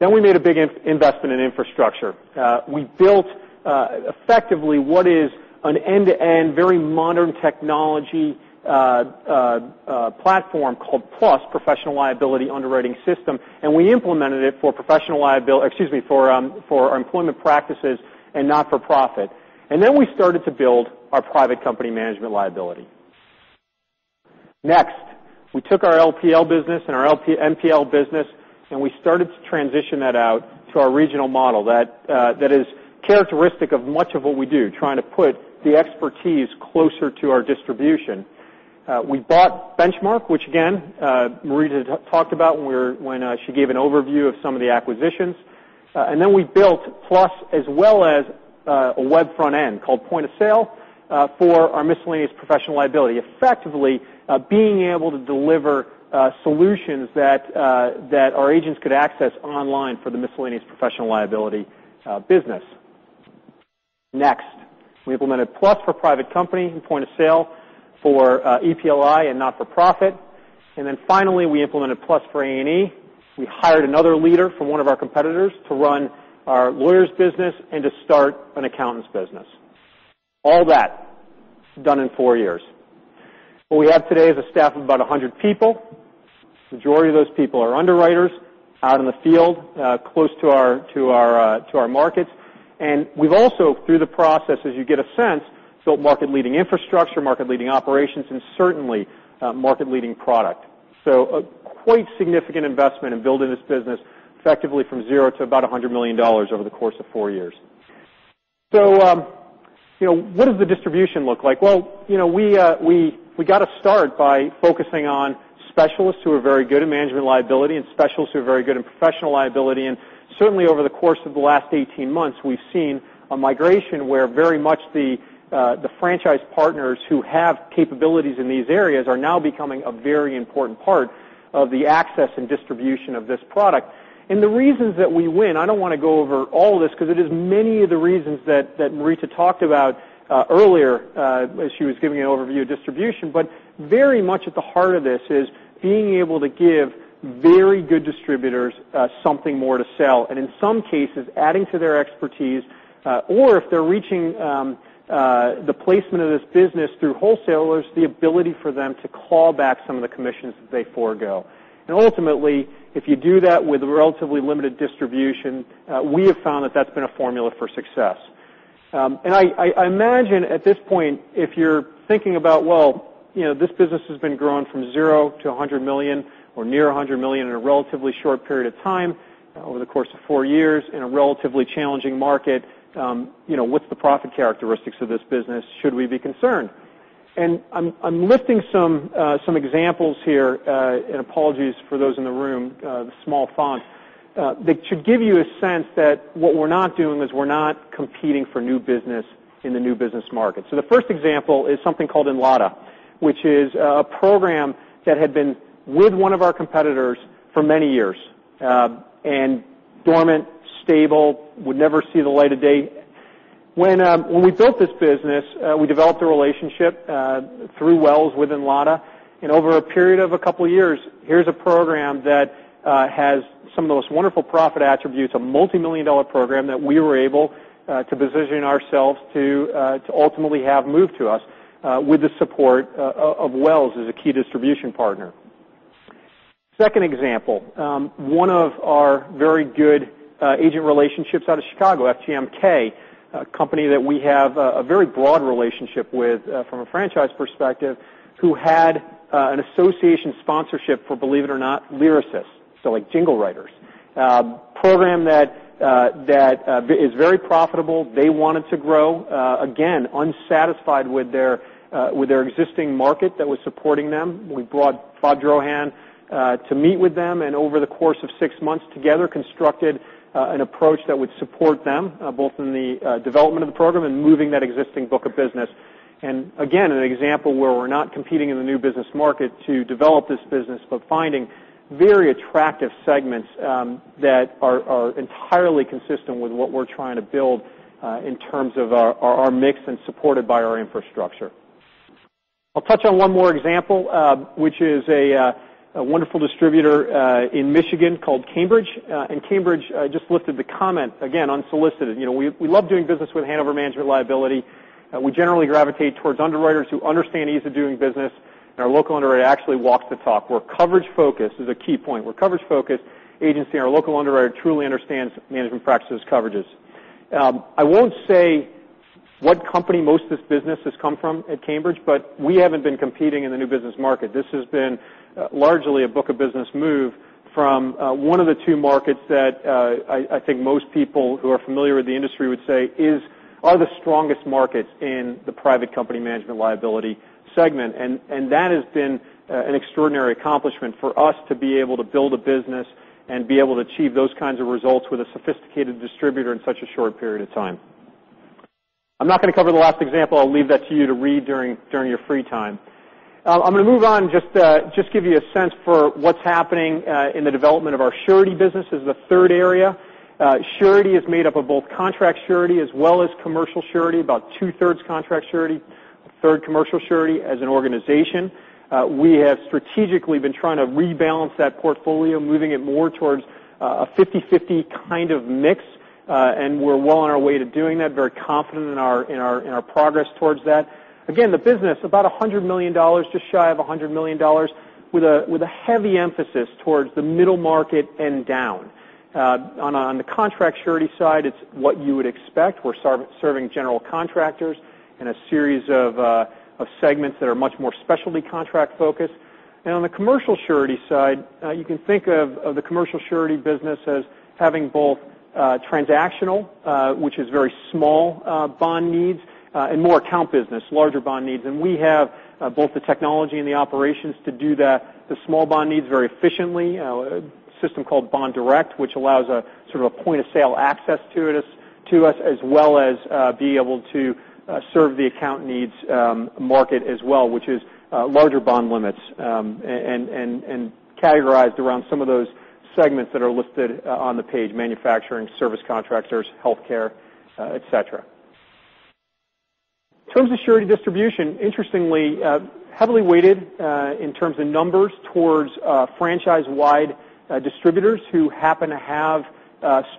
Then we made a big investment in infrastructure. We built effectively what is an end-to-end, very modern technology platform called PLUS, Professional Liability Underwriting System, and we implemented it for our employment practices and not-for-profit. Then we started to build our private company management liability. We took our LPL business and our MPL business, and we started to transition that out to our regional model. That is characteristic of much of what we do, trying to put the expertise closer to our distribution. We bought Benchmark, which again, Marita talked about when she gave an overview of some of the acquisitions. Then we built PLUS, as well as a web front end called Point of Sale for our miscellaneous professional liability, effectively being able to deliver solutions that our agents could access online for the miscellaneous professional liability business. Next, we implemented PLUS for private company and Point of Sale for EPLI and not-for-profit. Then finally, we implemented PLUS for A&E. We hired another leader from one of our competitors to run our lawyers business and to start an accountants business. All that done in four years. What we have today is a staff of about 100 people. Majority of those people are underwriters out in the field, close to our markets. We've also, through the process, as you get a sense, built market-leading infrastructure, market-leading operations, and certainly, market-leading product. A quite significant investment in building this business effectively from 0 to about $100 million over the course of four years. What does the distribution look like? Well, we got a start by focusing on specialists who are very good at management liability and specialists who are very good in professional liability. Certainly over the course of the last 18 months, we've seen a migration where very much the franchise partners who have capabilities in these areas are now becoming a very important part of the access and distribution of this product. The reasons that we win, I don't want to go over all of this because it is many of the reasons that Marita talked about earlier, as she was giving an overview of distribution. Very much at the heart of this is being able to give very good distributors something more to sell, and in some cases, adding to their expertise, or if they're reaching the placement of this business through wholesalers, the ability for them to claw back some of the commissions that they forego. Ultimately, if you do that with relatively limited distribution, we have found that's been a formula for success. I imagine at this point, if you're thinking about, well, this business has been growing from 0 to $100 million or near $100 million in a relatively short period of time, over the course of four years in a relatively challenging market, what's the profit characteristics of this business? Should we be concerned? I'm listing some examples here, and apologies for those in the room, the small font, that should give you a sense that what we're not doing is we're not competing for new business in the new business market. The first example is something called NLADA, which is a program that had been with one of our competitors for many years, and dormant, stable, would never see the light of day. When we built this business, we developed a relationship through Wells with NLADA. Over a period of a couple of years, here's a program that has some of the most wonderful profit attributes, a multimillion-dollar program that we were able to position ourselves to ultimately have moved to us, with the support of Wells as a key distribution partner. Second example, one of our very good agent relationships out of Chicago, FGMK, a company that we have a very broad relationship with from a franchise perspective, who had an association sponsorship for, believe it or not, lyricists, so like jingle writers. A program that is very profitable. They wanted to grow. Again, unsatisfied with their existing market that was supporting them. We brought Todd Rohan to meet with them, over the course of six months together, constructed an approach that would support them, both in the development of the program and moving that existing book of business. Again, an example where we're not competing in the new business market to develop this business, but finding very attractive segments that are entirely consistent with what we're trying to build in terms of our mix and supported by our infrastructure. I'll touch on one more example, which is a wonderful distributor in Michigan called Cambridge. Cambridge just listed the comment, again, unsolicited. "We love doing business with Hanover Management Liability. We generally gravitate towards underwriters who understand ease of doing business, and our local underwriter actually walks the talk. We're coverage-focused." This is a key point. "We're a coverage-focused agency, and our local underwriter truly understands management practices coverages." I won't say what company most of this business has come from at Cambridge, but we haven't been competing in the new business market. This has been largely a book of business move from one of the two markets that I think most people who are familiar with the industry would say are the strongest markets in the private company management liability segment. That has been an extraordinary accomplishment for us to be able to build a business and be able to achieve those kinds of results with a sophisticated distributor in such a short period of time. I'm not going to cover the last example. I'll leave that to you to read during your free time. I'm going to move on, just give you a sense for what's happening in the development of our surety business as the third area. Surety is made up of both contract surety as well as commercial surety, about two-thirds contract surety, a third commercial surety as an organization. We have strategically been trying to rebalance that portfolio, moving it more towards a 50/50 kind of mix. We're well on our way to doing that, very confident in our progress towards that. Again, the business, about $100 million, just shy of $100 million, with a heavy emphasis towards the middle market and down. On the contract surety side, it's what you would expect. We're serving general contractors in a series of segments that are much more specialty contract focused. On the commercial surety side, you can think of the commercial surety business as having both transactional, which is very small bond needs, and more account business, larger bond needs. We have both the technology and the operations to do the small bond needs very efficiently, a system called Bond Direct, which allows sort of a Point of Sale access to us, as well as be able to serve the account needs market as well, which is larger bond limits, and categorized around some of those segments that are listed on the page, manufacturing, service contractors, healthcare, et cetera. In terms of surety distribution, interestingly, heavily weighted, in terms of numbers, towards franchise-wide distributors who happen to have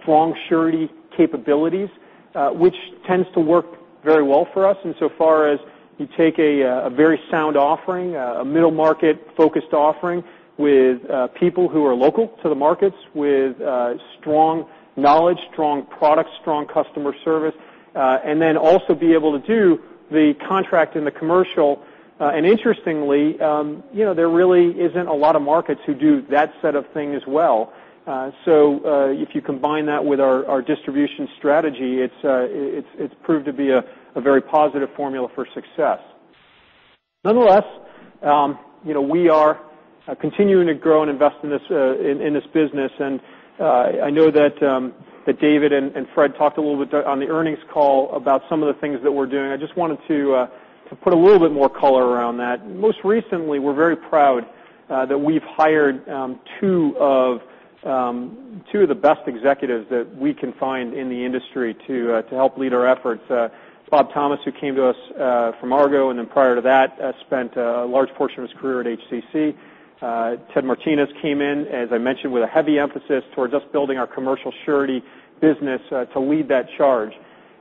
strong surety capabilities, which tends to work very well for us in so far as you take a very sound offering, a middle market focused offering with people who are local to the markets with strong knowledge, strong product, strong customer service, and then also be able to do the contract and the commercial. Interestingly, there really isn't a lot of markets who do that set of thing as well. If you combine that with our distribution strategy, it's proved to be a very positive formula for success. Nonetheless, we are continuing to grow and invest in this business. I know that David and Fred talked a little bit on the earnings call about some of the things that we're doing. I just wanted to put a little bit more color around that. Most recently, we're very proud that we've hired 2 of the best executives that we can find in the industry to help lead our efforts. Bob Thomas, who came to us from Argo, and then prior to that, spent a large portion of his career at HCC. Ted Martinez came in, as I mentioned, with a heavy emphasis towards us building our commercial surety business to lead that charge.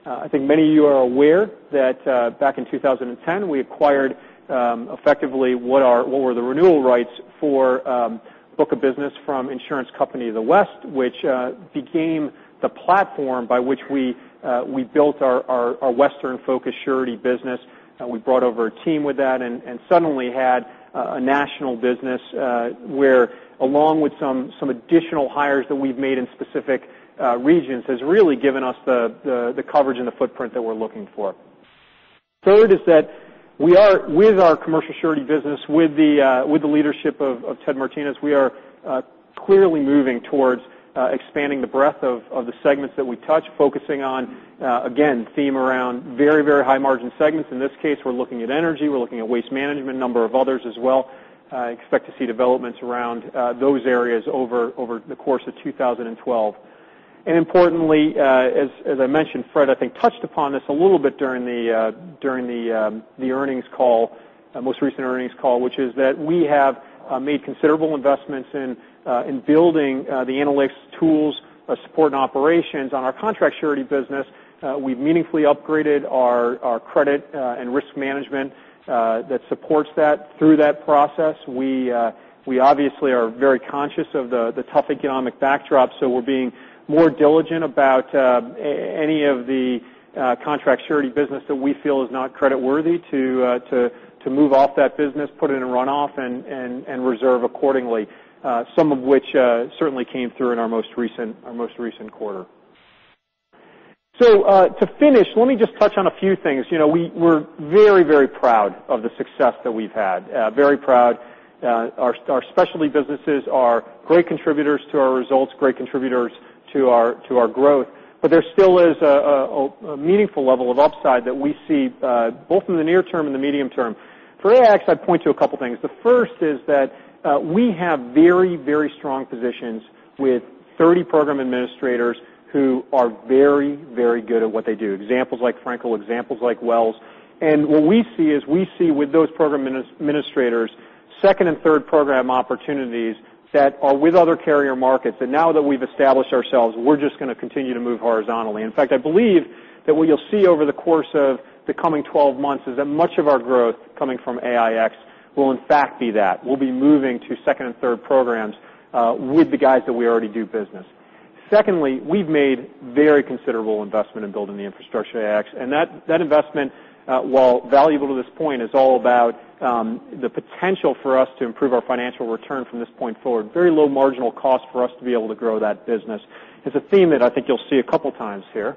I think many of you are aware that back in 2010, we acquired effectively what were the renewal rights for book of business from Insurance Company of the West, which became the platform by which we built our Western-focused surety business. We brought over a team with that and suddenly had a national business where, along with some additional hires that we've made in specific regions, has really given us the coverage and the footprint that we're looking for. Third is that with our commercial surety business, with the leadership of Ted Martinez, we are clearly moving towards expanding the breadth of the segments that we touch, focusing on, again, theme around very high margin segments. In this case, we're looking at energy, we're looking at waste management, a number of others as well. Expect to see developments around those areas over the course of 2012. Importantly, as I mentioned, Fred, I think, touched upon this a little bit during the most recent earnings call, which is that we have made considerable investments in building the analytics tools, support, and operations on our contract surety business. We've meaningfully upgraded our credit and risk management that supports that through that process. We obviously are very conscious of the tough economic backdrop, so we're being more diligent about any of the contract surety business that we feel is not creditworthy to move off that business, put it in a runoff, and reserve accordingly. Some of which certainly came through in our most recent quarter. To finish, let me just touch on a few things. We're very, very proud of the success that we've had. Very proud. Our specialty businesses are great contributors to our results, great contributors to our growth. There still is a meaningful level of upside that we see both in the near term and the medium term. For AIX, I'd point to a couple of things. The first is that we have very, very strong positions with 30 program administrators who are very, very good at what they do. Examples like Frenkel & Co., examples like Wells Fargo. What we see is we see with those program administrators, second and third program opportunities that are with other carrier markets. Now that we've established ourselves, we're just going to continue to move horizontally. In fact, I believe that what you'll see over the course of the coming 12 months is that much of our growth coming from AIX will in fact be that. We'll be moving to second and third programs with the guys that we already do business. Secondly, we've made very considerable investment in building the infrastructure at AIX, and that investment, while valuable to this point, is all about the potential for us to improve our financial return from this point forward. Very low marginal cost for us to be able to grow that business. It's a theme that I think you'll see a couple of times here.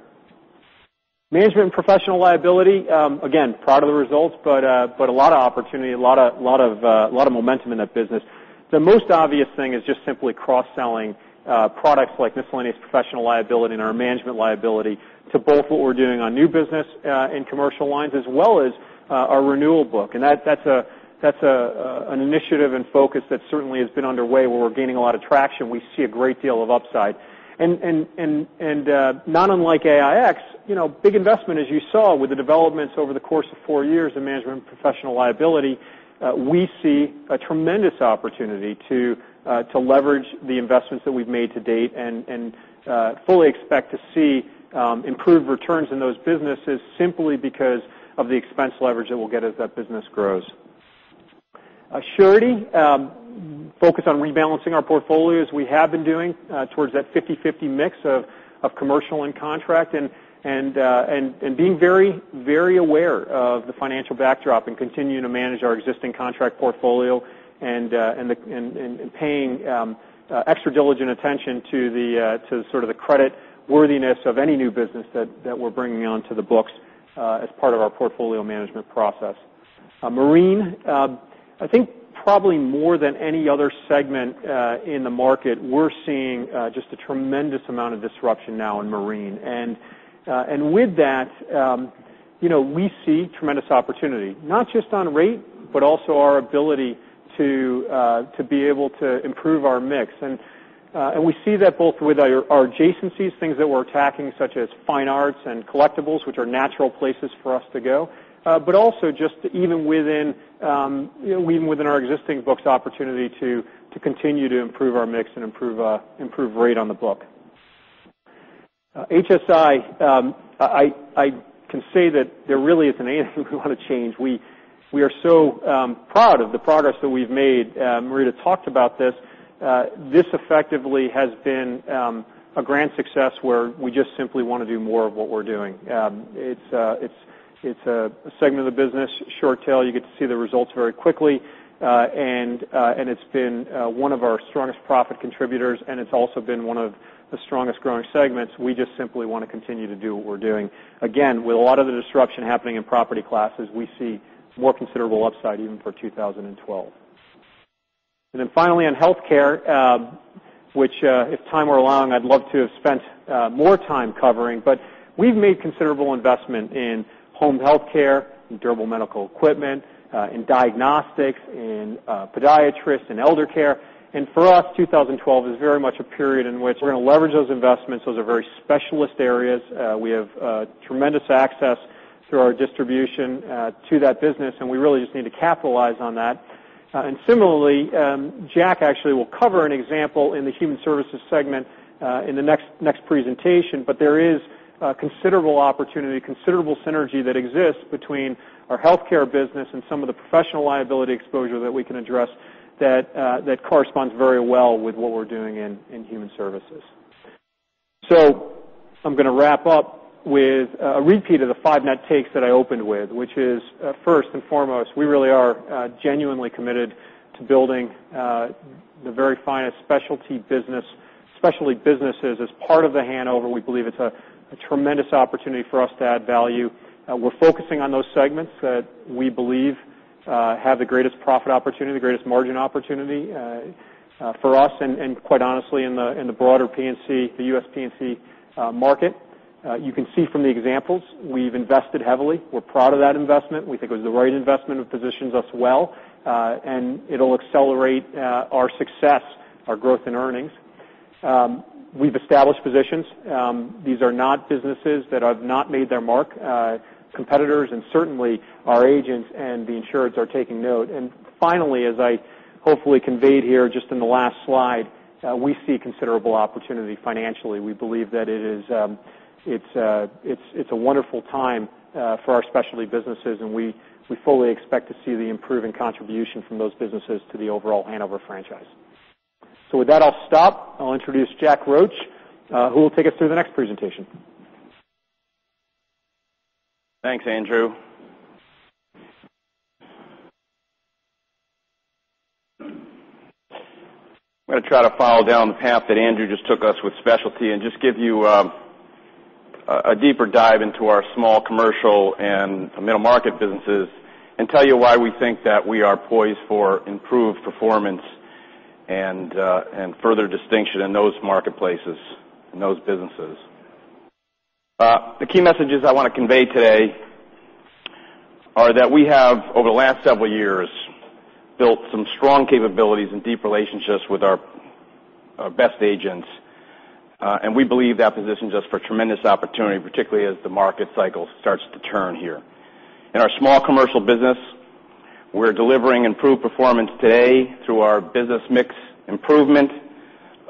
Management Professional Liability, again, proud of the results, but a lot of opportunity, a lot of momentum in that business. The most obvious thing is just simply cross-selling products like miscellaneous professional liability and our Management Liability to both what we're doing on new business in commercial lines as well as our renewal book. That's an initiative and focus that certainly has been underway where we're gaining a lot of traction. We see a great deal of upside. Not unlike Aix, big investment, as you saw, with the developments over the course of four years in Management Professional Liability. We see a tremendous opportunity to leverage the investments that we've made to date and fully expect to see improved returns in those businesses simply because of the expense leverage that we'll get as that business grows. Surety, focus on rebalancing our portfolio as we have been doing towards that 50/50 mix of commercial and contract, being very aware of the financial backdrop and continuing to manage our existing contract portfolio and paying extra diligent attention to the sort of the credit worthiness of any new business that we're bringing onto the books as part of our portfolio management process. Marine, I think probably more than any other segment in the market, we're seeing just a tremendous amount of disruption now in marine. With that, we see tremendous opportunity, not just on rate, but also our ability to be able to improve our mix. We see that both with our adjacencies, things that we're attacking, such as fine arts and collectibles, which are natural places for us to go, but also just even within our existing books opportunity to continue to improve our mix and improve rate on the book. HSI, I can say that there really isn't anything we want to change. We are so proud of the progress that we've made. Marita talked about this. This effectively has been a grand success where we just simply want to do more of what we're doing. It's a segment of the business, short tail, you get to see the results very quickly. It's been one of our strongest profit contributors, and it's also been one of the strongest growing segments. We just simply want to continue to do what we're doing. With a lot of the disruption happening in property classes, we see more considerable upside even for 2012. Finally on healthcare, which if time were allowing, I'd love to have spent more time covering, but we've made considerable investment in home healthcare and durable medical equipment, in diagnostics, in podiatrists, in elder care. For us, 2012 is very much a period in which we're going to leverage those investments. Those are very specialist areas. We have tremendous access through our distribution to that business, and we really just need to capitalize on that. Similarly, Jack actually will cover an example in the human services segment in the next presentation, but there is a considerable opportunity, considerable synergy that exists between our healthcare business and some of the professional liability exposure that we can address that corresponds very well with what we're doing in human services. I'm going to wrap up with a repeat of the five net takes that I opened with, which is first and foremost, we really are genuinely committed to building the very finest specialty businesses. As part of The Hanover, we believe it's a tremendous opportunity for us to add value. We're focusing on those segments that we believe have the greatest profit opportunity, the greatest margin opportunity for us, and quite honestly, in the broader P&C, the U.S. P&C market. You can see from the examples, we've invested heavily. We're proud of that investment. We think it was the right investment. It positions us well. It'll accelerate our success, our growth in earnings. We've established positions. These are not businesses that have not made their mark. Competitors and certainly our agents and the insureds are taking note. Finally, as I hopefully conveyed here just in the last slide, we see considerable opportunity financially. We believe that it's a wonderful time for our specialty businesses, and we fully expect to see the improving contribution from those businesses to the overall Hanover franchise. With that, I'll stop. I'll introduce Jack Roche, who will take us through the next presentation. Thanks, Andrew. I'm going to try to follow down the path that Andrew just took us with specialty and just give you a deeper dive into our small commercial and middle market businesses and tell you why we think that we are poised for improved performance and further distinction in those marketplaces, in those businesses. The key messages I want to convey today are that we have, over the last several years, built some strong capabilities and deep relationships with our best agents, and we believe that positions us for tremendous opportunity, particularly as the market cycle starts to turn here. In our small commercial business, we're delivering improved performance today through our business mix improvement,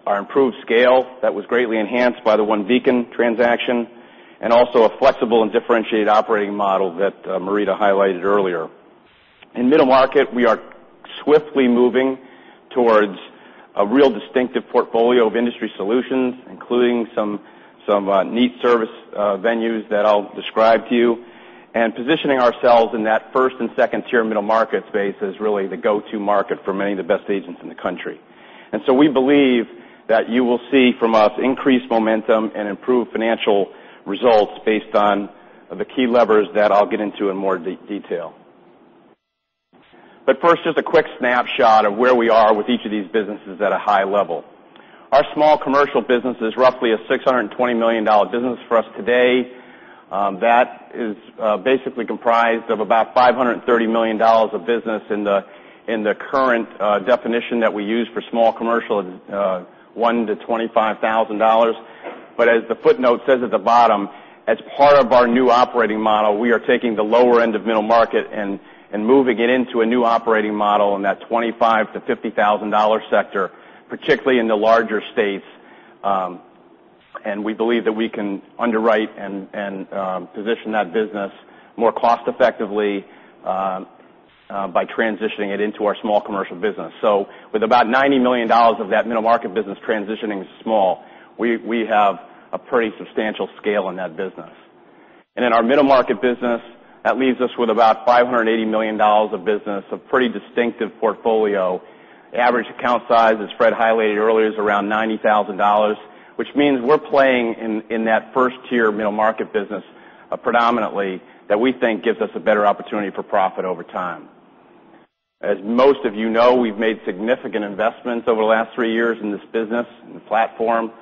our improved scale that was greatly enhanced by the OneBeacon transaction, and also a flexible and differentiated operating model that Marita highlighted earlier. In middle market, we are swiftly moving towards a real distinctive portfolio of industry solutions, including some neat service venues that I'll describe to you, positioning ourselves in that first and second-tier middle market space as really the go-to market for many of the best agents in the country. So we believe that you will see from us increased momentum and improved financial results based on the key levers that I'll get into in more detail. First, just a quick snapshot of where we are with each of these businesses at a high level. Our small commercial business is roughly a $620 million business for us today. That is basically comprised of about $530 million of business in the current definition that we use for small commercial, $1 to $25,000. As the footnote says at the bottom, as part of our new operating model, we are taking the lower end of middle market and moving it into a new operating model in that $25,000 to $50,000 sector, particularly in the larger states. We believe that we can underwrite and position that business more cost effectively by transitioning it into our small commercial business. With about $90 million of that middle market business transitioning to small, we have a pretty substantial scale in that business. In our middle market business, that leaves us with about $580 million of business, a pretty distinctive portfolio. Average account size, as Fred highlighted earlier, is around $90,000, which means we're playing in that first-tier middle market business predominantly that we think gives us a better opportunity for profit over time. As most of you know, we've made significant investments over the last three years in this business and the platform,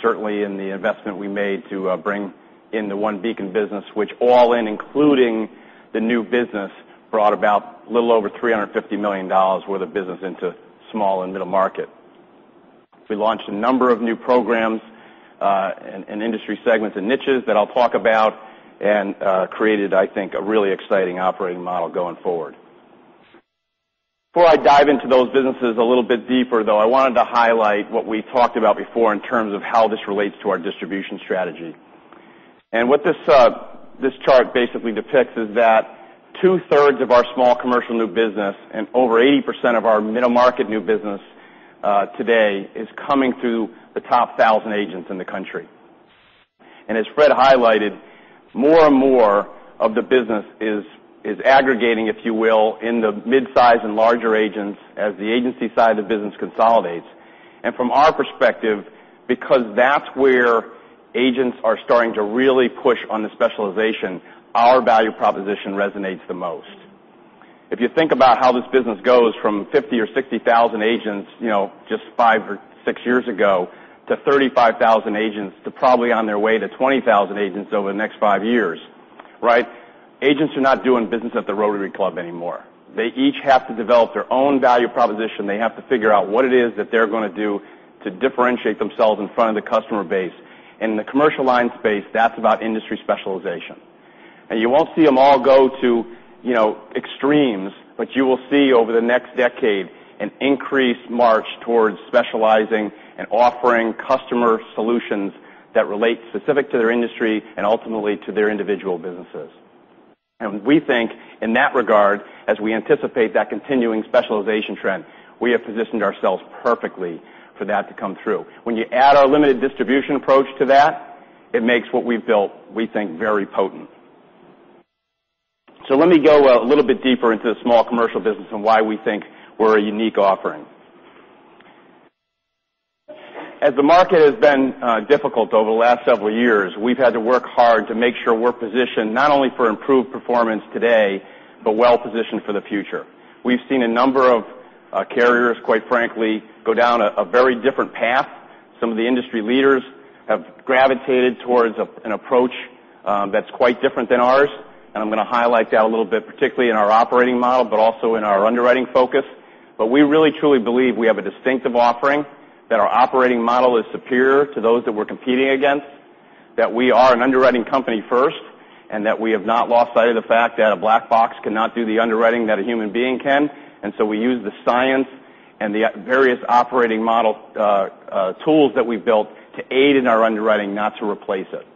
certainly in the investment we made to bring in the OneBeacon business, which all in, including the new business, brought about a little over $350 million worth of business into small and middle market. We launched a number of new programs, industry segments, and niches that I'll talk about and created, I think, a really exciting operating model going forward. Before I dive into those businesses a little bit deeper, though, I wanted to highlight what we talked about before in terms of how this relates to our distribution strategy. What this chart basically depicts is that two-thirds of our small commercial new business and over 80% of our middle market new business today is coming through the top 1,000 agents in the country. As Fred highlighted, more and more of the business is aggregating, if you will, in the midsize and larger agents as the agency side of the business consolidates. From our perspective, because that's where agents are starting to really push on the specialization, our value proposition resonates the most. If you think about how this business goes from 50,000 or 60,000 agents just five or six years ago, to 35,000 agents, to probably on their way to 20,000 agents over the next five years, right? Agents are not doing business at the Rotary Club anymore. They each have to develop their own value proposition. They have to figure out what it is that they're going to do to differentiate themselves in front of the customer base. In the commercial line space, that's about industry specialization. You won't see them all go to extremes, but you will see over the next decade an increased march towards specializing and offering customer solutions that relate specific to their industry and ultimately to their individual businesses. We think in that regard, as we anticipate that continuing specialization trend, we have positioned ourselves perfectly for that to come through. When you add our limited distribution approach to that, it makes what we've built, we think, very potent. Let me go a little bit deeper into the Small Commercial business and why we think we're a unique offering. As the market has been difficult over the last several years, we've had to work hard to make sure we're positioned not only for improved performance today, but well-positioned for the future. We've seen a number of carriers, quite frankly, go down a very different path. Some of the industry leaders have gravitated towards an approach that's quite different than ours, I'm going to highlight that a little bit, particularly in our operating model, also in our underwriting focus. We really truly believe we have a distinctive offering, that our operating model is superior to those that we're competing against, that we are an underwriting company first, that we have not lost sight of the fact that a black box cannot do the underwriting that a human being can. We use the science and the various operating model tools that we've built to aid in our underwriting, not to replace it.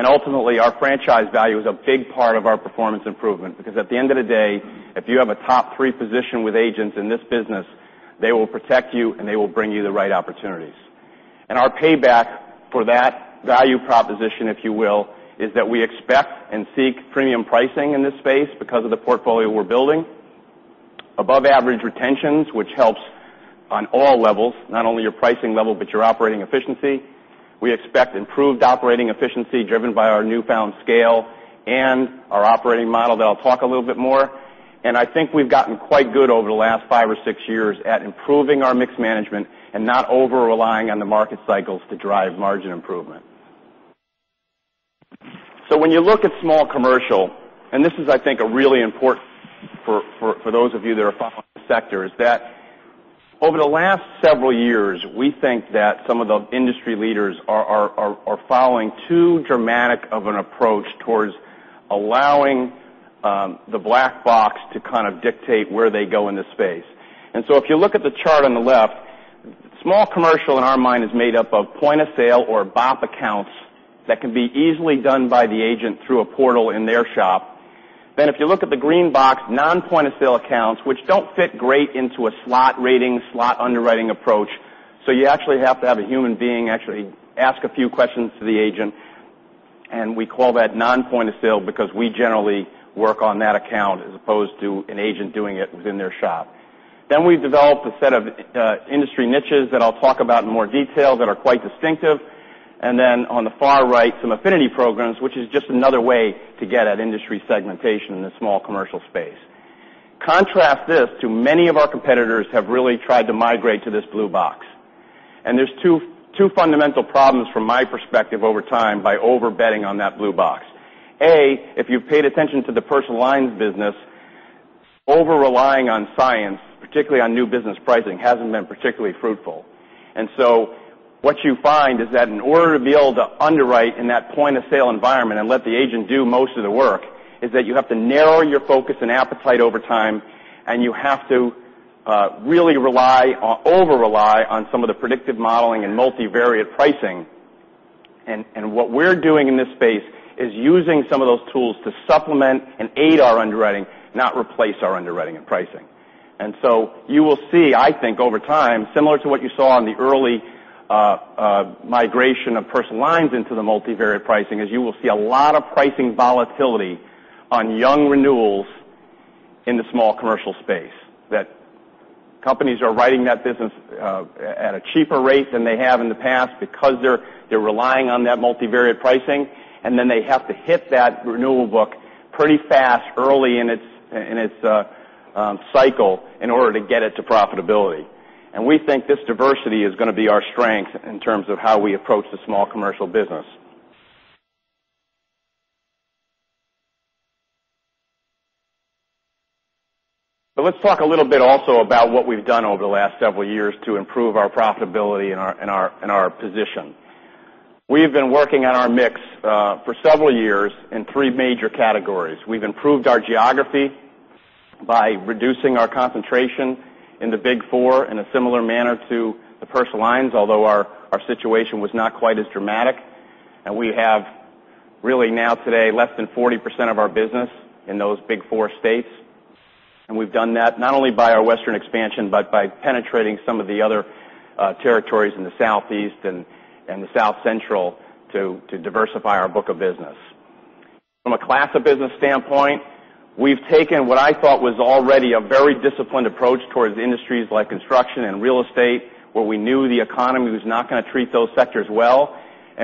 Ultimately, our franchise value is a big part of our performance improvement, because at the end of the day, if you have a top 3 position with agents in this business, they will protect you and they will bring you the right opportunities. Our payback for that value proposition, if you will, is that we expect and seek premium pricing in this space because of the portfolio we're building. Above-average retentions, which helps on all levels, not only your pricing level but your operating efficiency. We expect improved operating efficiency driven by our newfound scale and our operating model that I'll talk a little bit more. I think we've gotten quite good over the last 5 or 6 years at improving our mix management and not over-relying on the market cycles to drive margin improvement. When you look at Small Commercial, this is, I think, a really important for those of you that are following the sector, is that over the last several years, we think that some of the industry leaders are following too dramatic of an approach towards allowing the black box to kind of dictate where they go in this space. If you look at the chart on the left, Small Commercial in our mind is made up of Point of Sale or BOP accounts that can be easily done by the agent through a portal in their shop. If you look at the green box, non-Point of Sale accounts, which don't fit great into a slot rating, slot underwriting approach. You actually have to have a human being actually ask a few questions to the agent, and we call that non-Point of Sale because we generally work on that account as opposed to an agent doing it within their shop. We've developed a set of industry niches that I'll talk about in more detail that are quite distinctive. On the far right, some affinity programs, which is just another way to get at industry segmentation in the Small Commercial space. Contrast this to many of our competitors have really tried to migrate to this blue box. There's two fundamental problems from my perspective over time by over-betting on that blue box. A. If you paid attention to the personal lines business, over-relying on science, particularly on new business pricing, hasn't been particularly fruitful. What you find is that in order to be able to underwrite in that Point of Sale environment and let the agent do most of the work, is that you have to narrow your focus and appetite over time, and you have to really rely or over-rely on some of the predictive modeling and multivariate pricing. What we're doing in this space is using some of those tools to supplement and aid our underwriting, not replace our underwriting and pricing. You will see, I think, over time, similar to what you saw in the early migration of personal lines into the multivariate pricing, is you will see a lot of pricing volatility on young renewals in the Small Commercial space, that companies are writing that business at a cheaper rate than they have in the past because they're relying on that multivariate pricing, and then they have to hit that renewal book pretty fast, early in its cycle in order to get it to profitability. We think this diversity is going to be our strength in terms of how we approach the Small Commercial business. Let's talk a little bit also about what we've done over the last several years to improve our profitability and our position. We've been working on our mix for several years in 3 major categories. We've improved our geography by reducing our concentration in the Big Four in a similar manner to the personal lines, although our situation was not quite as dramatic. We have really now today less than 40% of our business in those Big Four states. We've done that not only by our Western expansion, but by penetrating some of the other territories in the Southeast and South Central to diversify our book of business. From a class of business standpoint, we've taken what I thought was already a very disciplined approach towards industries like construction and real estate, where we knew the economy was not going to treat those sectors well.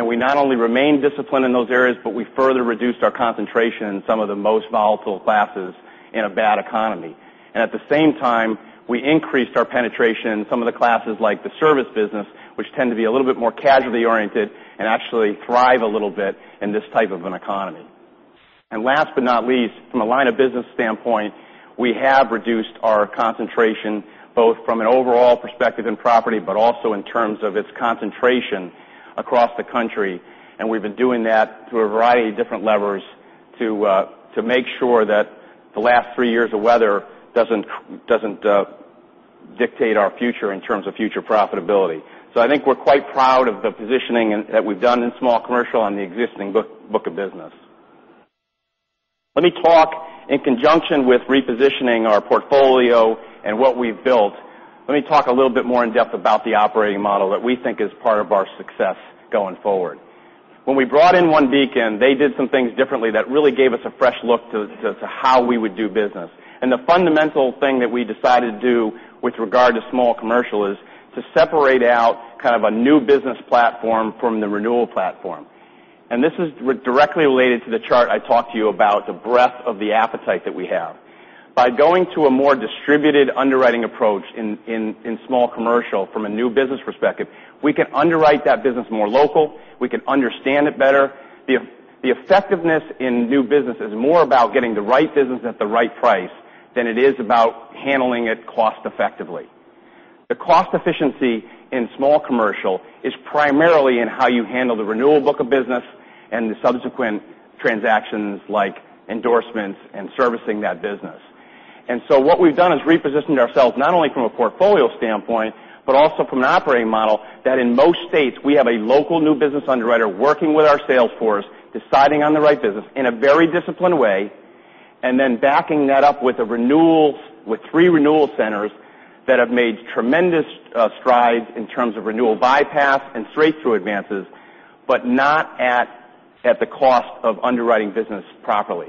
We not only remain disciplined in those areas, but we further reduced our concentration in some of the most volatile classes in a bad economy. At the same time, we increased our penetration in some of the classes like the service business, which tend to be a little bit more casualty oriented and actually thrive a little bit in this type of an economy. Last but not least, from a line of business standpoint, we have reduced our concentration both from an overall perspective in property but also in terms of its concentration across the country. We've been doing that through a variety of different levers to make sure that the last three years of weather doesn't dictate our future in terms of future profitability. I think we're quite proud of the positioning that we've done in small commercial on the existing book of business. Let me talk in conjunction with repositioning our portfolio and what we've built. Let me talk a little bit more in depth about the operating model that we think is part of our success going forward. When we brought in OneBeacon, they did some things differently that really gave us a fresh look to how we would do business. The fundamental thing that we decided to do with regard to small commercial is to separate out kind of a new business platform from the renewal platform. This is directly related to the chart I talked to you about the breadth of the appetite that we have. By going to a more distributed underwriting approach in small commercial from a new business perspective, we can underwrite that business more local, we can understand it better. The effectiveness in new business is more about getting the right business at the right price than it is about handling it cost effectively. The cost efficiency in small commercial is primarily in how you handle the renewal book of business and the subsequent transactions like endorsements and servicing that business. What we've done is repositioned ourselves not only from a portfolio standpoint, but also from an operating model that in most states, we have a local new business underwriter working with our sales force, deciding on the right business in a very disciplined way. Then backing that up with three renewal centers that have made tremendous strides in terms of renewal bypass and straight-through advances, but not at the cost of underwriting business properly.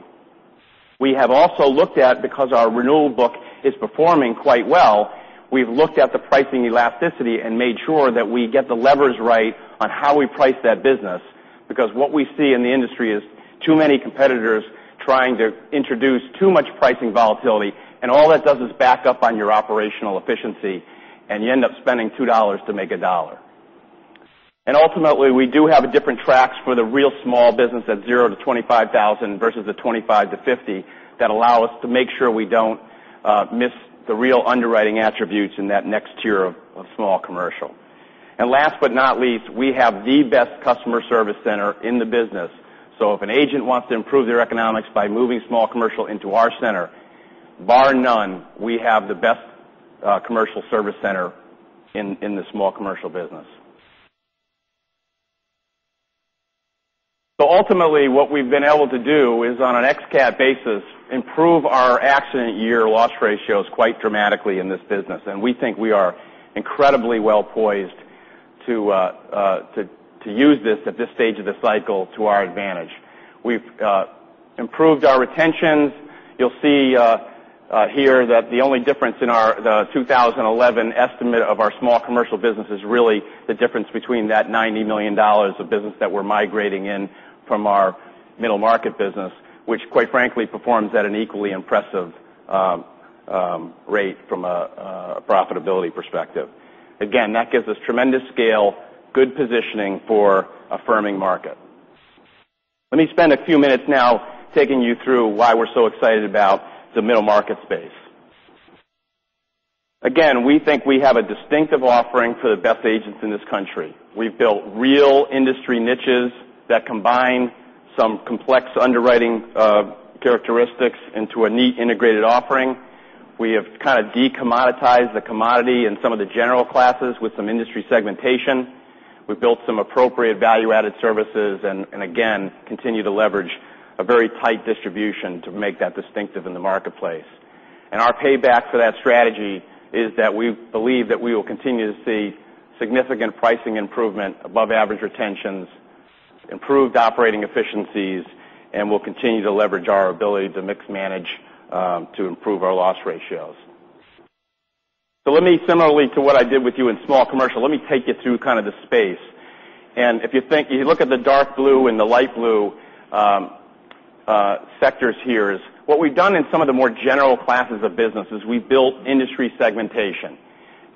We have also looked at, because our renewal book is performing quite well, we've looked at the pricing elasticity and made sure that we get the levers right on how we price that business, because what we see in the industry is too many competitors trying to introduce too much pricing volatility, and all that does is back up on your operational efficiency, and you end up spending $2 to make $1. Ultimately, we do have different tracks for the real small business at $0 to $25,000 versus the $25 to $50 that allow us to make sure we don't miss the real underwriting attributes in that next tier of small commercial. Last but not least, we have the best customer service center in the business. If an agent wants to improve their economics by moving small commercial into our center, bar none, we have the best commercial service center in the small commercial business. Ultimately, what we've been able to do is, on an ex-cat basis, improve our accident year loss ratios quite dramatically in this business. We think we are incredibly well-poised to use this at this stage of the cycle to our advantage. We've improved our retentions. You'll see here that the only difference in the 2011 estimate of our small commercial business is really the difference between that $90 million of business that we're migrating in from our middle market business, which, quite frankly, performs at an equally impressive rate from a profitability perspective. Again, that gives us tremendous scale, good positioning for a firming market. Let me spend a few minutes now taking you through why we're so excited about the middle market space. Again, we think we have a distinctive offering for the best agents in this country. We've built real industry niches that combine some complex underwriting characteristics into a neat, integrated offering. We have kind of de-commoditized the commodity in some of the general classes with some industry segmentation. We've built some appropriate value-added services and, again, continue to leverage a very tight distribution to make that distinctive in the marketplace. Our payback for that strategy is that we believe that we will continue to see significant pricing improvement, above-average retentions, improved operating efficiencies, and we'll continue to leverage our ability to mix manage to improve our loss ratios. Let me similarly to what I did with you in small commercial, let me take you through kind of the space. If you look at the dark blue and the light blue sectors here, what we've done in some of the more general classes of business is we've built industry segmentation.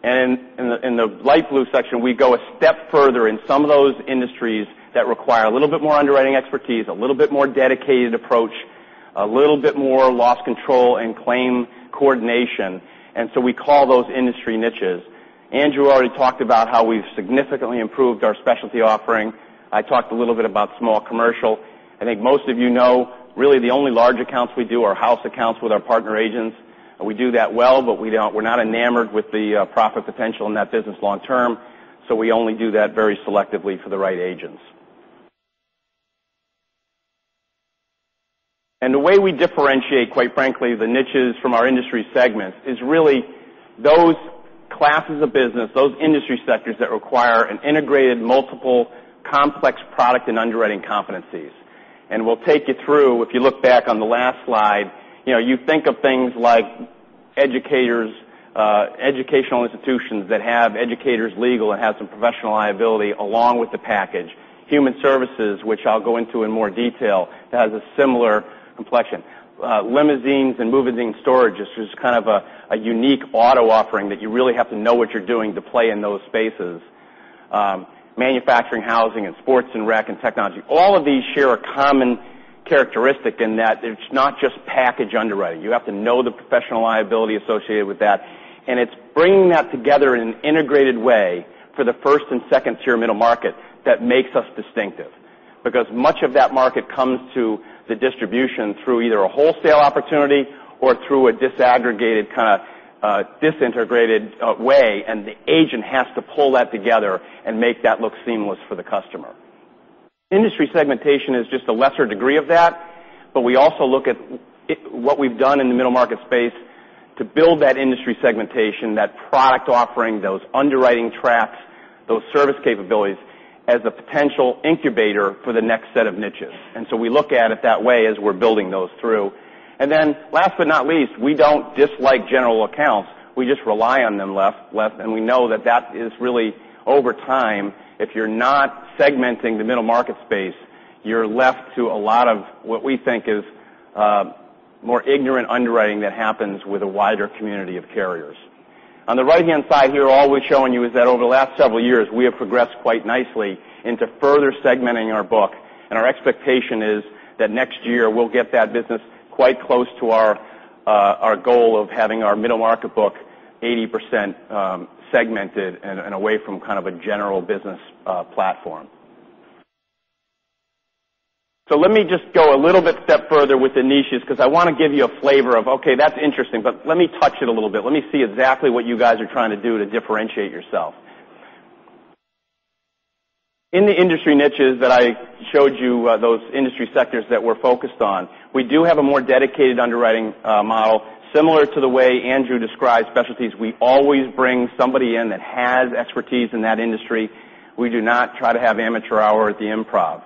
In the light blue section, we go a step further in some of those industries that require a little bit more underwriting expertise, a little bit more dedicated approach, a little bit more loss control and claim coordination, we call those industry niches. Andrew already talked about how we've significantly improved our specialty offering. I talked a little bit about small commercial. I think most of you know, really the only large accounts we do are house accounts with our partner agents, and we do that well, but we're not enamored with the profit potential in that business long term, we only do that very selectively for the right agents. The way we differentiate, quite frankly, the niches from our industry segments is really those classes of business, those industry sectors that require an integrated, multiple, complex product and underwriting competencies. We'll take you through, if you look back on the last slide, you think of things like educational institutions that have educators legal and have some professional liability along with the package. Human services, which I'll go into in more detail, has a similar complexion. Limousines and moving and storage is just kind of a unique auto offering that you really have to know what you're doing to play in those spaces. Manufacturing, housing, and sports and rec, and technology. All of these share a common characteristic in that it's not just package underwriting. You have to know the professional liability associated with that, and it's bringing that together in an integrated way for the first and second-tier middle market that makes us distinctive. Much of that market comes to the distribution through either a wholesale opportunity or through a disaggregated kind of disintegrated way, and the agent has to pull that together and make that look seamless for the customer. Industry segmentation is just a lesser degree of that, but we also look at what we've done in the middle market space to build that industry segmentation, that product offering, those underwriting tracks, those service capabilities as a potential incubator for the next set of niches. We look at it that way as we're building those through. Last but not least, we don't dislike general accounts. We just rely on them less, and we know that that is really over time, if you're not segmenting the middle market space, you're left to a lot of what we think is more ignorant underwriting that happens with a wider community of carriers. On the right-hand side here, all we're showing you is that over the last several years, we have progressed quite nicely into further segmenting our book, and our expectation is that next year, we'll get that business quite close to our goal of having our middle market book 80% segmented and away from kind of a general business platform. Let me just go a little bit step further with the niches because I want to give you a flavor of, okay, that's interesting, but let me touch it a little bit. Let me see exactly what you guys are trying to do to differentiate yourself. In the industry niches that I showed you, those industry sectors that we're focused on, we do have a more dedicated underwriting model. Similar to the way Andrew described specialties, we always bring somebody in that has expertise in that industry. We do not try to have amateur hour at the improv.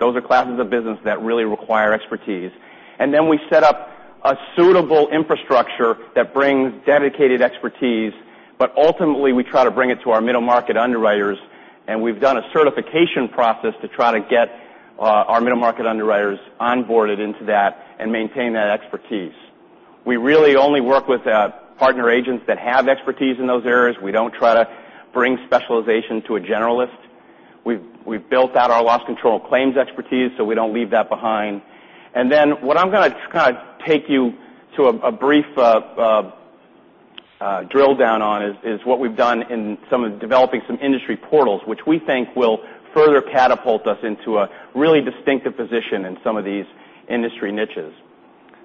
Those are classes of business that really require expertise. We set up a suitable infrastructure that brings dedicated expertise, but ultimately, we try to bring it to our middle market underwriters, and we've done a certification process to try to get our middle market underwriters onboarded into that and maintain that expertise. We really only work with partner agents that have expertise in those areas. We don't try to bring specialization to a generalist. We've built out our loss control claims expertise, we don't leave that behind. What I'm going to kind of take you to a brief drill down on is what we've done in developing some industry portals, which we think will further catapult us into a really distinctive position in some of these industry niches.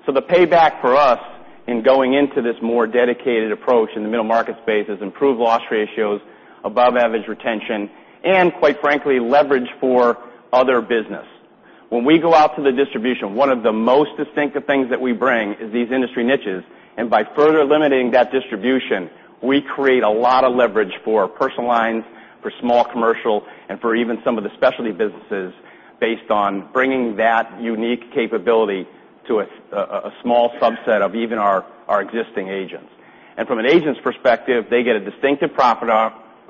The payback for us in going into this more dedicated approach in the middle market space is improved loss ratios, above-average retention, quite frankly, leverage for other business. When we go out to the distribution, one of the most distinctive things that we bring is these industry niches, by further limiting that distribution, we create a lot of leverage for personal lines, for small commercial, and for even some of the specialty businesses based on bringing that unique capability to a small subset of even our existing agents. From an agent's perspective, they get a distinctive product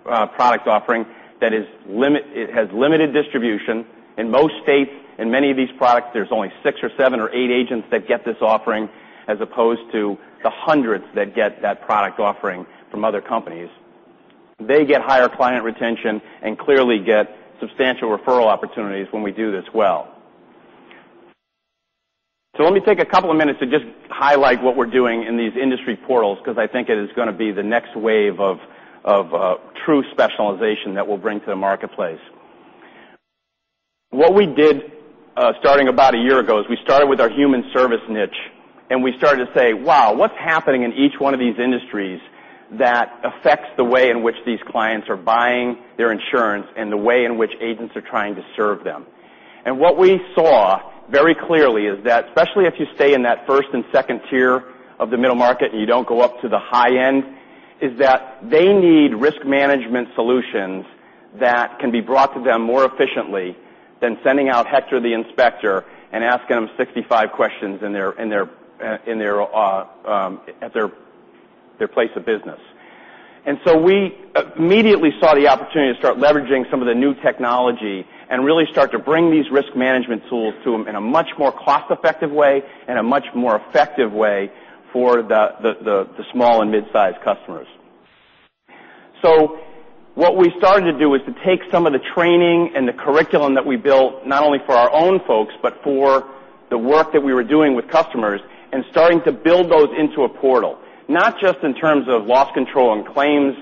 offering that has limited distribution. In most states, in many of these products, there's only six or seven or eight agents that get this offering, as opposed to the hundreds that get that product offering from other companies. They get higher client retention and clearly get substantial referral opportunities when we do this well. Let me take a couple of minutes to just highlight what we're doing in these industry portals because I think it is going to be the next wave of true specialization that we'll bring to the marketplace. What we did, starting about a year ago, is we started with our human service niche, we started to say, "Wow, what's happening in each one of these industries that affects the way in which these clients are buying their insurance and the way in which agents are trying to serve them?" What we saw very clearly is that, especially if you stay in that first and second tier of the middle market and you don't go up to the high end, is that they need risk management solutions that can be brought to them more efficiently than sending out Hector the inspector and asking them 65 questions at their place of business. We immediately saw the opportunity to start leveraging some of the new technology and really start to bring these risk management tools to them in a much more cost-effective way and a much more effective way for the small and mid-size customers. What we started to do is to take some of the training and the curriculum that we built, not only for our own folks, but for the work that we were doing with customers, and starting to build those into a portal, not just in terms of loss control and claims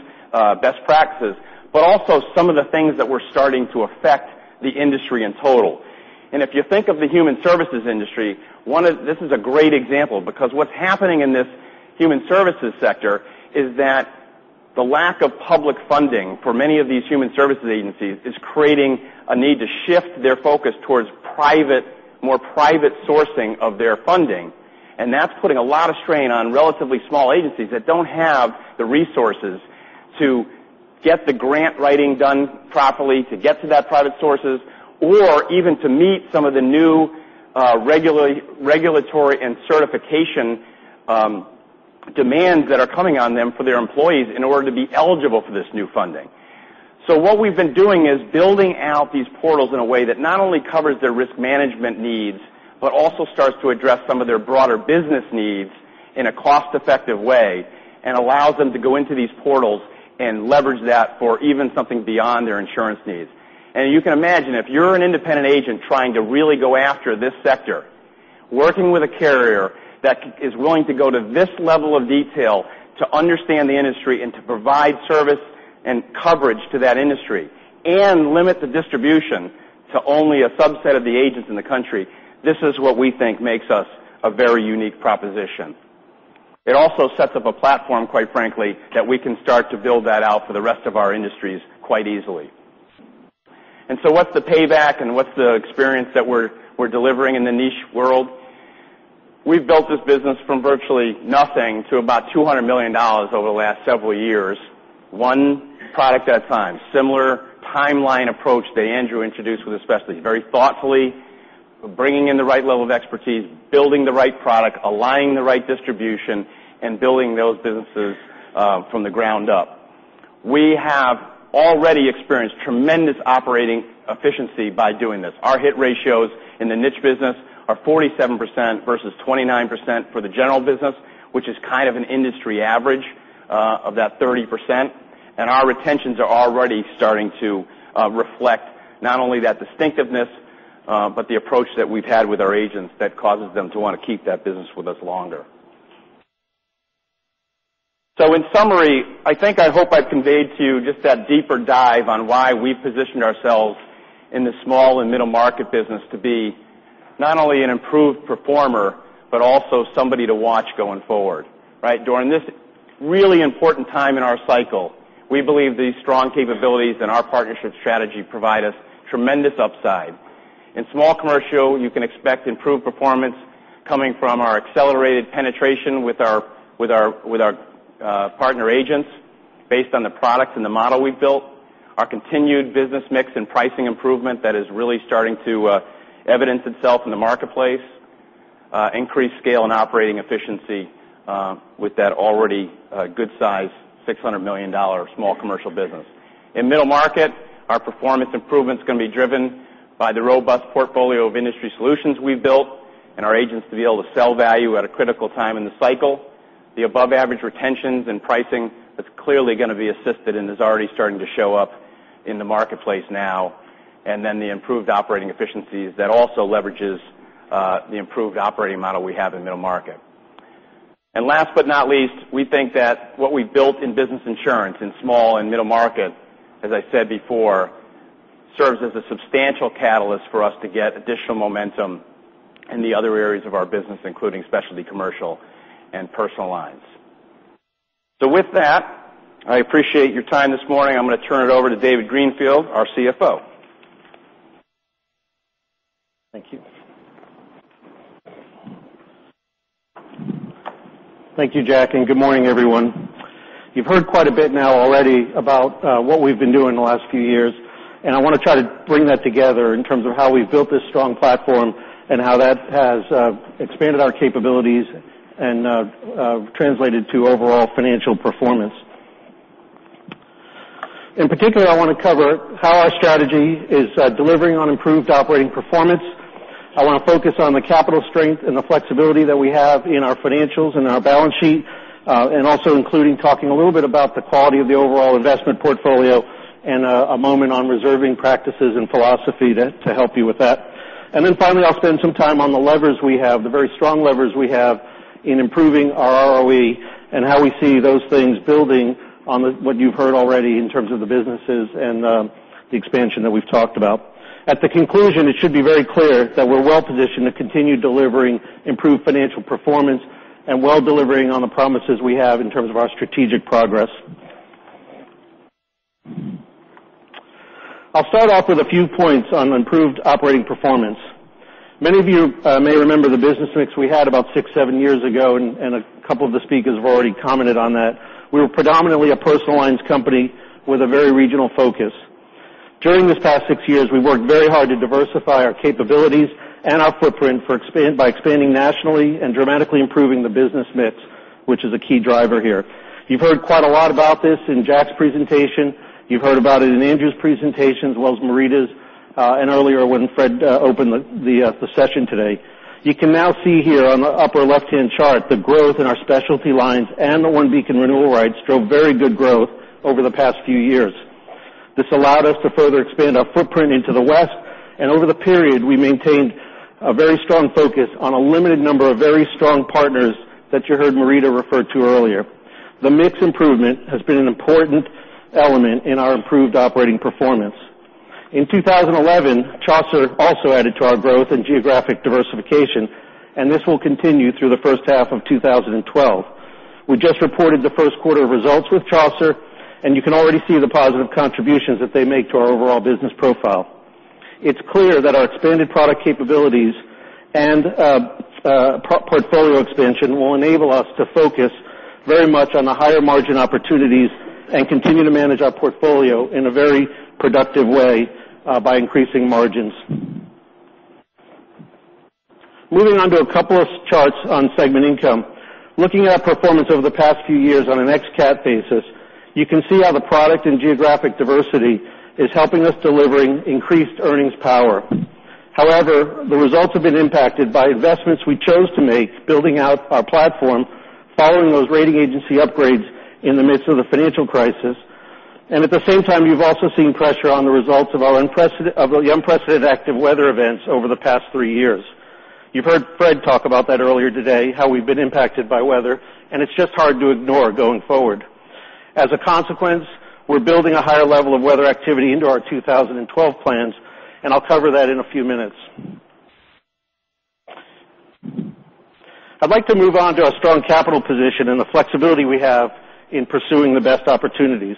best practices, but also some of the things that were starting to affect the industry in total. If you think of the human services industry, this is a great example because what's happening in this human services sector is that the lack of public funding for many of these human services agencies is creating a need to shift their focus towards more private sourcing of their funding. That's putting a lot of strain on relatively small agencies that don't have the resources to get the grant writing done properly to get to that private sources or even to meet some of the new regulatory and certification demands that are coming on them for their employees in order to be eligible for this new funding. What we've been doing is building out these portals in a way that not only covers their risk management needs but also starts to address some of their broader business needs in a cost-effective way and allows them to go into these portals and leverage that for even something beyond their insurance needs. You can imagine, if you're an independent agent trying to really go after this sector, working with a carrier that is willing to go to this level of detail to understand the industry and to provide service and coverage to that industry and limit the distribution to only a subset of the agents in the country, this is what we think makes us a very unique proposition. It also sets up a platform, quite frankly, that we can start to build that out for the rest of our industries quite easily. What's the payback and what's the experience that we're delivering in the niche world? We've built this business from virtually nothing to about $200 million over the last several years, one product at a time. Similar timeline approach that Andrew introduced with the specialty. Very thoughtfully bringing in the right level of expertise, building the right product, aligning the right distribution, and building those businesses from the ground up. We have already experienced tremendous operating efficiency by doing this. Our hit ratios in the niche business are 47% versus 29% for the general business, which is kind of an industry average of that 30%. Our retentions are already starting to reflect not only that distinctiveness but the approach that we've had with our agents that causes them to want to keep that business with us longer. In summary, I think I hope I've conveyed to you just that deeper dive on why we positioned ourselves in the Small and Middle Market business to be not only an improved performer, but also somebody to watch going forward. During this really important time in our cycle, we believe these strong capabilities and our partnership strategy provide us tremendous upside. In Small Commercial, you can expect improved performance coming from our accelerated penetration with our partner agents based on the products and the model we've built, our continued business mix and pricing improvement that is really starting to evidence itself in the marketplace, increased scale and operating efficiency with that already good size $600 million Small Commercial business. In Middle Market, our performance improvements can be driven by the robust portfolio of industry solutions we've built and our agents to be able to sell value at a critical time in the cycle, the above-average retentions and pricing that's clearly going to be assisted and is already starting to show up in the marketplace now, and then the improved operating efficiencies that also leverages the improved operating model we have in Middle Market. Last but not least, we think that what we've built in Business Insurance in Small and Middle Market, as I said before, serves as a substantial catalyst for us to get additional momentum in the other areas of our business, including Specialty Commercial and Personal Lines. With that, I appreciate your time this morning. I'm going to turn it over to David Greenfield, our CFO. Thank you. Thank you, Jack, and good morning, everyone. You've heard quite a bit now already about what we've been doing the last few years, and I want to try to bring that together in terms of how we've built this strong platform and how that has expanded our capabilities and translated to overall financial performance. In particular, I want to cover how our strategy is delivering on improved operating performance. I want to focus on the capital strength and the flexibility that we have in our financials and our balance sheet, and also including talking a little bit about the quality of the overall investment portfolio and a moment on reserving practices and philosophy to help you with that. Finally, I'll spend some time on the levers we have, the very strong levers we have in improving our ROE and how we see those things building on what you've heard already in terms of the businesses and the expansion that we've talked about. At the conclusion, it should be very clear that we're well-positioned to continue delivering improved financial performance and well delivering on the promises we have in terms of our strategic progress. I'll start off with a few points on improved operating performance. Many of you may remember the business mix we had about six, seven years ago, and a couple of the speakers have already commented on that. We were predominantly a personal lines company with a very regional focus. During these past six years, we worked very hard to diversify our capabilities and our footprint by expanding nationally and dramatically improving the business mix, which is a key driver here. You've heard quite a lot about this in Jack's presentation. You've heard about it in Andrew's presentation, as well as Marita's, and earlier when Fred opened the session today. You can now see here on the upper left-hand chart the growth in our specialty lines and the OneBeacon renewal rights drove very good growth over the past few years. This allowed us to further expand our footprint into the West, and over the period, we maintained a very strong focus on a limited number of very strong partners that you heard Marita refer to earlier. The mix improvement has been an important element in our improved operating performance. In 2011, Chaucer also added to our growth and geographic diversification, and this will continue through the first half of 2012. We just reported the first quarter results with Chaucer, and you can already see the positive contributions that they make to our overall business profile. It's clear that our expanded product capabilities and portfolio expansion will enable us to focus very much on the higher margin opportunities and continue to manage our portfolio in a very productive way by increasing margins. Moving on to a couple of charts on segment income. Looking at our performance over the past few years on an ex-cat basis, you can see how the product and geographic diversity is helping us delivering increased earnings power. However, the results have been impacted by investments we chose to make building out our platform following those rating agency upgrades in the midst of the financial crisis. At the same time, you've also seen pressure on the results of the unprecedented active weather events over the past three years. You've heard Fred talk about that earlier today, how we've been impacted by weather. It's just hard to ignore going forward. As a consequence, we're building a higher level of weather activity into our 2012 plans. I'll cover that in a few minutes. I'd like to move on to our strong capital position and the flexibility we have in pursuing the best opportunities.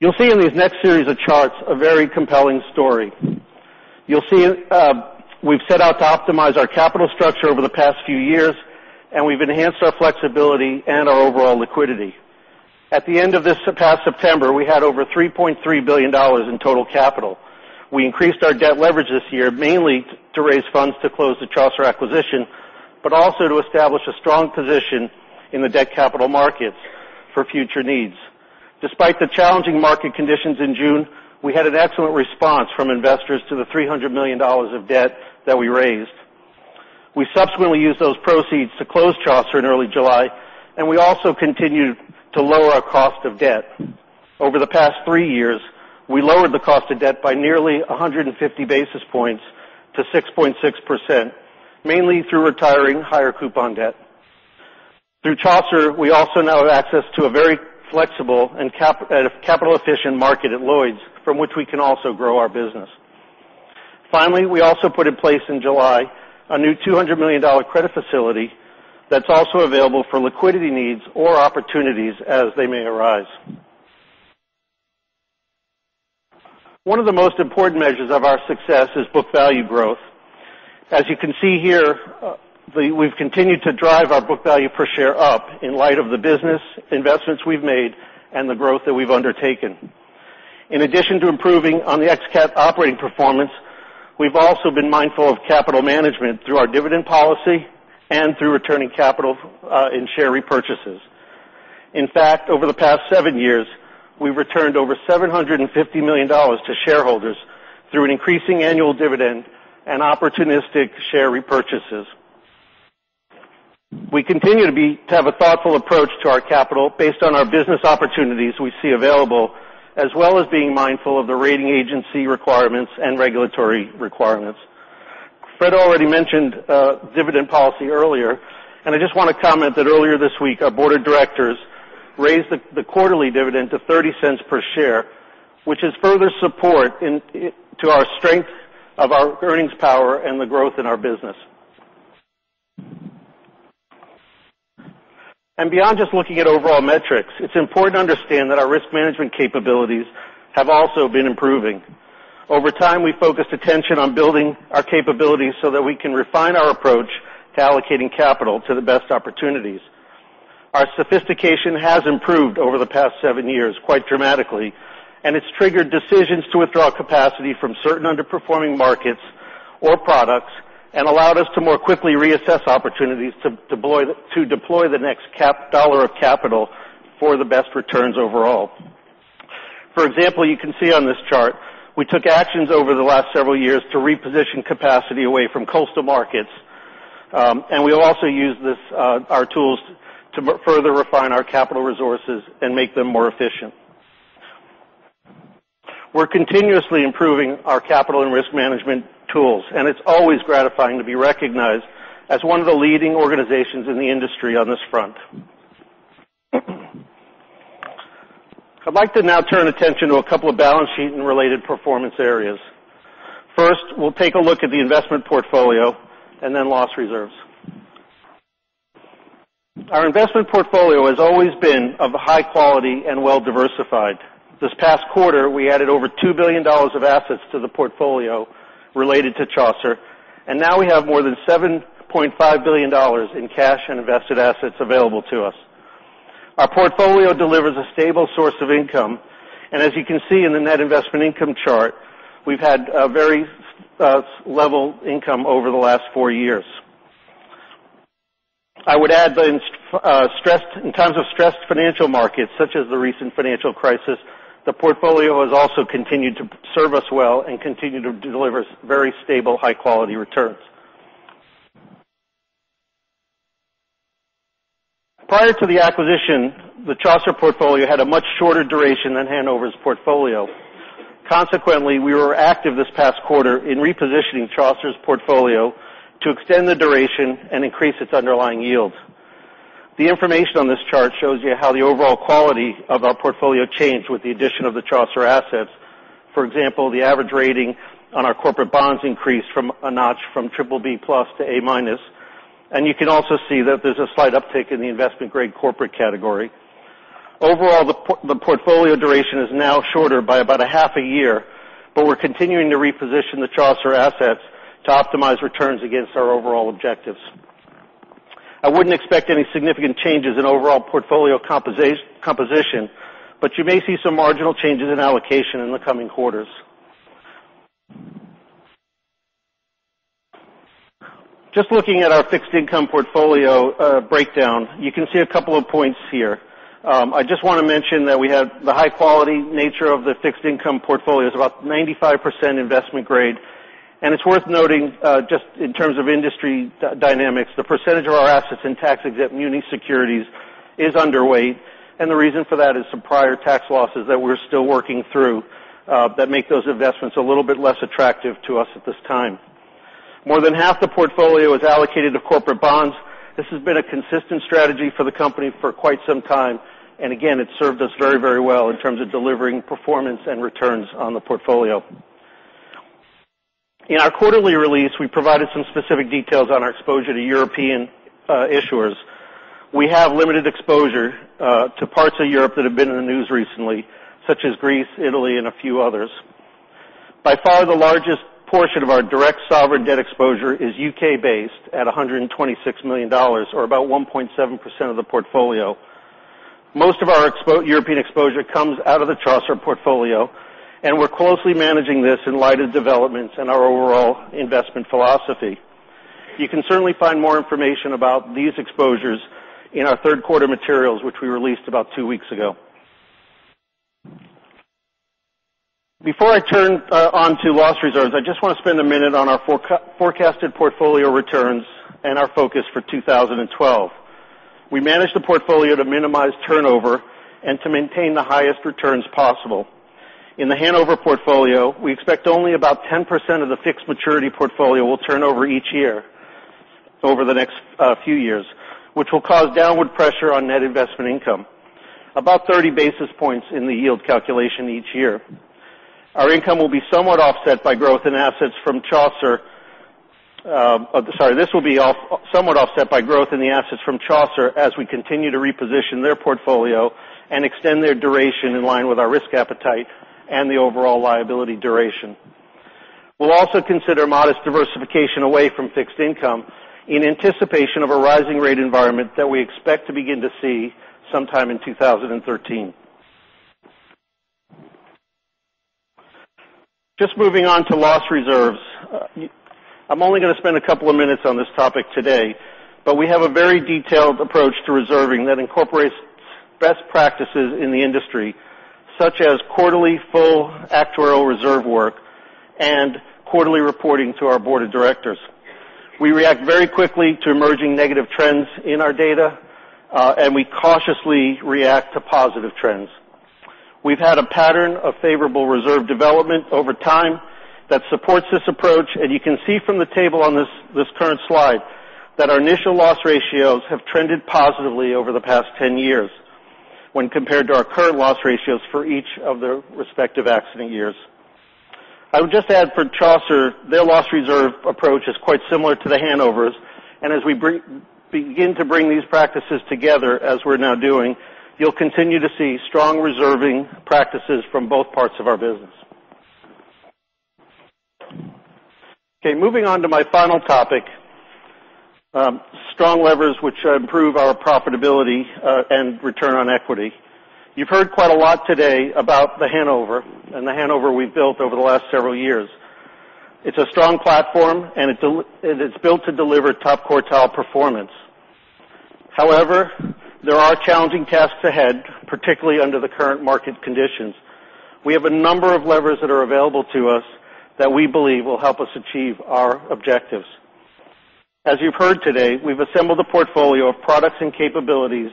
You'll see in these next series of charts a very compelling story. You'll see we've set out to optimize our capital structure over the past few years. We've enhanced our flexibility and our overall liquidity. At the end of this past September, we had over $3.3 billion in total capital. We increased our debt leverage this year, mainly to raise funds to close the Chaucer acquisition, but also to establish a strong position in the debt capital markets for future needs. Despite the challenging market conditions in June, we had an excellent response from investors to the $300 million of debt that we raised. We subsequently used those proceeds to close Chaucer in early July. We also continued to lower our cost of debt. Over the past three years, we lowered the cost of debt by nearly 150 basis points to 6.6%, mainly through retiring higher coupon debt. Through Chaucer, we also now have access to a very flexible and capital-efficient market at Lloyd's, from which we can also grow our business. Finally, we also put in place in July a new $200 million credit facility that's also available for liquidity needs or opportunities as they may arise. One of the most important measures of our success is book value growth. As you can see here, we've continued to drive our book value per share up in light of the business investments we've made and the growth that we've undertaken. In addition to improving on the ex-cat operating performance, we've also been mindful of capital management through our dividend policy and through returning capital in share repurchases. In fact, over the past seven years, we've returned over $750 million to shareholders through an increasing annual dividend and opportunistic share repurchases. We continue to have a thoughtful approach to our capital based on our business opportunities we see available, as well as being mindful of the rating agency requirements and regulatory requirements. Fred already mentioned dividend policy earlier. I just want to comment that earlier this week, our board of directors raised the quarterly dividend to $0.30 per share, which is further support to our strength of our earnings power and the growth in our business. Beyond just looking at overall metrics, it's important to understand that our risk management capabilities have also been improving. Over time, we focused attention on building our capabilities so that we can refine our approach to allocating capital to the best opportunities. Our sophistication has improved over the past seven years quite dramatically. It's triggered decisions to withdraw capacity from certain underperforming markets or products, and allowed us to more quickly reassess opportunities to deploy the next dollar of capital for the best returns overall. For example, you can see on this chart, we took actions over the last several years to reposition capacity away from coastal markets. We'll also use our tools to further refine our capital resources and make them more efficient. We're continuously improving our capital and risk management tools, and it's always gratifying to be recognized as one of the leading organizations in the industry on this front. I'd like to now turn attention to a couple of balance sheet and related performance areas. First, we'll take a look at the investment portfolio and then loss reserves. Our investment portfolio has always been of high quality and well-diversified. This past quarter, we added over $2 billion of assets to the portfolio related to Chaucer, and now we have more than $7.5 billion in cash and invested assets available to us. Our portfolio delivers a stable source of income. As you can see in the net investment income chart, we've had a very level income over the last four years. I would add that in times of stressed financial markets, such as the recent financial crisis, the portfolio has also continued to serve us well and continue to deliver very stable, high-quality returns. Prior to the acquisition, the Chaucer portfolio had a much shorter duration than Hanover's portfolio. Consequently, we were active this past quarter in repositioning Chaucer's portfolio to extend the duration and increase its underlying yields. The information on this chart shows you how the overall quality of our portfolio changed with the addition of the Chaucer assets. For example, the average rating on our corporate bonds increased from a notch from BBB+ to A-. You can also see that there's a slight uptick in the investment-grade corporate category. Overall, the portfolio duration is now shorter by about a half a year. We're continuing to reposition the Chaucer assets to optimize returns against our overall objectives. I wouldn't expect any significant changes in overall portfolio composition, but you may see some marginal changes in allocation in the coming quarters. Just looking at our fixed income portfolio breakdown, you can see a couple of points here. I just want to mention that we have the high-quality nature of the fixed income portfolio. It's about 95% investment grade, and it's worth noting, just in terms of industry dynamics, the percentage of our assets in tax-exempt muni securities is underweight. The reason for that is some prior tax losses that we're still working through that make those investments a little bit less attractive to us at this time. More than half the portfolio is allocated to corporate bonds. This has been a consistent strategy for the company for quite some time. Again, it served us very well in terms of delivering performance and returns on the portfolio. In our quarterly release, we provided some specific details on our exposure to European issuers. We have limited exposure to parts of Europe that have been in the news recently, such as Greece, Italy, and a few others. By far, the largest portion of our direct sovereign debt exposure is U.K.-based at $126 million, or about 1.7% of the portfolio. Most of our European exposure comes out of the Chaucer portfolio, and we're closely managing this in light of developments in our overall investment philosophy. You can certainly find more information about these exposures in our third-quarter materials, which we released about two weeks ago. Before I turn onto loss reserves, I just want to spend a minute on our forecasted portfolio returns and our focus for 2012. We managed the portfolio to minimize turnover and to maintain the highest returns possible. In The Hanover portfolio, we expect only about 10% of the fixed maturity portfolio will turn over each year over the next few years, which will cause downward pressure on net investment income. About 30 basis points in the yield calculation each year. This will be somewhat offset by growth in the assets from Chaucer as we continue to reposition their portfolio and extend their duration in line with our risk appetite and the overall liability duration. We'll also consider modest diversification away from fixed income in anticipation of a rising rate environment that we expect to begin to see sometime in 2013. Just moving on to loss reserves. I'm only going to spend a couple of minutes on this topic today, but we have a very detailed approach to reserving that incorporates best practices in the industry, such as quarterly full actuarial reserve work and quarterly reporting to our board of directors. We react very quickly to emerging negative trends in our data, and we cautiously react to positive trends. We've had a pattern of favorable reserve development over time that supports this approach, and you can see from the table on this current slide that our initial loss ratios have trended positively over the past 10 years when compared to our current loss ratios for each of their respective accident years. I would just add for Chaucer, their loss reserve approach is quite similar to The Hanover's, and as we begin to bring these practices together, as we're now doing, you'll continue to see strong reserving practices from both parts of our business. Okay, moving on to my final topic. Strong levers which improve our profitability and return on equity. You've heard quite a lot today about The Hanover and The Hanover we've built over the last several years. It's a strong platform, and it's built to deliver top quartile performance. However, there are challenging tasks ahead, particularly under the current market conditions. We have a number of levers that are available to us that we believe will help us achieve our objectives. As you've heard today, we've assembled a portfolio of products and capabilities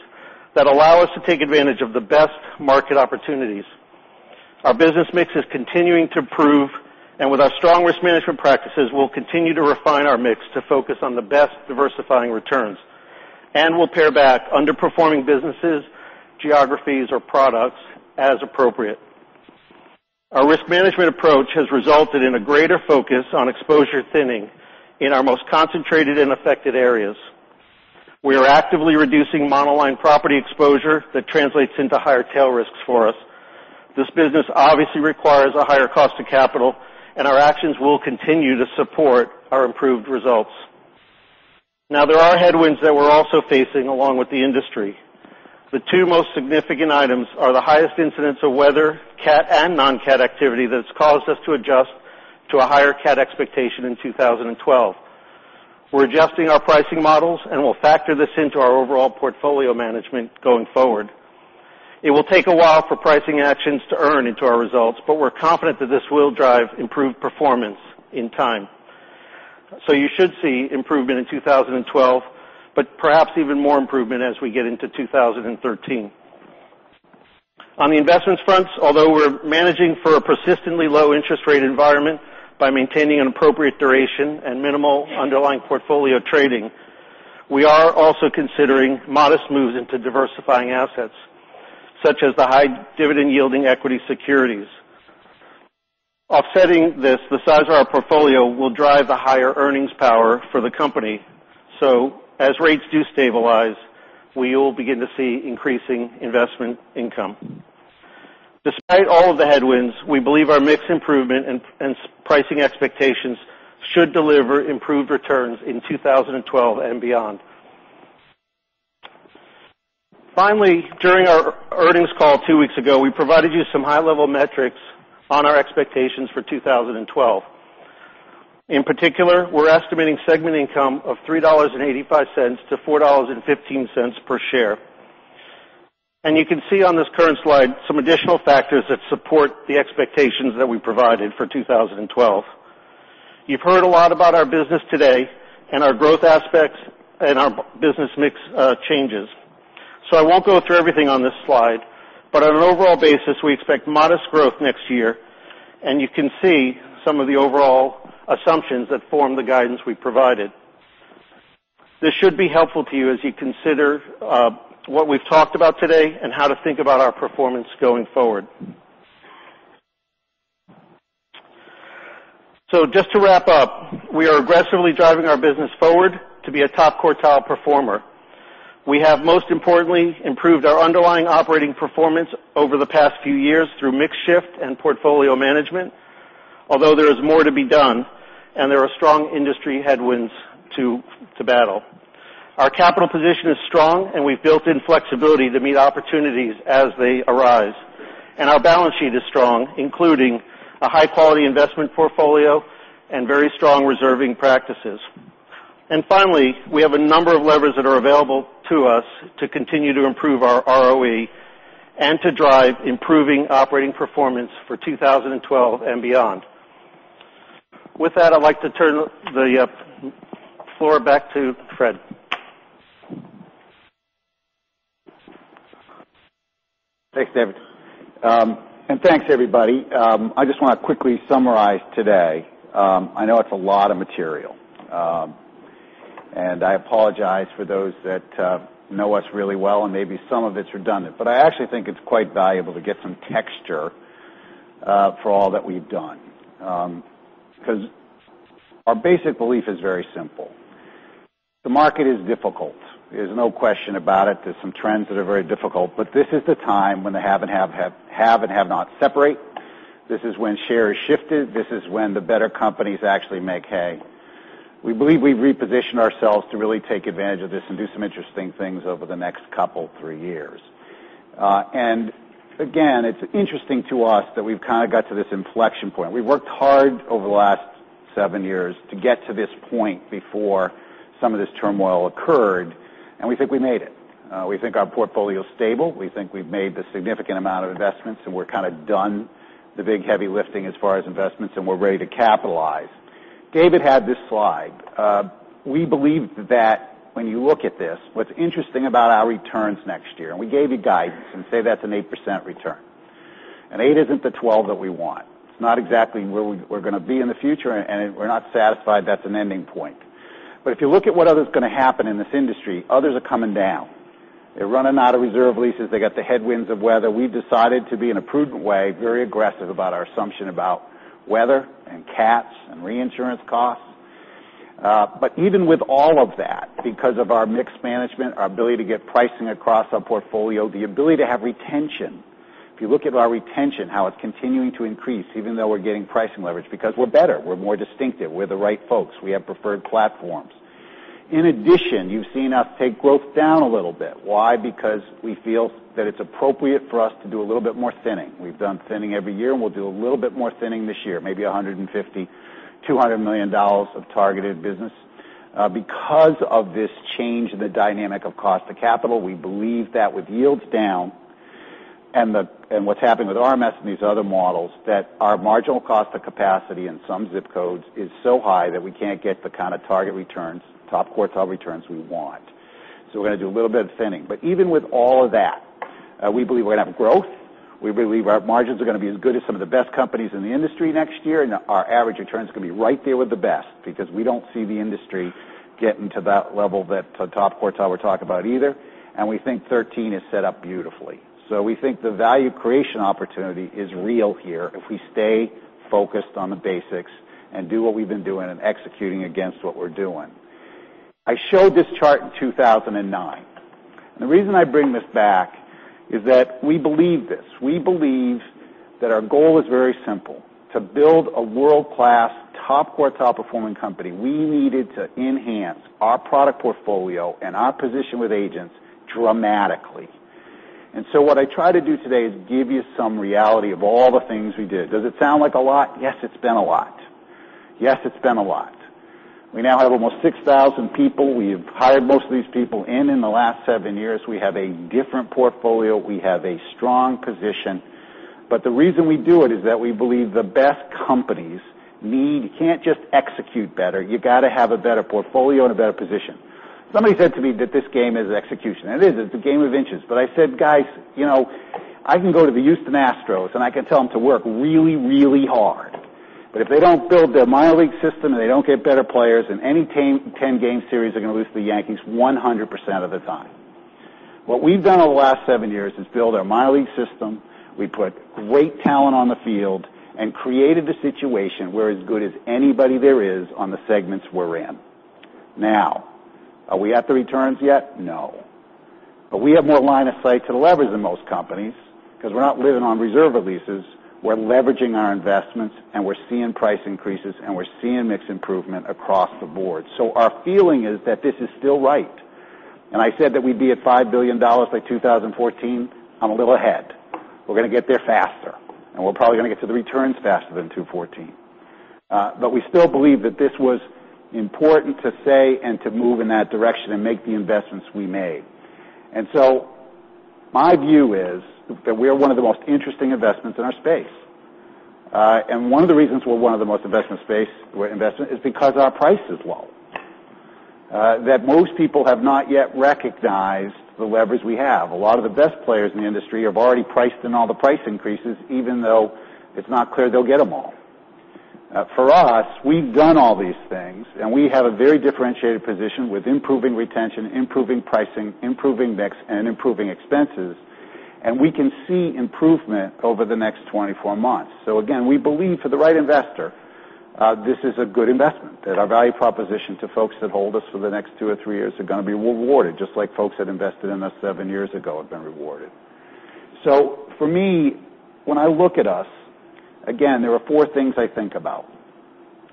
that allow us to take advantage of the best market opportunities. Our business mix is continuing to improve, and with our strong risk management practices, we'll continue to refine our mix to focus on the best diversifying returns. We'll pare back underperforming businesses, geographies, or products as appropriate. Our risk management approach has resulted in a greater focus on exposure thinning in our most concentrated and affected areas. We are actively reducing monoline property exposure that translates into higher tail risks for us. This business obviously requires a higher cost of capital, and our actions will continue to support our improved results. There are headwinds that we're also facing along with the industry. The two most significant items are the highest incidents of weather, cat, and non-cat activity that has caused us to adjust to a higher cat expectation in 2012. We're adjusting our pricing models, and we'll factor this into our overall portfolio management going forward. It will take a while for pricing actions to earn into our results, but we're confident that this will drive improved performance in time. You should see improvement in 2012, but perhaps even more improvement as we get into 2013. On the investments fronts, although we're managing for a persistently low interest rate environment by maintaining an appropriate duration and minimal underlying portfolio trading, we are also considering modest moves into diversifying assets, such as the high dividend yielding equity securities. Offsetting this, the size of our portfolio will drive a higher earnings power for the company. As rates do stabilize, we will begin to see increasing investment income. Despite all of the headwinds, we believe our mix improvement and pricing expectations should deliver improved returns in 2012 and beyond. Finally, during our earnings call two weeks ago, we provided you some high-level metrics on our expectations for 2012. In particular, we're estimating segment income of $3.85-$4.15 per share. You can see on this current slide some additional factors that support the expectations that we provided for 2012. You've heard a lot about our business today and our growth aspects and our business mix changes. I won't go through everything on this slide, but on an overall basis, we expect modest growth next year, and you can see some of the overall assumptions that form the guidance we provided. This should be helpful to you as you consider what we've talked about today and how to think about our performance going forward. Just to wrap up, we are aggressively driving our business forward to be a top quartile performer. We have most importantly improved our underlying operating performance over the past few years through mix shift and portfolio management, although there is more to be done and there are strong industry headwinds to battle. Our capital position is strong, and we've built in flexibility to meet opportunities as they arise. Our balance sheet is strong, including a high-quality investment portfolio and very strong reserving practices. Finally, we have a number of levers that are available to us to continue to improve our ROE and to drive improving operating performance for 2012 and beyond. With that, I'd like to turn the floor back to Fred. Thanks, David. Thanks everybody. I just want to quickly summarize today. I know it's a lot of material. I apologize for those that know us really well and maybe some of it's redundant, but I actually think it's quite valuable to get some texture for all that we've done. Our basic belief is very simple. The market is difficult. There's no question about it. There's some trends that are very difficult. This is the time when the have and have not separate. This is when shares shifted. This is when the better companies actually make hay. We believe we've repositioned ourselves to really take advantage of this and do some interesting things over the next couple, three years. Again, it's interesting to us that we've kind of got to this inflection point. We worked hard over the last seven years to get to this point before some of this turmoil occurred, we think we made it. We think our portfolio is stable. We think we've made a significant amount of investments, we're kind of done the big, heavy lifting as far as investments, we're ready to capitalize. David had this slide. We believe that when you look at this, what's interesting about our returns next year, we gave you guidance and say that's an 8% return. Eight isn't the 12 that we want. It's not exactly where we're going to be in the future, we're not satisfied that's an ending point. If you look at what others is going to happen in this industry, others are coming down. They're running out of reserve releases. They got the headwinds of weather. We've decided to be, in a prudent way, very aggressive about our assumption about weather and cats and reinsurance costs. Even with all of that, because of our mix management, our ability to get pricing across our portfolio, the ability to have retention. If you look at our retention, how it's continuing to increase even though we're getting pricing leverage because we're better, we're more distinctive, we're the right folks. We have preferred platforms. In addition, you've seen us take growth down a little bit. Why? Because we feel that it's appropriate for us to do a little bit more thinning. We've done thinning every year, and we'll do a little bit more thinning this year, maybe $150 million, $200 million of targeted business. Of this change in the dynamic of cost of capital, we believe that with yields down and what's happened with RMS and these other models, that our marginal cost of capacity in some ZIP codes is so high that we can't get the kind of target returns, top quartile returns we want. We're going to do a little bit of thinning. Even with all of that, we believe we're going to have growth. We believe our margins are going to be as good as some of the best companies in the industry next year, our average returns are going to be right there with the best because we don't see the industry getting to that level that the top quartile we're talking about either. We think 2013 is set up beautifully. We think the value creation opportunity is real here if we stay focused on the basics and do what we've been doing and executing against what we're doing. I showed this chart in 2009. The reason I bring this back is that we believe this. We believe that our goal is very simple, to build a world-class top quartile performing company. We needed to enhance our product portfolio and our position with agents dramatically. What I try to do today is give you some reality of all the things we did. Does it sound like a lot? Yes, it's been a lot. Yes, it's been a lot. We now have almost 6,000 people. We've hired most of these people in the last seven years. We have a different portfolio. We have a strong position. The reason we do it is that we believe the best companies can't just execute better. You got to have a better portfolio and a better position. Somebody said to me that this game is execution, and it is. It's a game of inches. I said, "Guys, I can go to the Houston Astros and I can tell them to work really, really hard. If they don't build their minor league system and they don't get better players in any 10-game series, they're going to lose to the Yankees 100% of the time." What we've done over the last seven years is build our minor league system. We put great talent on the field and created a situation where as good as anybody there is on the segments we're in. Now, are we at the returns yet? No. We have more line of sight to the levers than most companies because we're not living on reserve releases. We're leveraging our investments, we're seeing price increases, we're seeing mix improvement across the board. Our feeling is that this is still right. I said that we'd be at $5 billion by 2014. I'm a little ahead. We're going to get there faster, we're probably going to get to the returns faster than 2014. We still believe that this was important to say and to move in that direction and make the investments we made. My view is that we are one of the most interesting investments in our space. One of the reasons we're one of the most investment space investment is because our price is low. That most people have not yet recognized the leverage we have. A lot of the best players in the industry have already priced in all the price increases, even though it's not clear they'll get them all. For us, we've done all these things, we have a very differentiated position with improving retention, improving pricing, improving mix, and improving expenses. We can see improvement over the next 24 months. Again, we believe for the right investor, this is a good investment. That our value proposition to folks that hold us for the next two or three years are going to be rewarded, just like folks that invested in us seven years ago have been rewarded. For me, when I look at us, again, there are four things I think about.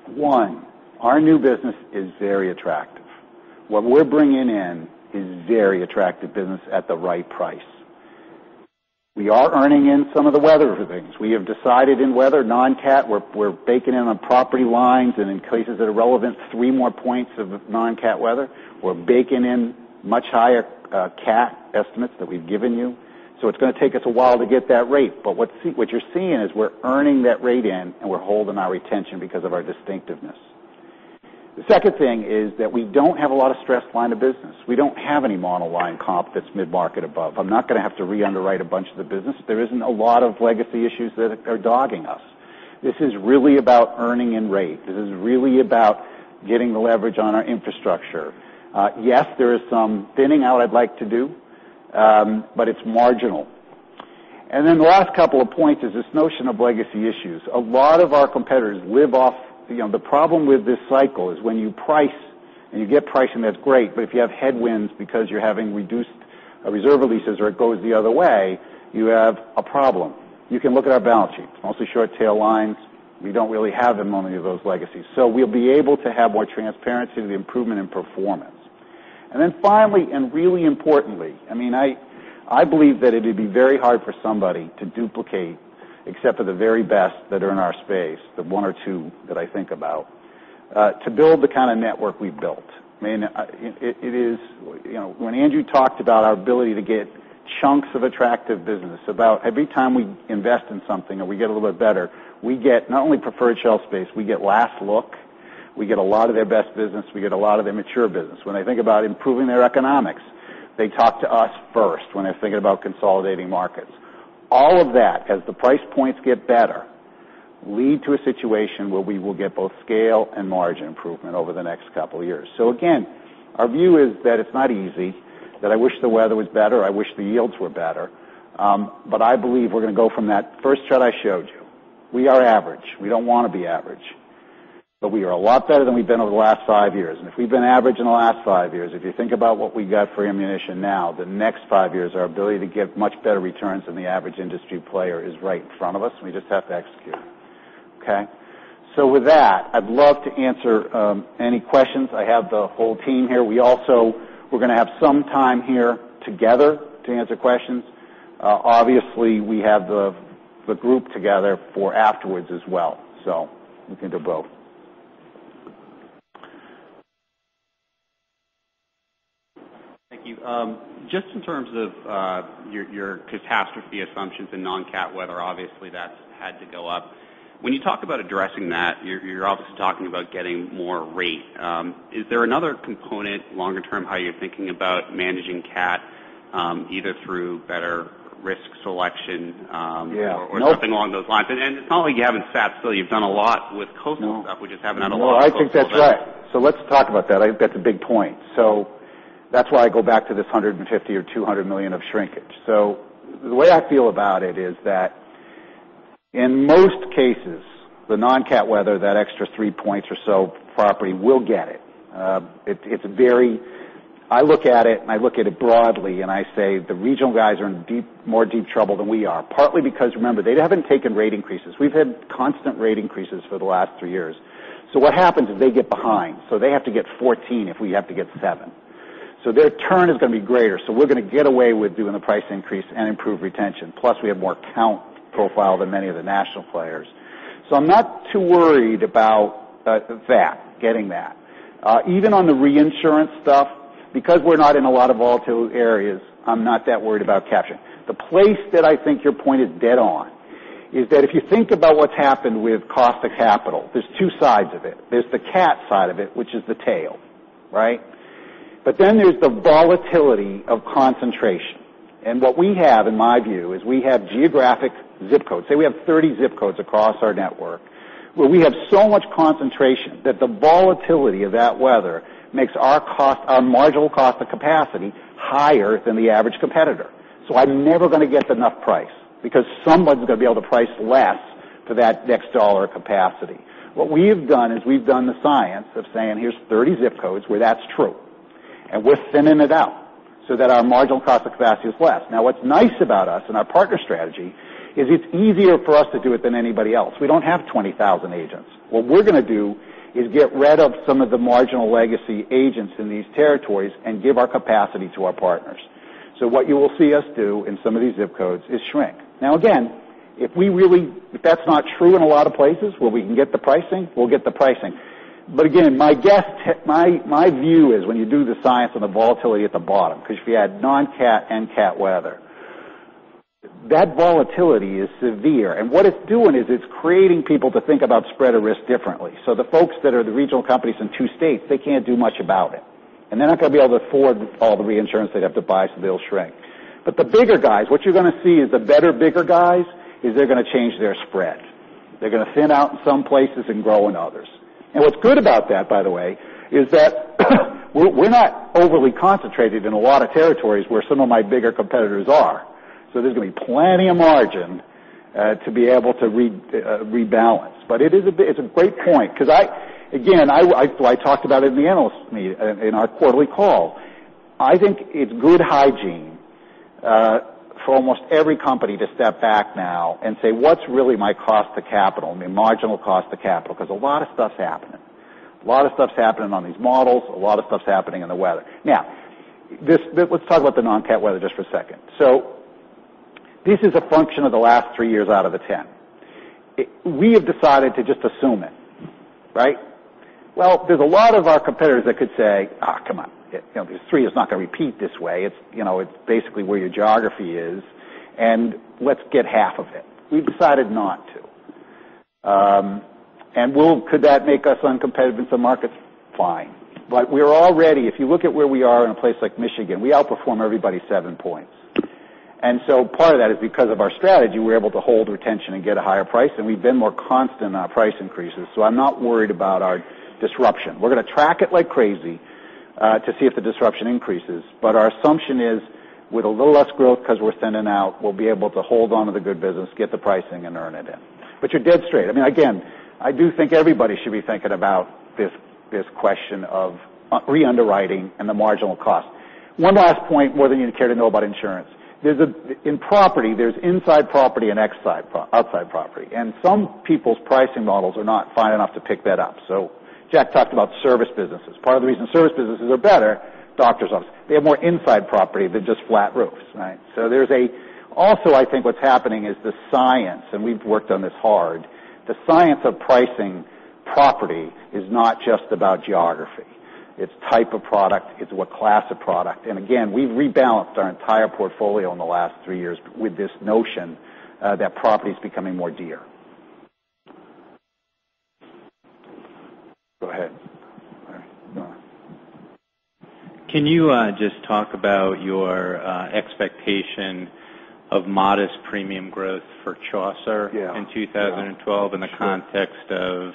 One, our new business is very attractive. What we're bringing in is very attractive business at the right price. We are earning in some of the weather things. We have decided in weather non-cat, we're baking in on property lines and in cases that are relevant, three more points of non-cat weather. We're baking in much higher cat estimates that we've given you. It's going to take us a while to get that rate. What you're seeing is we're earning that rate in and we're holding our retention because of our distinctiveness. The second thing is that we don't have a lot of stressed line of business. We don't have any mono-line comp that's mid-market above. I'm not going to have to re-underwrite a bunch of the business. There isn't a lot of legacy issues that are dogging us. This is really about earning and rate. This is really about getting the leverage on our infrastructure. Yes, there is some thinning out I'd like to do, but it's marginal. The last couple of points is this notion of legacy issues. A lot of our competitors live off. The problem with this cycle is when you price, and you get pricing, that's great, but if you have headwinds because you're having reduced reserve releases or it goes the other way, you have a problem. You can look at our balance sheet, mostly short-tail lines. We don't really have that many of those legacies. We'll be able to have more transparency in the improvement in performance. Finally, and really importantly, I believe that it'd be very hard for somebody to duplicate, except for the very best that are in our space, the one or two that I think about, to build the kind of network we've built. When Andrew talked about our ability to get chunks of attractive business about every time we invest in something or we get a little bit better, we get not only preferred shelf space, we get last look, we get a lot of their best business, we get a lot of their mature business. When they think about improving their economics, they talk to us first, when they're thinking about consolidating markets. All of that, as the price points get better, lead to a situation where we will get both scale and margin improvement over the next couple of years. Again, our view is that it's not easy, that I wish the weather was better, I wish the yields were better. I believe we're going to go from that first chart I showed you. We are average. We don't want to be average, but we are a lot better than we've been over the last five years. If we've been average in the last five years, if you think about what we got for ammunition now, the next five years, our ability to get much better returns than the average industry player is right in front of us, and we just have to execute. Okay. With that, I'd love to answer any questions. I have the whole team here. We're going to have some time here together to answer questions. Obviously, we have the group together for afterwards as well. We can do both. Thank you. Just in terms of your catastrophe assumptions and non-cat weather, obviously that's had to go up. When you talk about addressing that, you're obviously talking about getting more rate. Is there another component longer term, how you're thinking about managing cat, either through better risk selection- Yeah. Nope or something along those lines? It's not like you haven't sat still. You've done a lot with coastal stuff. We just haven't had a lot of coastal stuff. No. I think that's right. Let's talk about that. I think that's a big point. That's why I go back to this $150 million or $200 million of shrinkage. The way I feel about it is that in most cases, the non-cat weather, that extra 3 points or so, property will get it. I look at it, and I look at it broadly, and I say the regional guys are in more deep trouble than we are. Partly because, remember, they haven't taken rate increases. We've had constant rate increases for the last three years. What happens is they get behind, so they have to get 14 if we have to get 7. Their turn is going to be greater. We're going to get away with doing a price increase and improve retention. Plus, we have more count profile than many of the national players. I'm not too worried about that, getting that. Even on the reinsurance stuff, because we're not in a lot of volatile areas, I'm not that worried about capturing. The place that I think your point is dead on is that if you think about what's happened with cost of capital, there's two sides of it. There's the cat side of it, which is the tail. Right. There's the volatility of concentration. What we have, in my view, is we have geographic zip codes. Say we have 30 zip codes across our network, where we have so much concentration that the volatility of that weather makes our marginal cost of capacity higher than the average competitor. I'm never going to get enough price because someone's going to be able to price less for that next dollar of capacity. What we've done is we've done the science of saying, here's 30 zip codes where that's true, and we're thinning it out so that our marginal cost of capacity is less. What's nice about us and our partner strategy is it's easier for us to do it than anybody else. We don't have 20,000 agents. What we're going to do is get rid of some of the marginal legacy agents in these territories and give our capacity to our partners. What you will see us do in some of these zip codes is shrink. Again, if that's not true in a lot of places where we can get the pricing, we'll get the pricing. Again, my view is when you do the science on the volatility at the bottom, because if you had non-cat and cat weather, that volatility is severe, and what it's doing is it's creating people to think about spread of risk differently. The folks that are the regional companies in two states, they can't do much about it. They're not going to be able to afford all the reinsurance they'd have to buy, so they'll shrink. The bigger guys, what you're going to see is the better, bigger guys, is they're going to change their spread. They're going to thin out in some places and grow in others. What's good about that, by the way, is that we're not overly concentrated in a lot of territories where some of my bigger competitors are. There's going to be plenty of margin to be able to rebalance. It's a great point because, again, I talked about it in the analyst meet in our quarterly call. I think it's good hygiene for almost every company to step back now and say, what's really my cost to capital, I mean, marginal cost to capital? A lot of stuff's happening. A lot of stuff's happening on these models. A lot of stuff's happening in the weather. Let's talk about the non-cat weather just for a second. This is a function of the last three years out of the 10. We have decided to just assume it, right. There's a lot of our competitors that could say, "Ah, come on. These three is not going to repeat this way. It's basically where your geography is." Let's get half of it. We decided not to. Could that make us uncompetitive in some markets? Fine. We're all ready. If you look at where we are in a place like Michigan, we outperform everybody 7 points. Part of that is because of our strategy, we're able to hold retention and get a higher price, and we've been more constant in our price increases. I'm not worried about our disruption. We're going to track it like crazy to see if the disruption increases. Our assumption is with a little less growth, because we're sending out, we'll be able to hold onto the good business, get the pricing, and earn it in. You're dead straight. Again, I do think everybody should be thinking about this question of re-underwriting and the marginal cost. One last point, more than you'd care to know about insurance. In property, there's inside property and outside property. Some people's pricing models are not fine enough to pick that up. Jack talked about service businesses. Part of the reason service businesses are better, doctor's office, they have more inside property than just flat roofs, right? Also, I think what's happening is the science, and we've worked on this hard. The science of pricing property is not just about geography. It's type of product, it's what class of product. Again, we've rebalanced our entire portfolio in the last three years with this notion that property is becoming more dear. Go ahead. All right. Can you just talk about your expectation of modest premium growth for Chaucer- Yeah in 2012 in the context of-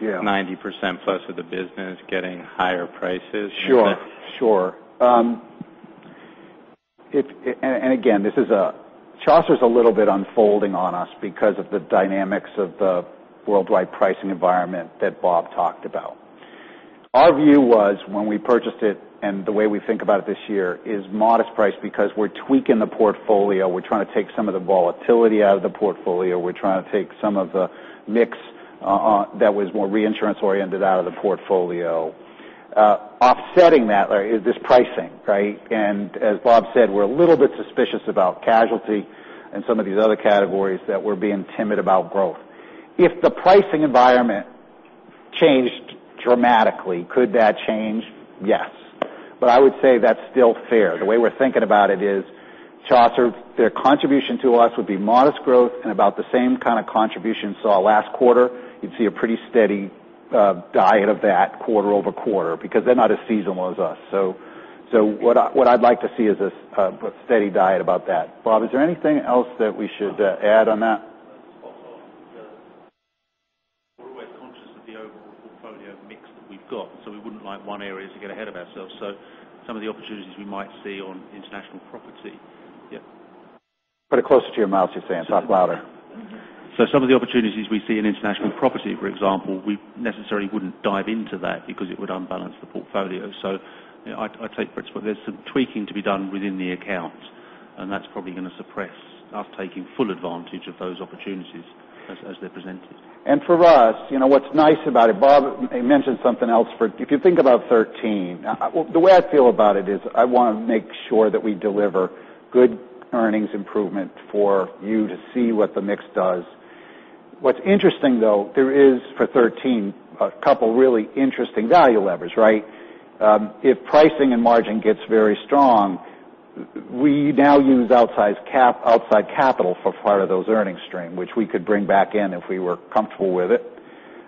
Yeah 90% plus of the business getting higher prices? Sure. Again, Chaucer's a little bit unfolding on us because of the dynamics of the worldwide pricing environment that Bob talked about. Our view was when we purchased it, and the way we think about it this year, is modest price because we're tweaking the portfolio. We're trying to take some of the volatility out of the portfolio. We're trying to take some of the mix that was more reinsurance-oriented out of the portfolio. Offsetting that is this pricing, right? As Bob said, we're a little bit suspicious about casualty and some of these other categories that we're being timid about growth. If the pricing environment changed dramatically, could that change? Yes. I would say that's still fair. The way we're thinking about it is Chaucer, their contribution to us would be modest growth and about the same kind of contribution you saw last quarter. You'd see a pretty steady diet of that quarter-over-quarter because they're not as seasonal as us. What I'd like to see is a steady diet about that. Bob, is there anything else that we should add on that? Spot on. We're always conscious of the overall portfolio mix that we've got, we wouldn't like one area to get ahead of ourselves. Some of the opportunities we might see on international property. Yep. Put it closer to your mouth, you're saying. Talk louder. Some of the opportunities we see in international property, for example, we necessarily wouldn't dive into that because it would unbalance the portfolio. I take Britt's point. There's some tweaking to be done within the account, and that's probably going to suppress us taking full advantage of those opportunities as they're presented. For us, what's nice about it, Bob mentioned something else. If you think about 2013, the way I feel about it is I want to make sure that we deliver good earnings improvement for you to see what the mix does. What's interesting, though, there is for 2013, a couple of really interesting value levers, right? If pricing and margin gets very strong, we now use outside capital for part of those earnings stream, which we could bring back in if we were comfortable with it.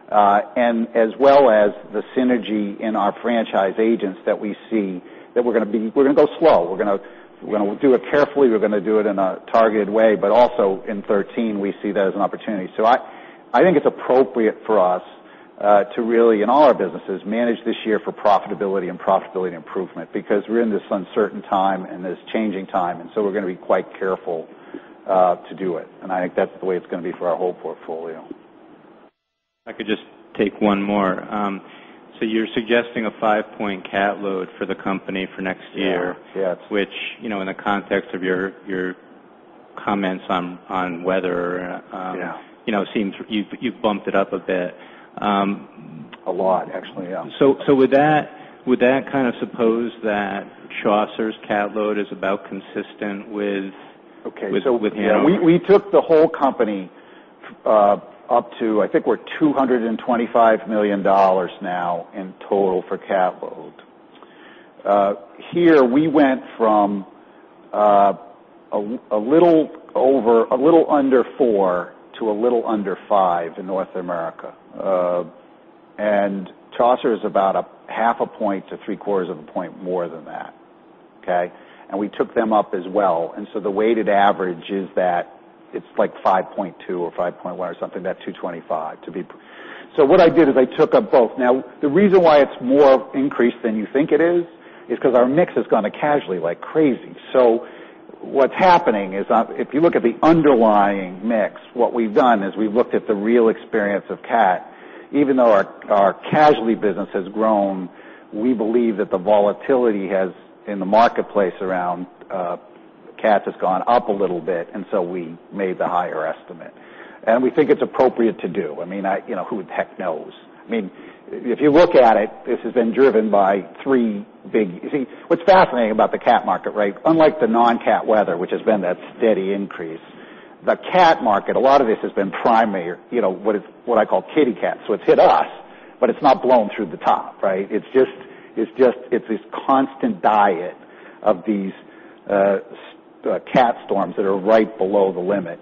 As well as the synergy in our franchise agents that we see that we're going to go slow. We're going to do it carefully, we're going to do it in a targeted way, but also in 2013, we see that as an opportunity. I think it's appropriate for us to really, in all our businesses, manage this year for profitability and profitability improvement because we're in this uncertain time and this changing time, and so we're going to be quite careful to do it. I think that's the way it's going to be for our whole portfolio. If I could just take one more. You're suggesting a five-point cat load for the company for next year. Yeah Which in the context of your comments on weather. Yeah You've bumped it up a bit. A lot, actually, yeah. Would that kind of suppose that Chaucer's cat load is about consistent with- Okay with Hanover? We took the whole company up to, I think we're $225 million now in total for cat load. Here, we went from a little under four to a little under five in North America. Chaucer is about a half a point to three-quarters of a point more than that. Okay? We took them up as well. The weighted average is that it's like 5.2 or 5.1 or something, that 225. What I did is I took up both. The reason why it's more increased than you think it is because our mix has gone to casualty like crazy. What's happening is if you look at the underlying mix, what we've done is we've looked at the real experience of cat. Even though our casualty business has grown, we believe that the volatility in the marketplace around cats has gone up a little bit, and so we made the higher estimate. We think it's appropriate to do. Who the heck knows? If you look at it, this has been driven by three big-- You see, what's fascinating about the cat market, right? Unlike the non-cat weather, which has been that steady increase. The cat market, a lot of this has been primary, what I call kitty cats. It's hit us, but it's not blown through the top, right? It's this constant diet of these cat storms that are right below the limit.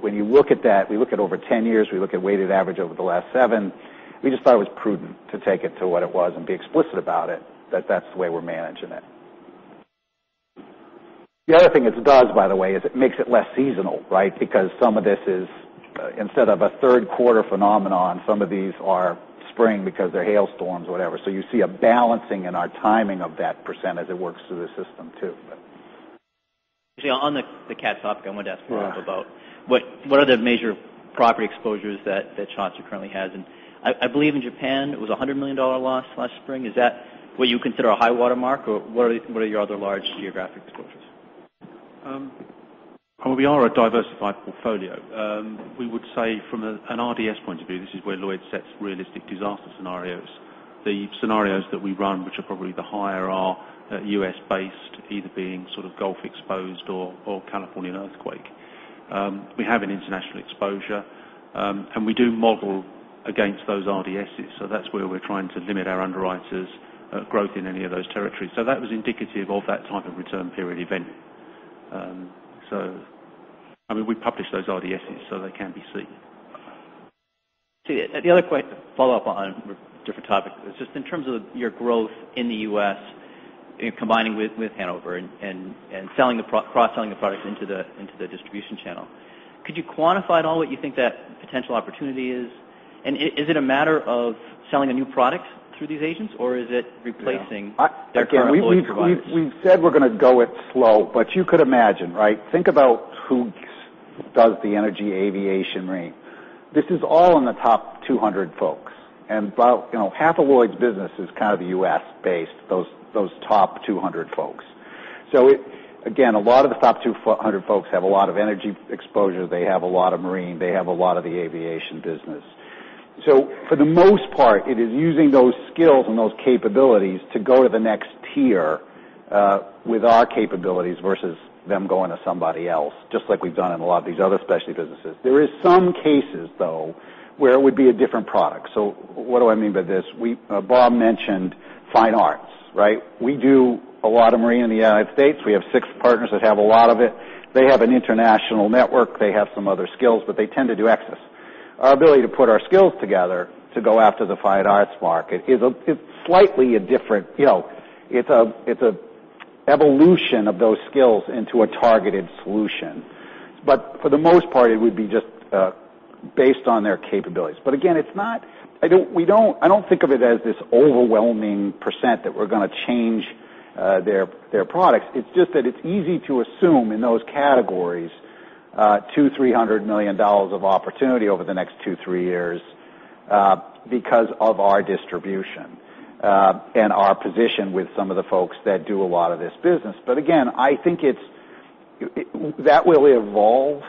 When you look at that, we look at over 10 years, we look at weighted average over the last 7, we just thought it was prudent to take it to what it was and be explicit about it, that that's the way we're managing it. The other thing it does, by the way, is it makes it less seasonal, right? Because some of this is, instead of a third quarter phenomenon, some of these are spring because they're hail storms or whatever. You see a balancing in our timing of that % as it works through the system too. On the cat topic, I wanted to ask Bob about what are the major property exposures that Chaucer currently has? I believe in Japan, it was a $100 million loss last spring. Is that what you consider a high water mark, or what are your other large geographic exposures? We are a diversified portfolio. We would say from an RDS point of view, this is where Lloyd's sets realistic disaster scenarios. The scenarios that we run, which are probably the higher are U.S.-based, either being Gulf exposed or Californian earthquake. We have an international exposure, and we do model against those RDSs, that's where we're trying to limit our underwriters' growth in any of those territories. That was indicative of that type of return period event. We publish those RDSs so they can be seen. The other question to follow up on, different topic, is just in terms of your growth in the U.S. and combining with Hanover and cross-selling the product into the distribution channel. Could you quantify at all what you think that potential opportunity is, and is it a matter of selling a new product through these agents, or is it replacing their current Lloyd's providers? We've said we're going to go it slow, but you could imagine, right? Think about who does the energy aviation risk. This is all in the top 200 folks. About half of Lloyd's business is kind of U.S.-based, those top 200 folks. Again, a lot of the top 200 folks have a lot of energy exposure. They have a lot of marine. They have a lot of the aviation business. For the most part, it is using those skills and those capabilities to go to the next tier with our capabilities versus them going to somebody else, just like we've done in a lot of these other specialty businesses. There is some cases, though, where it would be a different product. What do I mean by this? Bob mentioned fine arts, right? We do a lot of marine in the United States. We have six partners that have a lot of it. They have an international network. They have some other skills, they tend to do excess. Our ability to put our skills together to go after the fine arts market is slightly a different. It's an evolution of those skills into a targeted solution. For the most part, it would be just based on their capabilities. Again, I don't think of it as this overwhelming % that we're going to change their products. It's just that it's easy to assume in those categories, $200 million, $300 million of opportunity over the next two, three years because of our distribution and our position with some of the folks that do a lot of this business. Again, I think that will evolve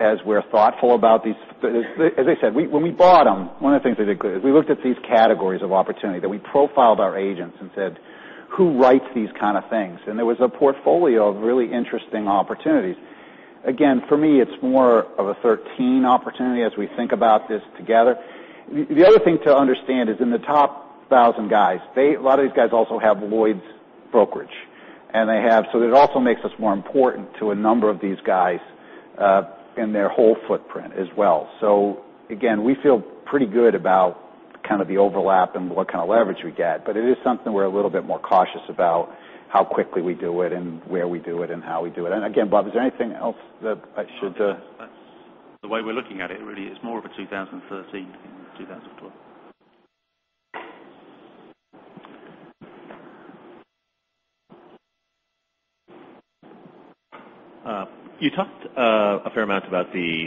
as we're thoughtful about these. As I said, when we bought them, one of the things we did good is we looked at these categories of opportunity, that we profiled our agents and said, "Who writes these kind of things?" There was a portfolio of really interesting opportunities. Again, for me, it's more of a 2013 opportunity as we think about this together. The other thing to understand is in the top 1,000 guys, a lot of these guys also have Lloyd's brokerage. It also makes us more important to a number of these guys in their whole footprint as well. Again, we feel pretty good about kind of the overlap and what kind of leverage we get. It is something we're a little bit more cautious about how quickly we do it and where we do it and how we do it. Again, Bob, is there anything else that I should? That's the way we're looking at it, really. It's more of a 2013 than 2012. You talked a fair amount about the,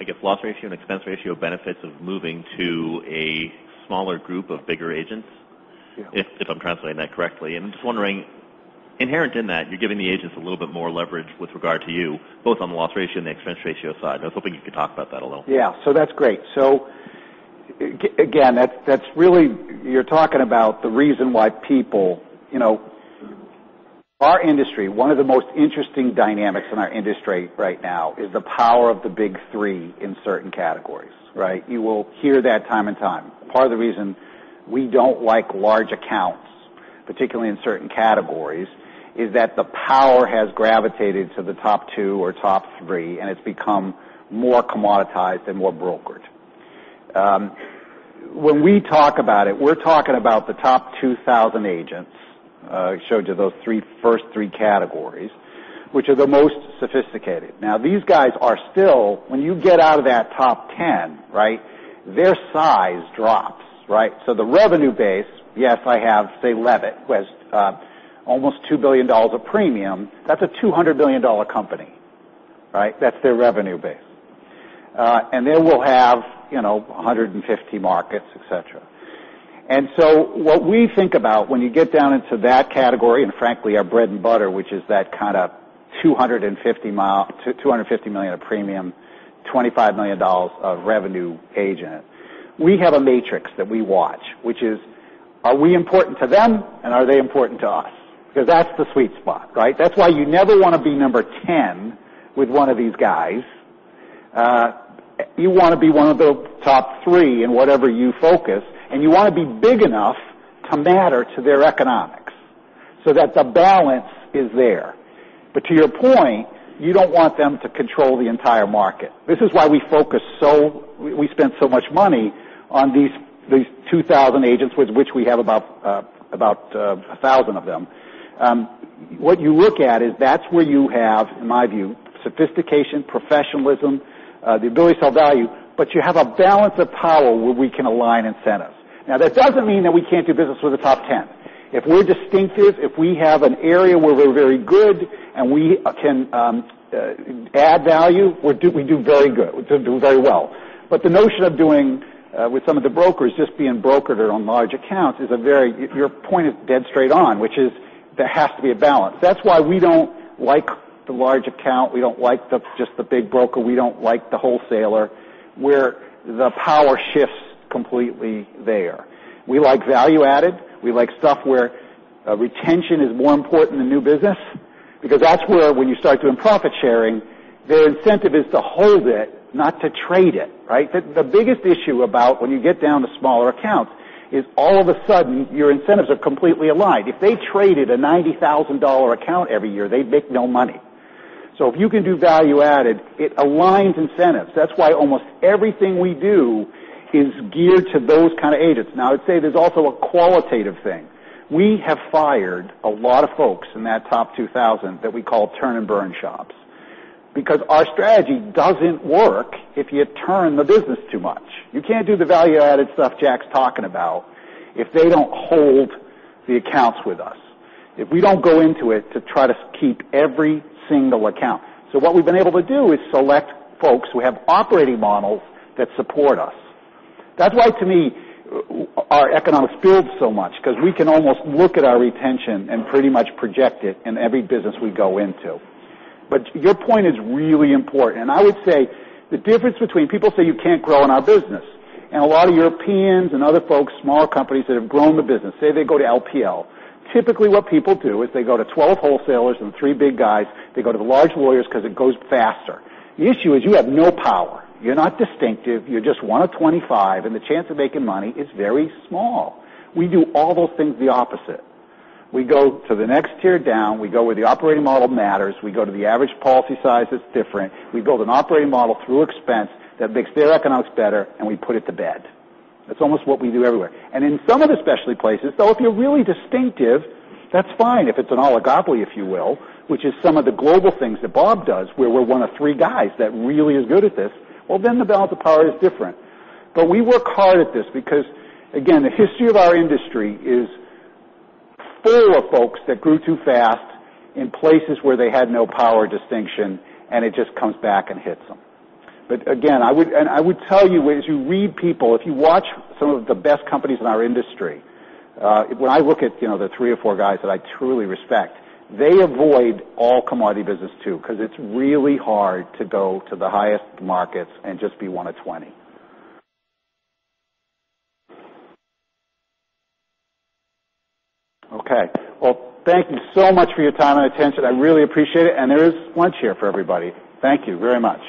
I guess, loss ratio and expense ratio benefits of moving to a smaller group of bigger agents. Yeah. If I'm translating that correctly. I'm just wondering, inherent in that, you're giving the agents a little bit more leverage with regard to you, both on the loss ratio and the expense ratio side, and I was hoping you could talk about that a little. Yeah. That's great. Again, you're talking about the reason why Our industry, one of the most interesting dynamics in our industry right now is the power of the big three in certain categories, right? You will hear that time and time. Part of the reason we don't like large accounts, particularly in certain categories, is that the power has gravitated to the top two or top three, and it's become more commoditized and more brokered. When we talk about it, we're talking about the top 2,000 agents. I showed you those first three categories, which are the most sophisticated. Now, these guys are still, when you get out of that top 10, right? Their size drops, right? The revenue base, yes, I have, say, Leavitt, who has almost $2 billion of premium. That's a $200 billion company, right? That's their revenue base. We'll have 150 markets, etc. What we think about when you get down into that category, and frankly, our bread and butter, which is that kind of $250 million of premium, $25 million of revenue agent. We have a matrix that we watch, which is, are we important to them and are they important to us? Because that's the sweet spot, right? That's why you never want to be number 10 with one of these guys. You want to be one of the top three in whatever you focus, and you want to be big enough to matter to their economics, so that the balance is there. To your point, you don't want them to control the entire market. This is why we spent so much money on these 2,000 agents, with which we have about 1,000 of them. What you look at is that's where you have, in my view, sophistication, professionalism, the ability to sell value, you have a balance of power where we can align incentives. That doesn't mean that we can't do business with the top 10. If we're distinctive, if we have an area where we're very good and we can add value, we do very well. The notion of doing with some of the brokers, just being broker there on large accounts, your point is dead straight on, which is there has to be a balance. That's why we don't like the large account. We don't like just the big broker. We don't like the wholesaler, where the power shifts completely there. We like value-added. We like stuff where retention is more important than new business, because that's where when you start doing profit sharing, their incentive is to hold it, not to trade it, right? The biggest issue about when you get down to smaller accounts is all of a sudden, your incentives are completely aligned. If they traded a $90,000 account every year, they'd make no money. If you can do value-added, it aligns incentives. That's why almost everything we do is geared to those kind of agents. I'd say there's also a qualitative thing. We have fired a lot of folks in that top 2,000 that we call turn and burn shops, because our strategy doesn't work if you turn the business too much. You can't do the value-added stuff Jack's talking about if they don't hold the accounts with us, if we don't go into it to try to keep every single account. What we've been able to do is select folks who have operating models that support us. That's why, to me, our economics build so much, because we can almost look at our retention and pretty much project it in every business we go into. Your point is really important, and I would say the difference between people say you can't grow in our business, and a lot of Europeans and other folks, smaller companies that have grown the business, say they go to LPL. Typically, what people do is they go to 12 wholesalers and three big guys. They go to the large lawyers because it goes faster. The issue is you have no power. You're not distinctive. You're just one of 25, the chance of making money is very small. We do all those things the opposite. We go to the next tier down. We go where the operating model matters. We go to the average policy size that's different. We build an operating model through expense that makes their economics better, and we put it to bed. That's almost what we do everywhere. In some of the specialty places, though, if you're really distinctive, that's fine. If it's an oligopoly, if you will, which is some of the global things that Bob does, where we're one of three guys that really is good at this, then the balance of power is different. We work hard at this because, again, the history of our industry is full of folks that grew too fast in places where they had no power distinction, it just comes back and hits them. Again, I would tell you, as you read people, if you watch some of the best companies in our industry, when I look at the three or four guys that I truly respect, they avoid all commodity business too, because it's really hard to go to the highest markets and just be one of 20. Okay. Thank you so much for your time and attention. I really appreciate it, there is lunch here for everybody. Thank you very much.